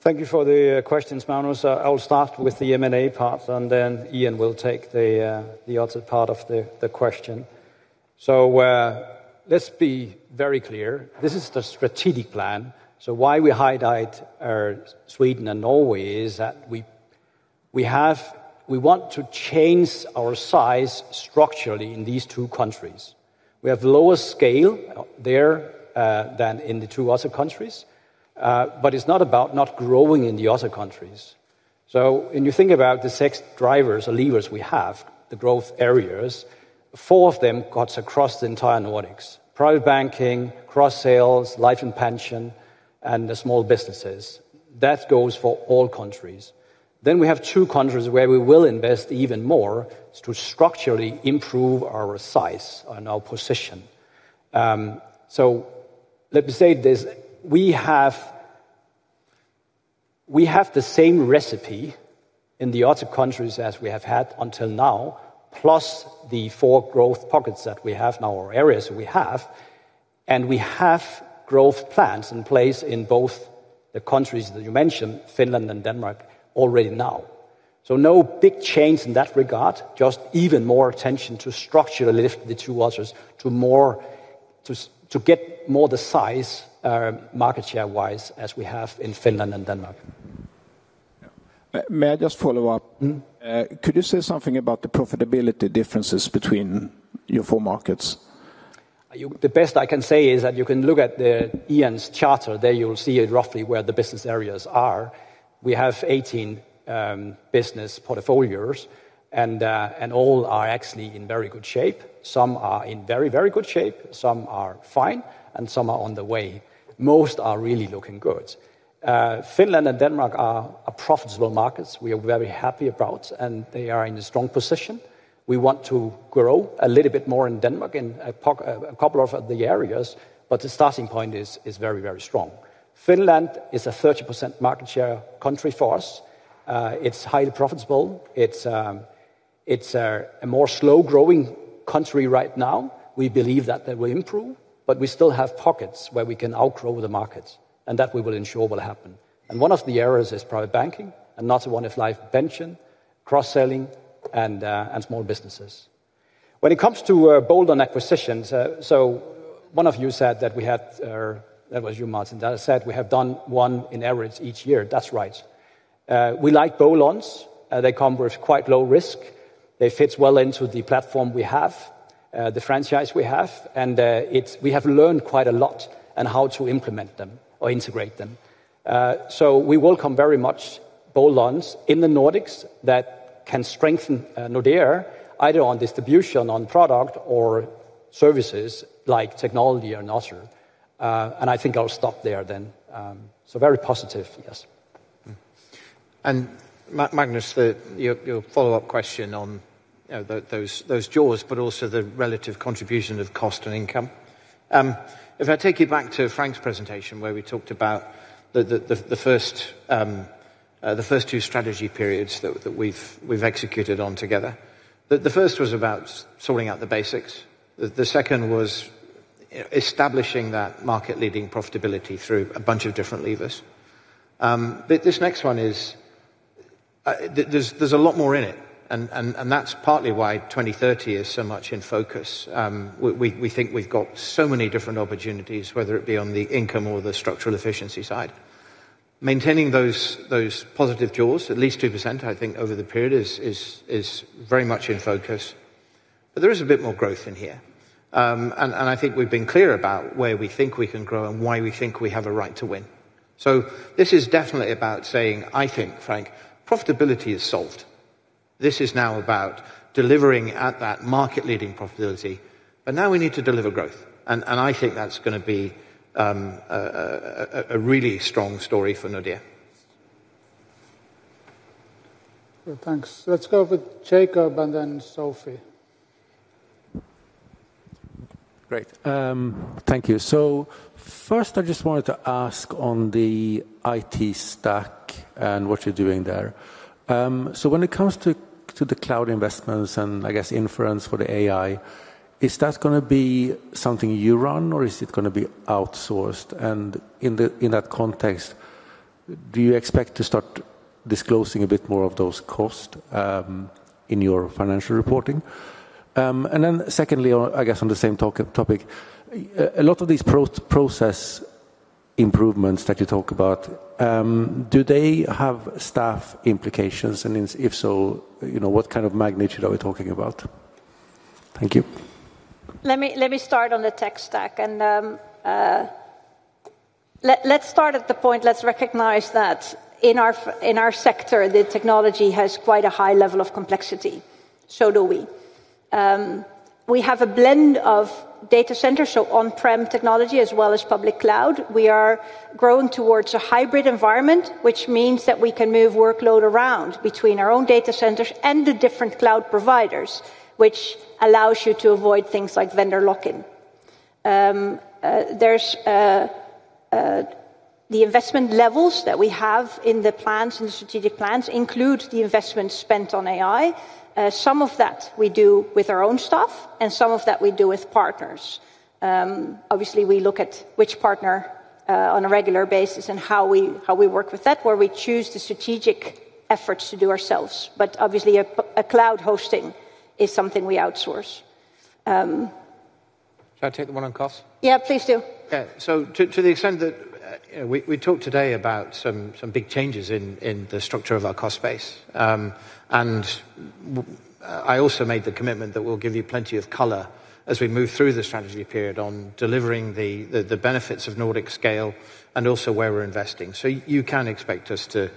Thank you for the questions, Magnus. I'll start with the M&A part, and then Ian will take the other part of the question. Let's be very clear. This is the strategic plan. Why we highlight. Sweden and Norway is that we want to change our size structurally in these two countries. We have lower scale there than in the two other countries, but it's not about not growing in the other countries. When you think about the six drivers or levers we have, the growth areas, four of them cuts across the entire Nordics: private banking, cross-sales, life and pension, and the small businesses. That goes for all countries. We have two countries where we will invest even more to structurally improve our size and our position. Let me say this. We have the same recipe in the other countries as we have had until now, plus the four growth pockets that we have now or areas we have. We have growth plans in place in both the countries that you mentioned, Finland and Denmark, already now. No big change in that regard, just even more attention to structure the two others too. Get more the size market share-wise as we have in Finland and Denmark. May I just follow up? Could you say something about the profitability differences between your four markets? The best I can say is that you can look at Ian's chart. There you'll see roughly where the business areas are. We have 18 business portfolios, and all are actually in very good shape. Some are in very, very good shape. Some are fine, and some are on the way. Most are really looking good. Finland and Denmark are profitable markets we are very happy about, and they are in a strong position. We want to grow a little bit more in Denmark and a couple of other areas, but the starting point is very, very strong. Finland is a 30% market share country for us. It's highly profitable. It's a more slow-growing country right now. We believe that that will improve, but we still have pockets where we can outgrow the markets, and that we will ensure will happen. One of the areas is private banking and another one is life and pension, cross-selling, and small businesses. When it comes to Bolon acquisitions, one of you said that we had. That was you, Martin, that said we have done one on average each year. That's right. We like Bolons. They come with quite low risk. They fit well into the platform we have, the franchise we have, and we have learned quite a lot on how to implement them or integrate them. We welcome very much Bolons in the Nordics that can strengthen Nordea either on distribution, on product, or services like technology or another. I think I'll stop there then. Very positive, yes. Magnus, your follow-up question on those Giosg, but also the relative contribution of cost and income. If I take you back to Frank's presentation where we talked about the first two strategy periods that we've executed on together, the first was about sorting out the basics. The second was establishing that market-leading profitability through a bunch of different levers. This next one is, there's a lot more in it, and that's partly why 2030 is so much in focus. We think we've got so many different opportunities, whether it be on the income or the structural efficiency side. Maintaining those positive Giosg, at least 2%, I think, over the period is. Very much in focus. There is a bit more growth in here. I think we've been clear about where we think we can grow and why we think we have a right to win. This is definitely about saying, "I think, Frank, profitability is solved." This is now about delivering at that market-leading profitability, but now we need to deliver growth. I think that's going to be a really strong story for Nordea. Thanks. Let's go with Jacob and then Sophie. Great. Thank you. First, I just wanted to ask on the IT stack and what you're doing there. When it comes to the cloud investments and, I guess, inference for the AI, is that going to be something you run, or is it going to be outsourced? In that context, do you expect to start disclosing a bit more of those costs. In your financial reporting? Secondly, I guess on the same topic, a lot of these process improvements that you talk about, do they have staff implications? If so, what kind of magnitude are we talking about? Thank you. Let me start on the tech stack. Let's start at the point. Let's recognize that in our sector, the technology has quite a high level of complexity. So do we. We have a blend of data centers, on-prem technology as well as public cloud. We are growing towards a hybrid environment, which means that we can move workload around between our own data centers and the different cloud providers, which allows you to avoid things like vendor lock-in. The investment levels that we have in the strategic plans include the investment spent on AI. Some of that we do with our own stuff, and some of that we do with partners. Obviously, we look at which partner on a regular basis and how we work with that, where we choose the strategic efforts to do ourselves. Obviously, cloud hosting is something we outsource. Shall I take the one on cost? Yeah, please do. Okay. To the extent that we talked today about some big changes in the structure of our cost space. I also made the commitment that we'll give you plenty of color as we move through the strategy period on delivering the benefits of Nordic scale and also where we're investing. You can expect us to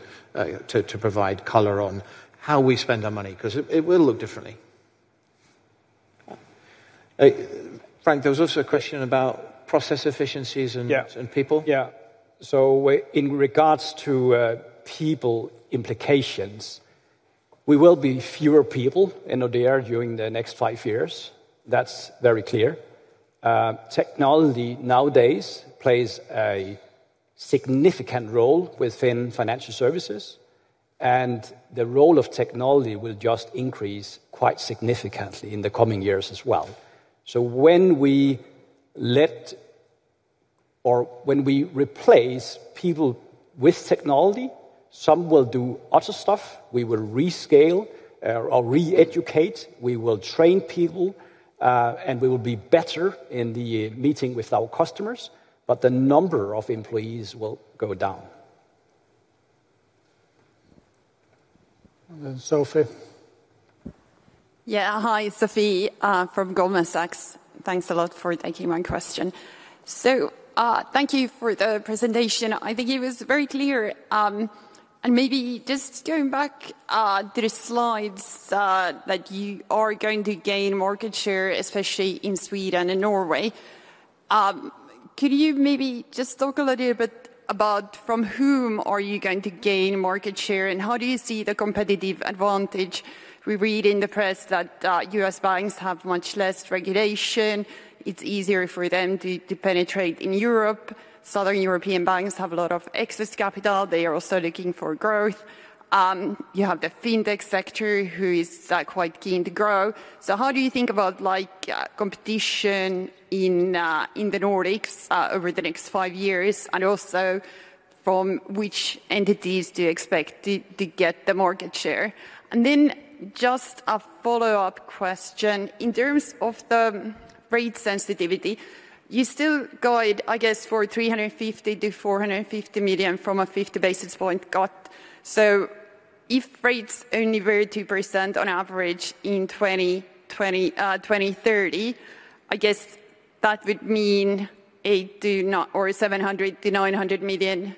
provide color on how we spend our money because it will look differently. Frank, there was also a question about process efficiencies and people. Yeah. In regards to people implications. We will be fewer people in Nordea during the next five years. That's very clear. Technology nowadays plays a significant role within financial services, and the role of technology will just increase quite significantly in the coming years as well. When we let or when we replace people with technology, some will do other stuff. We will rescale or re-educate. We will train people. We will be better in the meeting with our customers, but the number of employees will go down. Then Sophie. Yeah. Hi, Sophie from Goldman Sachs. Thanks a lot for taking my question. Thank you for the presentation. I think it was very clear. Maybe just going back to the slides that you are going to gain market share, especially in Sweden and Norway. Could you maybe just talk a little bit about from whom are you going to gain market share and how do you see the competitive advantage? We read in the press that US banks have much less regulation. It's easier for them to penetrate in Europe. Southern European banks have a lot of excess capital. They are also looking for growth. You have the fintech sector who is quite keen to grow. How do you think about competition in the Nordics over the next five years and also from which entities do you expect to get the market share? Just a follow-up question. In terms of the rate sensitivity, you still guide, I guess, for 350 million-450 million from a 50 basis point cut. If rates only were 2% on average in 2030, I guess that would mean 700 million-900 million.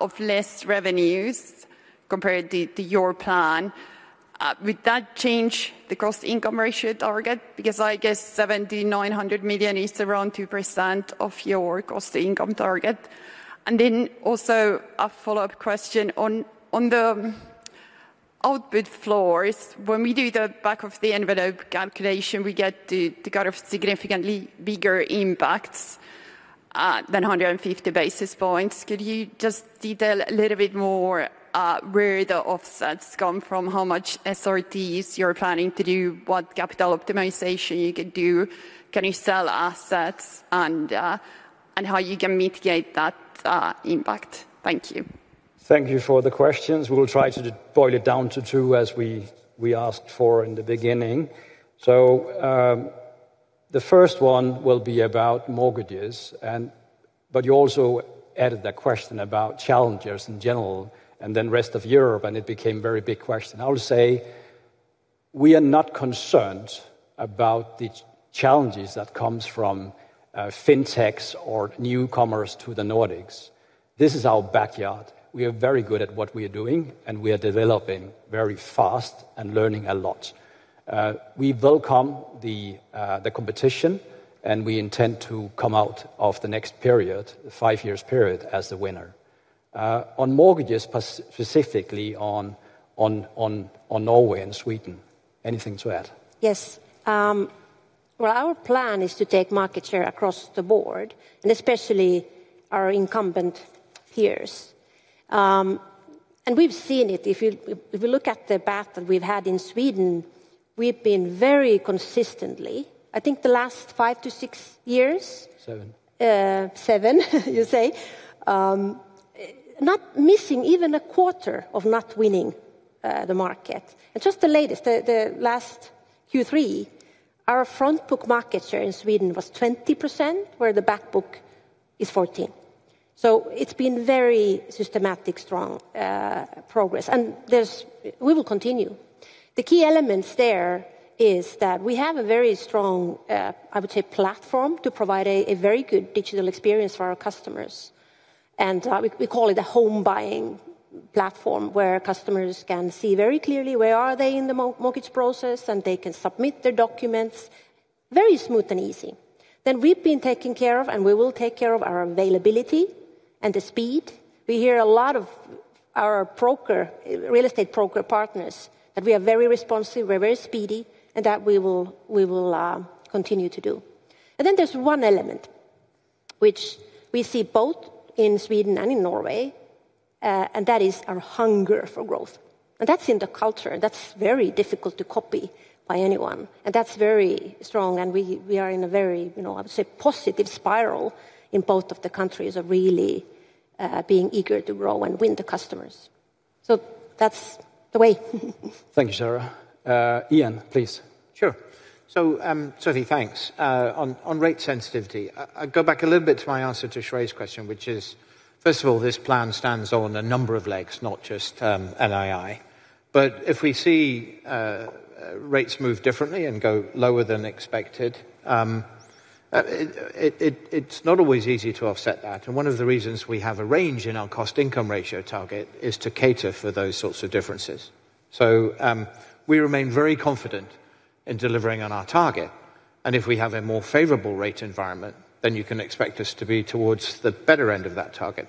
Of less revenues compared to your plan. Would that change the cost-to-income ratio target? Because I guess 70 million-900 million is around 2% of your cost-to-income target. Also, a follow-up question on the output floors. When we do the back-of-the-envelope calculation, we get to kind of significantly bigger impacts than 150 basis points. Could you just detail a little bit more where the offsets come from, how much SRTs you are planning to do, what capital optimization you can do, can you sell assets, and how you can mitigate that impact? Thank you. Thank you for the questions. We will try to boil it down to two as we asked for in the beginning. The first one will be about mortgages, but you also added that question about challengers in general and then rest of Europe, and it became a very big question. I will say. We are not concerned about the challenges that come from fintechs or newcomers to the Nordics. This is our backyard. We are very good at what we are doing, and we are developing very fast and learning a lot. We welcome the competition, and we intend to come out of the next period, the five-year period, as the winner. On mortgages, specifically on Norway and Sweden, anything to add? Yes. Our plan is to take market share across the board, and especially our incumbent peers. We have seen it. If we look at the path that we have had in Sweden, we have been very consistently, I think the last five to six years. Seven. Seven, you say. Not missing even a quarter of not winning the market. Just the latest, the last Q3, our front-book market share in Sweden was 20%, where the back-book is 14%. It has been very systematic, strong progress. We will continue. The key elements there are that we have a very strong, I would say, platform to provide a very good digital experience for our customers. We call it a home-buying platform where customers can see very clearly where they are in the mortgage process, and they can submit their documents very smooth and easy. We have been taken care of, and we will take care of our availability and the speed. We hear a lot from our real estate broker partners that we are very responsive, we are very speedy, and we will continue to do that. There is one element which we see both in Sweden and in Norway, and that is our hunger for growth. That is in the culture. That is very difficult to copy by anyone, and that is very strong. We are in a very, I would say, positive spiral in both of the countries of really being eager to grow and win the customers. That is the way. Thank you, Sara. Ian, please. Sure. Sophie, thanks. On rate sensitivity, I will go back a little bit to my answer to Shrey's question, which is, first of all, this plan stands on a number of legs, not just NII. If we see rates move differently and go lower than expected, it is not always easy to offset that. One of the reasons we have a range in our cost-to-income ratio target is to cater for those sorts of differences. We remain very confident in delivering on our target. If we have a more favorable rate environment, then you can expect us to be towards the better end of that target.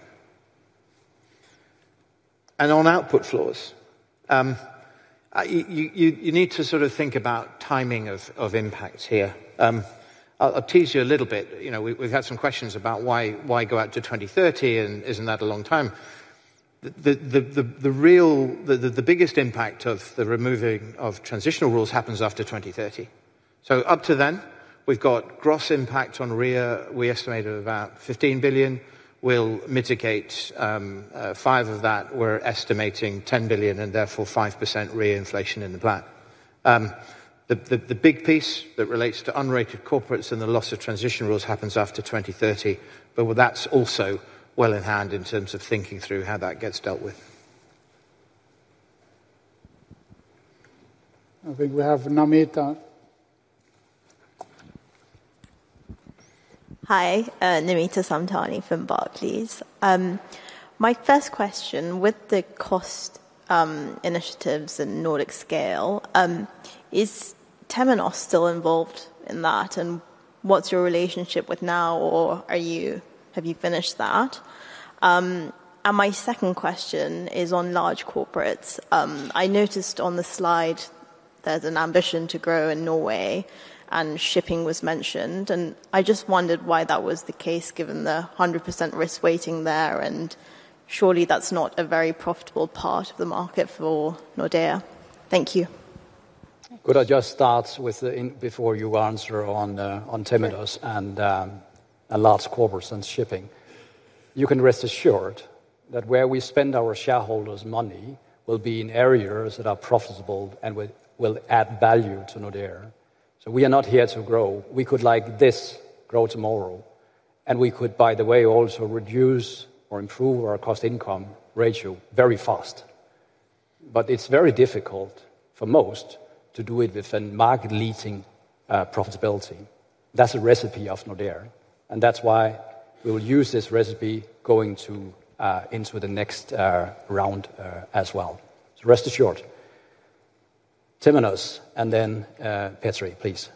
On output floors. You need to sort of think about timing of impacts here. I'll tease you a little bit. We've had some questions about why go out to 2030, and isn't that a long time? The biggest impact of the removing of transitional rules happens after 2030. Up to then, we've got gross impact on REIR. We estimate about 15 billion. We'll mitigate five of that. We're estimating 10 billion and therefore 5% reinflation in the plan. The big piece that relates to unrated corporates and the loss of transition rules happens after 2030. That is also well in hand in terms of thinking through how that gets dealt with. I think we have Namita. Hi, Namita Samtani from Barclays. My first question with the cost initiatives and Nordic scale. Is Temenos still involved in that? What's your relationship with now, or have you finished that? My second question is on large corporates. I noticed on the slide there's an ambition to grow in Norway, and shipping was mentioned. I just wondered why that was the case given the 100% risk weighting there. Surely that's not a very profitable part of the market for Nordea. Thank you. Could I just start with, before you answer on Temenos and large corporates and shipping? You can rest assured that where we spend our shareholders' money will be in areas that are profitable and will add value to Nordea. We are not here to grow. We could, like this, grow tomorrow. We could, by the way, also reduce or improve our cost-to-income ratio very fast. It is very difficult for most to do it within market-leading profitability. That is the recipe of Nordea. That is why we will use this recipe going into. The next round as well. Rest assured. Temenos and then Petteri, please.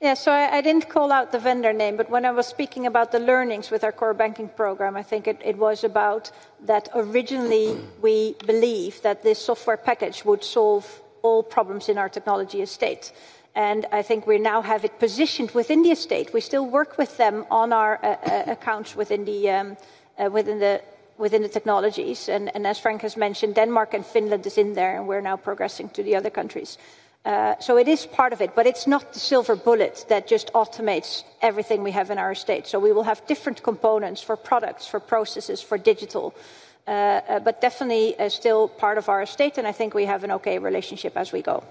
Yeah. I did not call out the vendor name, but when I was speaking about the learnings with our core banking program, I think it was about that originally we believed that this software package would solve all problems in our technology estate. I think we now have it positioned within the estate. We still work with them on our accounts within the technologies. As Frank has mentioned, Denmark and Finland is in there, and we are now progressing to the other countries. It is part of it, but it is not the silver bullet that just automates everything we have in our estate. We will have different components for products, for processes, for digital, but definitely still part of our estate. I think we have an okay relationship as we go.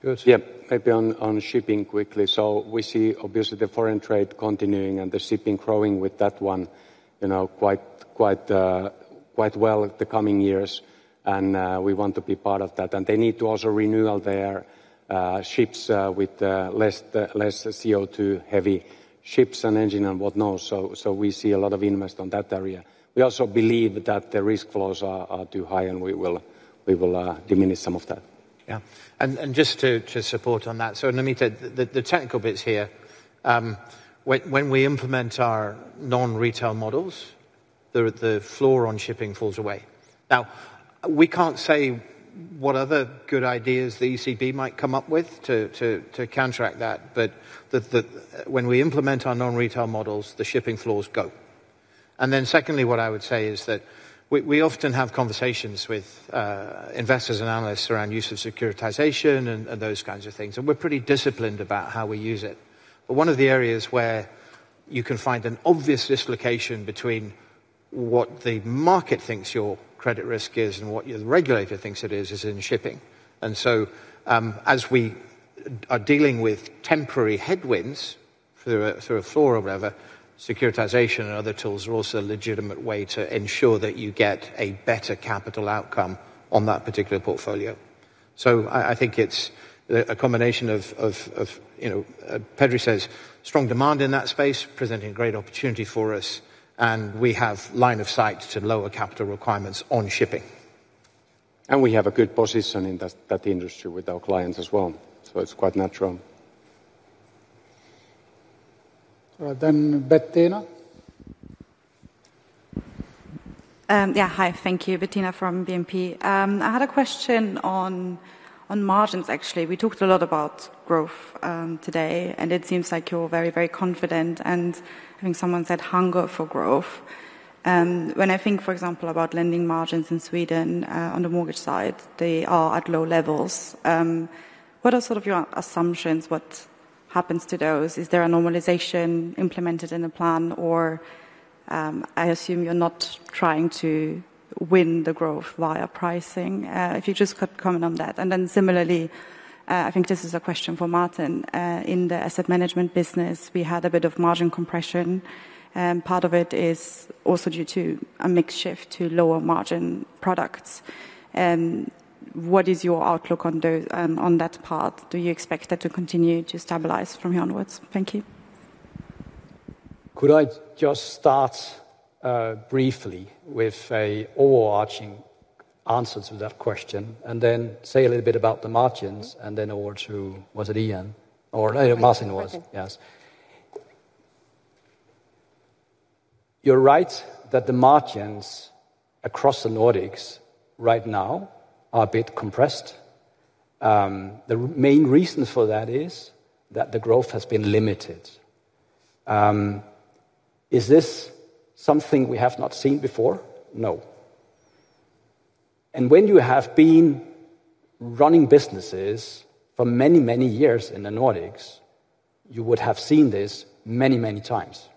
Good. Yeah. Maybe on shipping quickly. We see obviously the foreign trade continuing and the shipping growing with that one quite well the coming years. We want to be part of that. They need to also renew their ships with less CO2-heavy ships and engine and whatnot. We see a lot of investment in that area. We also believe that the risk floors are too high, and we will diminish some of that. Yeah. Just to support on that, Namita, the technical bits here. When we implement our non-retail models, the floor on shipping falls away. Now, we cannot say what other good ideas the ECB might come up with to counteract that, but when we implement our non-retail models, the shipping floors go. Secondly, what I would say is that we often have conversations with. Investors and analysts around use of securitization and those kinds of things. We are pretty disciplined about how we use it. One of the areas where you can find an obvious dislocation between what the market thinks your credit risk is and what your regulator thinks it is is in shipping. As we are dealing with temporary headwinds through a floor or whatever, securitization and other tools are also a legitimate way to ensure that you get a better capital outcome on that particular portfolio. I think it is a combination of, Petteri says, strong demand in that space presenting a great opportunity for us, and we have line of sight to lower capital requirements on shipping. We have a good position in that industry with our clients as well. It is quite natural. All right. Bettina. Yeah. Hi. Thank you. Bettina from BNP. I had a question on margins, actually. We talked a lot about growth today, and it seems like you're very, very confident and having, someone said, hunger for growth. When I think, for example, about lending margins in Sweden on the mortgage side, they are at low levels. What are sort of your assumptions? What happens to those? Is there a normalization implemented in the plan? I assume you're not trying to win the growth via pricing, if you just could comment on that. Similarly, I think this is a question for Martin. In the asset management business, we had a bit of margin compression. Part of it is also due to a mix shift to lower margin products. What is your outlook on that part? Do you expect that to continue to stabilize from here onwards? Thank you. Could I just start. Briefly with an overarching answer to that question and then say a little bit about the margins and then over to, was it Ian or Martin was? Yes. You're right that the margins across the Nordics right now are a bit compressed. The main reason for that is that the growth has been limited. Is this something we have not seen before? No. And when you have been running businesses for many, many years in the Nordics, you would have seen this many, many times.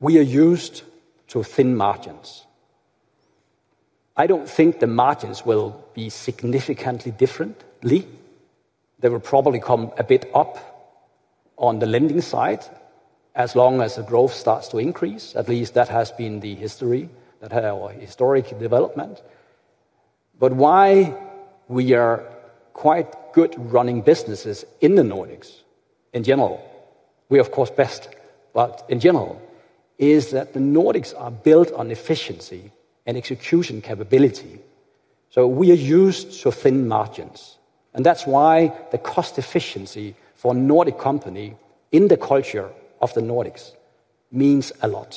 We are used to thin margins. I don't think the margins will be significantly different. They will probably come a bit up on the lending side as long as the growth starts to increase. At least that has been the history, that historic development. But why we are quite good running businesses in the Nordics in general, we, of course, best, but in general, is that the Nordics are built on efficiency and execution capability. We are used to thin margins. That is why the cost efficiency for a Nordic company in the culture of the Nordics means a lot.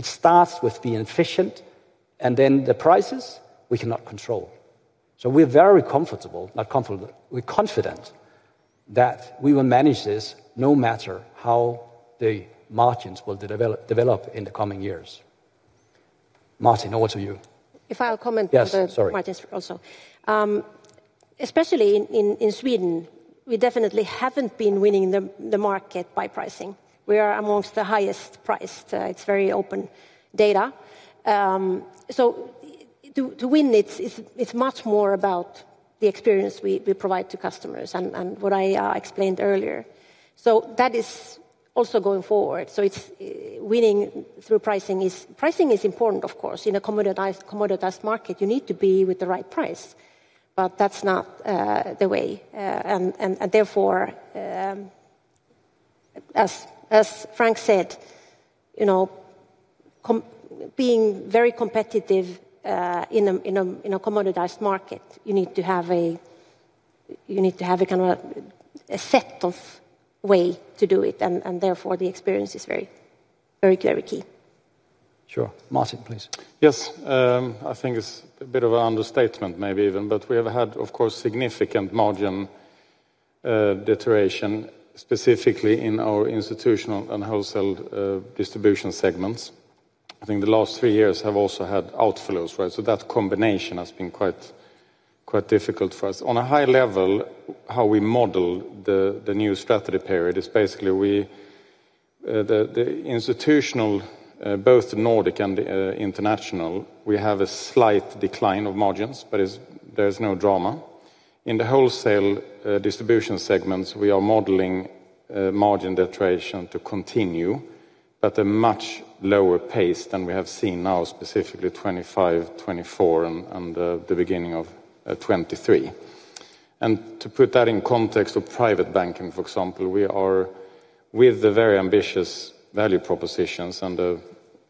It starts with being efficient, and then the prices, we cannot control. We are very comfortable, not comfortable, we are confident that we will manage this no matter how the margins will develop in the coming years. Martin, over to you. If I will comment on the margins also. Especially in Sweden, we definitely have not been winning the market by pricing. We are amongst the highest priced. It is very open data. To win, it is much more about the experience we provide to customers and what I explained earlier. That is also going forward. Winning through pricing is important, of course. In a commoditized market, you need to be with the right price. That is not the way. Therefore, as Frank said, being very competitive in a commoditized market, you need to have a set of ways to do it. Therefore, the experience is very clearly key. Sure. Martin, please. Yes. I think it is a bit of an understatement, maybe even, but we have had, of course, significant margin deterioration, specifically in our institutional and wholesale distribution segments. I think the last three years have also had outflows, right? That combination has been quite difficult for us. On a high level, how we model the new strategy period is basically the institutional, both the Nordic and the international, we have a slight decline of margins, but there is no drama. In the wholesale distribution segments, we are modeling margin deterioration to continue, but at a much lower pace than we have seen now, specifically 2025, 2024, and the beginning of 2023. To put that in context of private banking, for example, we are with the very ambitious value propositions and the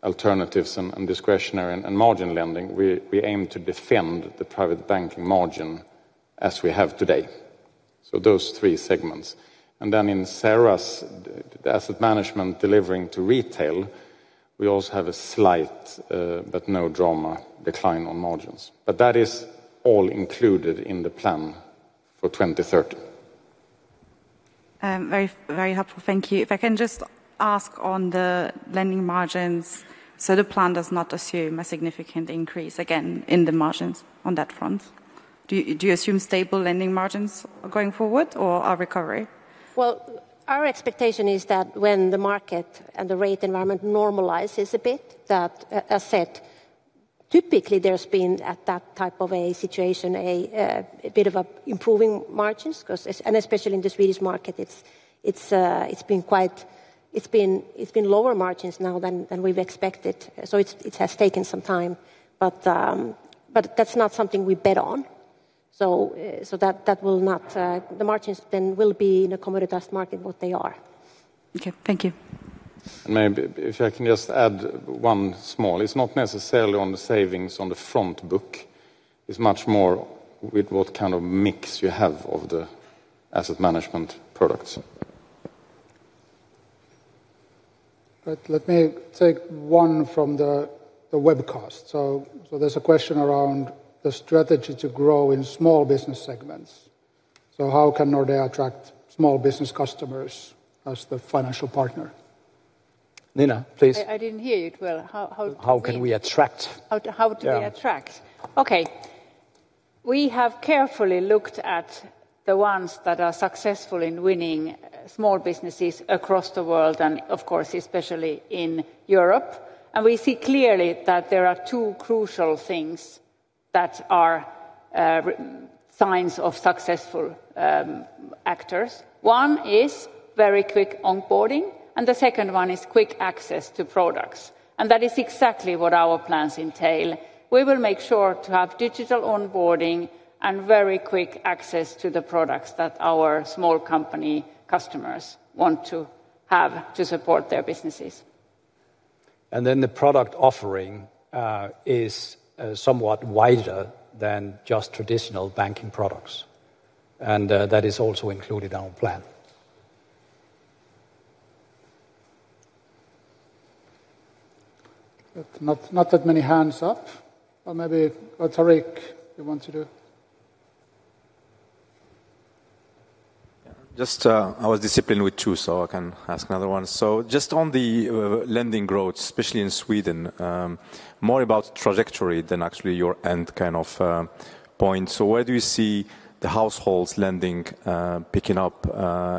alternatives and discretionary and margin lending. We aim to defend the private banking margin as we have today. Those three segments. In Sara's, the asset management delivering to retail, we also have a slight, but no drama, decline on margins. That is all included in the plan for 2030. Very helpful. Thank you. If I can just ask on the lending margins, the plan does not assume a significant increase again in the margins on that front. Do you assume stable lending margins going forward or a recovery? Our expectation is that when the market and the rate environment normalizes a bit, that a set. Typically, there's been at that type of a situation, a bit of improving margins, and especially in the Swedish market, it's been quite lower margins now than we've expected. It has taken some time, but that's not something we bet on. That will not, the margins then will be in a commoditized market what they are. Okay. Thank you. Maybe if I can just add one small, it's not necessarily on the savings on the front book. It's much more with what kind of mix you have of the asset management products. Let me take one from the webcast. There's a question around the strategy to grow in small business segments. How can Nordea attract small business customers as the financial partner? Nina, please. I did not hear you well. How can we attract? How do we attract? Okay. We have carefully looked at the ones that are successful in winning small businesses across the world, and of course, especially in Europe. We see clearly that there are two crucial things that are signs of successful actors. One is very quick onboarding, and the second one is quick access to products. That is exactly what our plans entail. We will make sure to have digital onboarding and very quick access to the products that our small company customers want to have to support their businesses. The product offering is somewhat wider than just traditional banking products. That is also included in our plan. Not that many hands up. Maybe Tarik, you want to do? I was disciplined with two, so I can ask another one. Just on the lending growth, especially in Sweden. More about trajectory than actually your end kind of point. Where do you see the households lending picking up?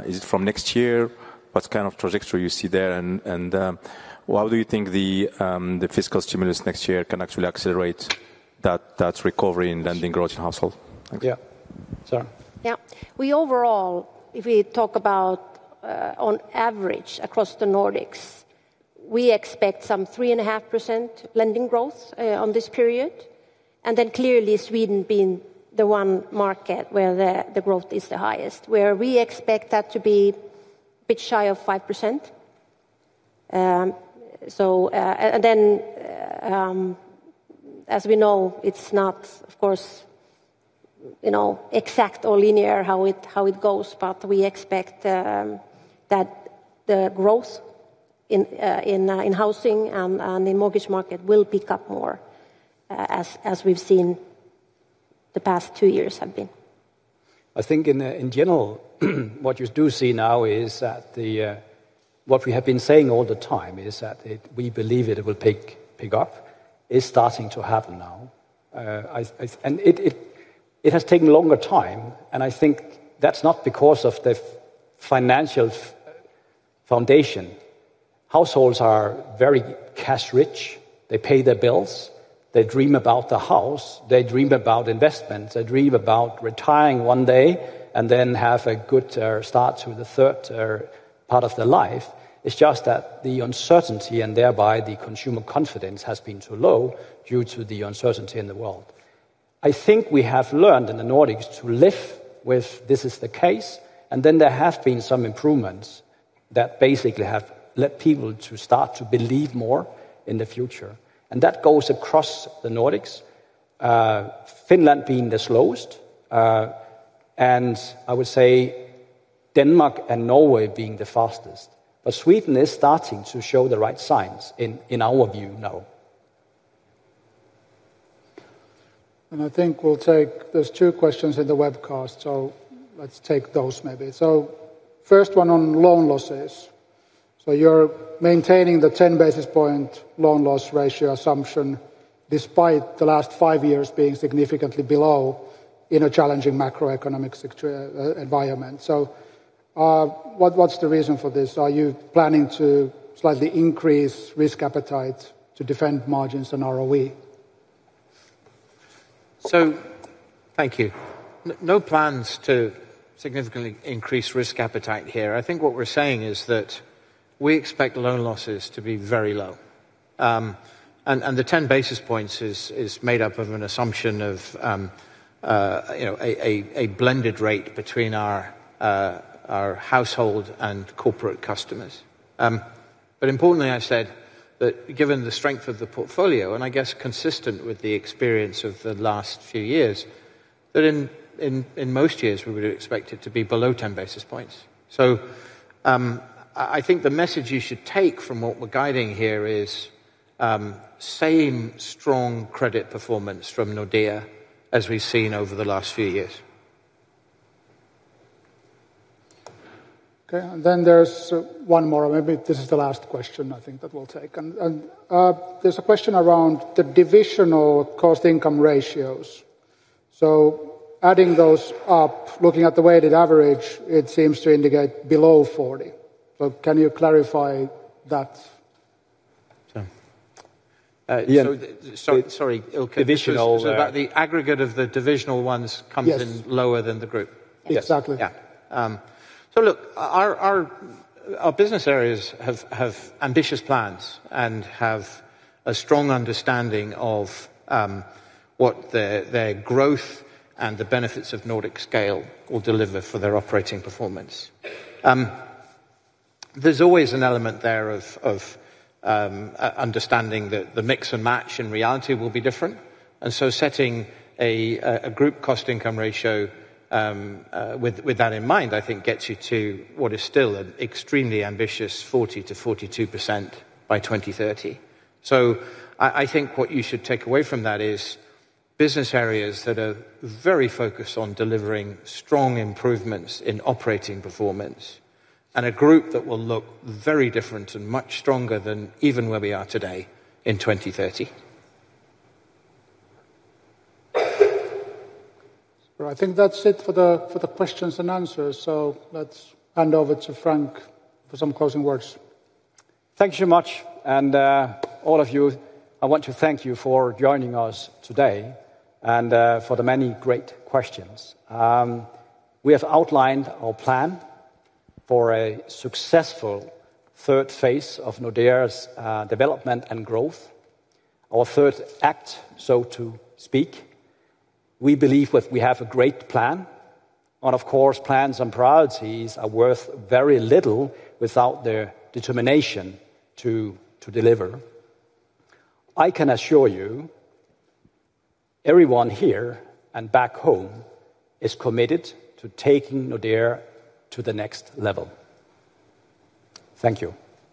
Is it from next year? What kind of trajectory do you see there? How do you think the fiscal stimulus next year can actually accelerate that recovery in lending growth in households? Yeah. Sorry. Yeah. We overall, if we talk about on average across the Nordics, we expect some 3.5% lending growth on this period. Clearly, Sweden being the one market where the growth is the highest, we expect that to be a bit shy of 5%. As we know, it's not, of course, exact or linear how it goes, but we expect that the growth in housing and in the mortgage market will pick up more. As we've seen, the past two years have been. I think in general, what you do see now is that what we have been saying all the time is that we believe it will pick up, is starting to happen now. It has taken longer time. I think that's not because of the financial foundation. Households are very cash rich. They pay their bills. They dream about the house. They dream about investments. They dream about retiring one day and then have a good start to the third part of their life. It's just that the uncertainty and thereby the consumer confidence has been too low due to the uncertainty in the world. I think we have learned in the Nordics to live with this is the case. There have been some improvements that basically have led people to start to believe more in the future. That goes across the Nordics. Finland being the slowest. I would say Denmark and Norway being the fastest. Sweden is starting to show the right signs in our view now. I think we'll take there's two questions in the webcast, so let's take those maybe. First one on loan losses. You're maintaining the 10 basis point loan loss ratio assumption despite the last five years being significantly below in a challenging macroeconomic environment. What's the reason for this? Are you planning to slightly increase risk appetite to defend margins and ROE? Thank you. No plans to significantly increase risk appetite here. I think what we're saying is that we expect loan losses to be very low. The 10 basis points is made up of an assumption of a blended rate between our household and corporate customers. Importantly, I said that given the strength of the portfolio, and I guess consistent with the experience of the last few years, that in most years we would expect it to be below 10 basis points. I think the message you should take from what we are guiding here is the same strong credit performance from Nordea as we have seen over the last few years. Okay. There is one more. Maybe this is the last question, I think, that we will take. There is a question around the divisional cost-to-income ratios. Adding those up, looking at the weighted average, it seems to indicate below 40. Can you clarify that? Sorry. Sorry. The aggregate of the divisional ones comes in lower than the group. Yes. Exactly. Our business areas have ambitious plans and have a strong understanding of. What their growth and the benefits of Nordic scale will deliver for their operating performance. There's always an element there of understanding that the mix and match in reality will be different. And so setting a group cost-to-income ratio with that in mind, I think, gets you to what is still an extremely ambitious 40%-42% by 2030. I think what you should take away from that is business areas that are very focused on delivering strong improvements in operating performance and a group that will look very different and much stronger than even where we are today in 2030. I think that's it for the questions and answers. Let's hand over to Frank for some closing words. Thank you so much. All of you, I want to thank you for joining us today and for the many great questions. We have outlined our plan for a successful third phase of Nordea's development and growth. Our third act, so to speak. We believe we have a great plan. Of course, plans and priorities are worth very little without the determination to deliver. I can assure you everyone here and back home is committed to taking Nordea to the next level. Thank you.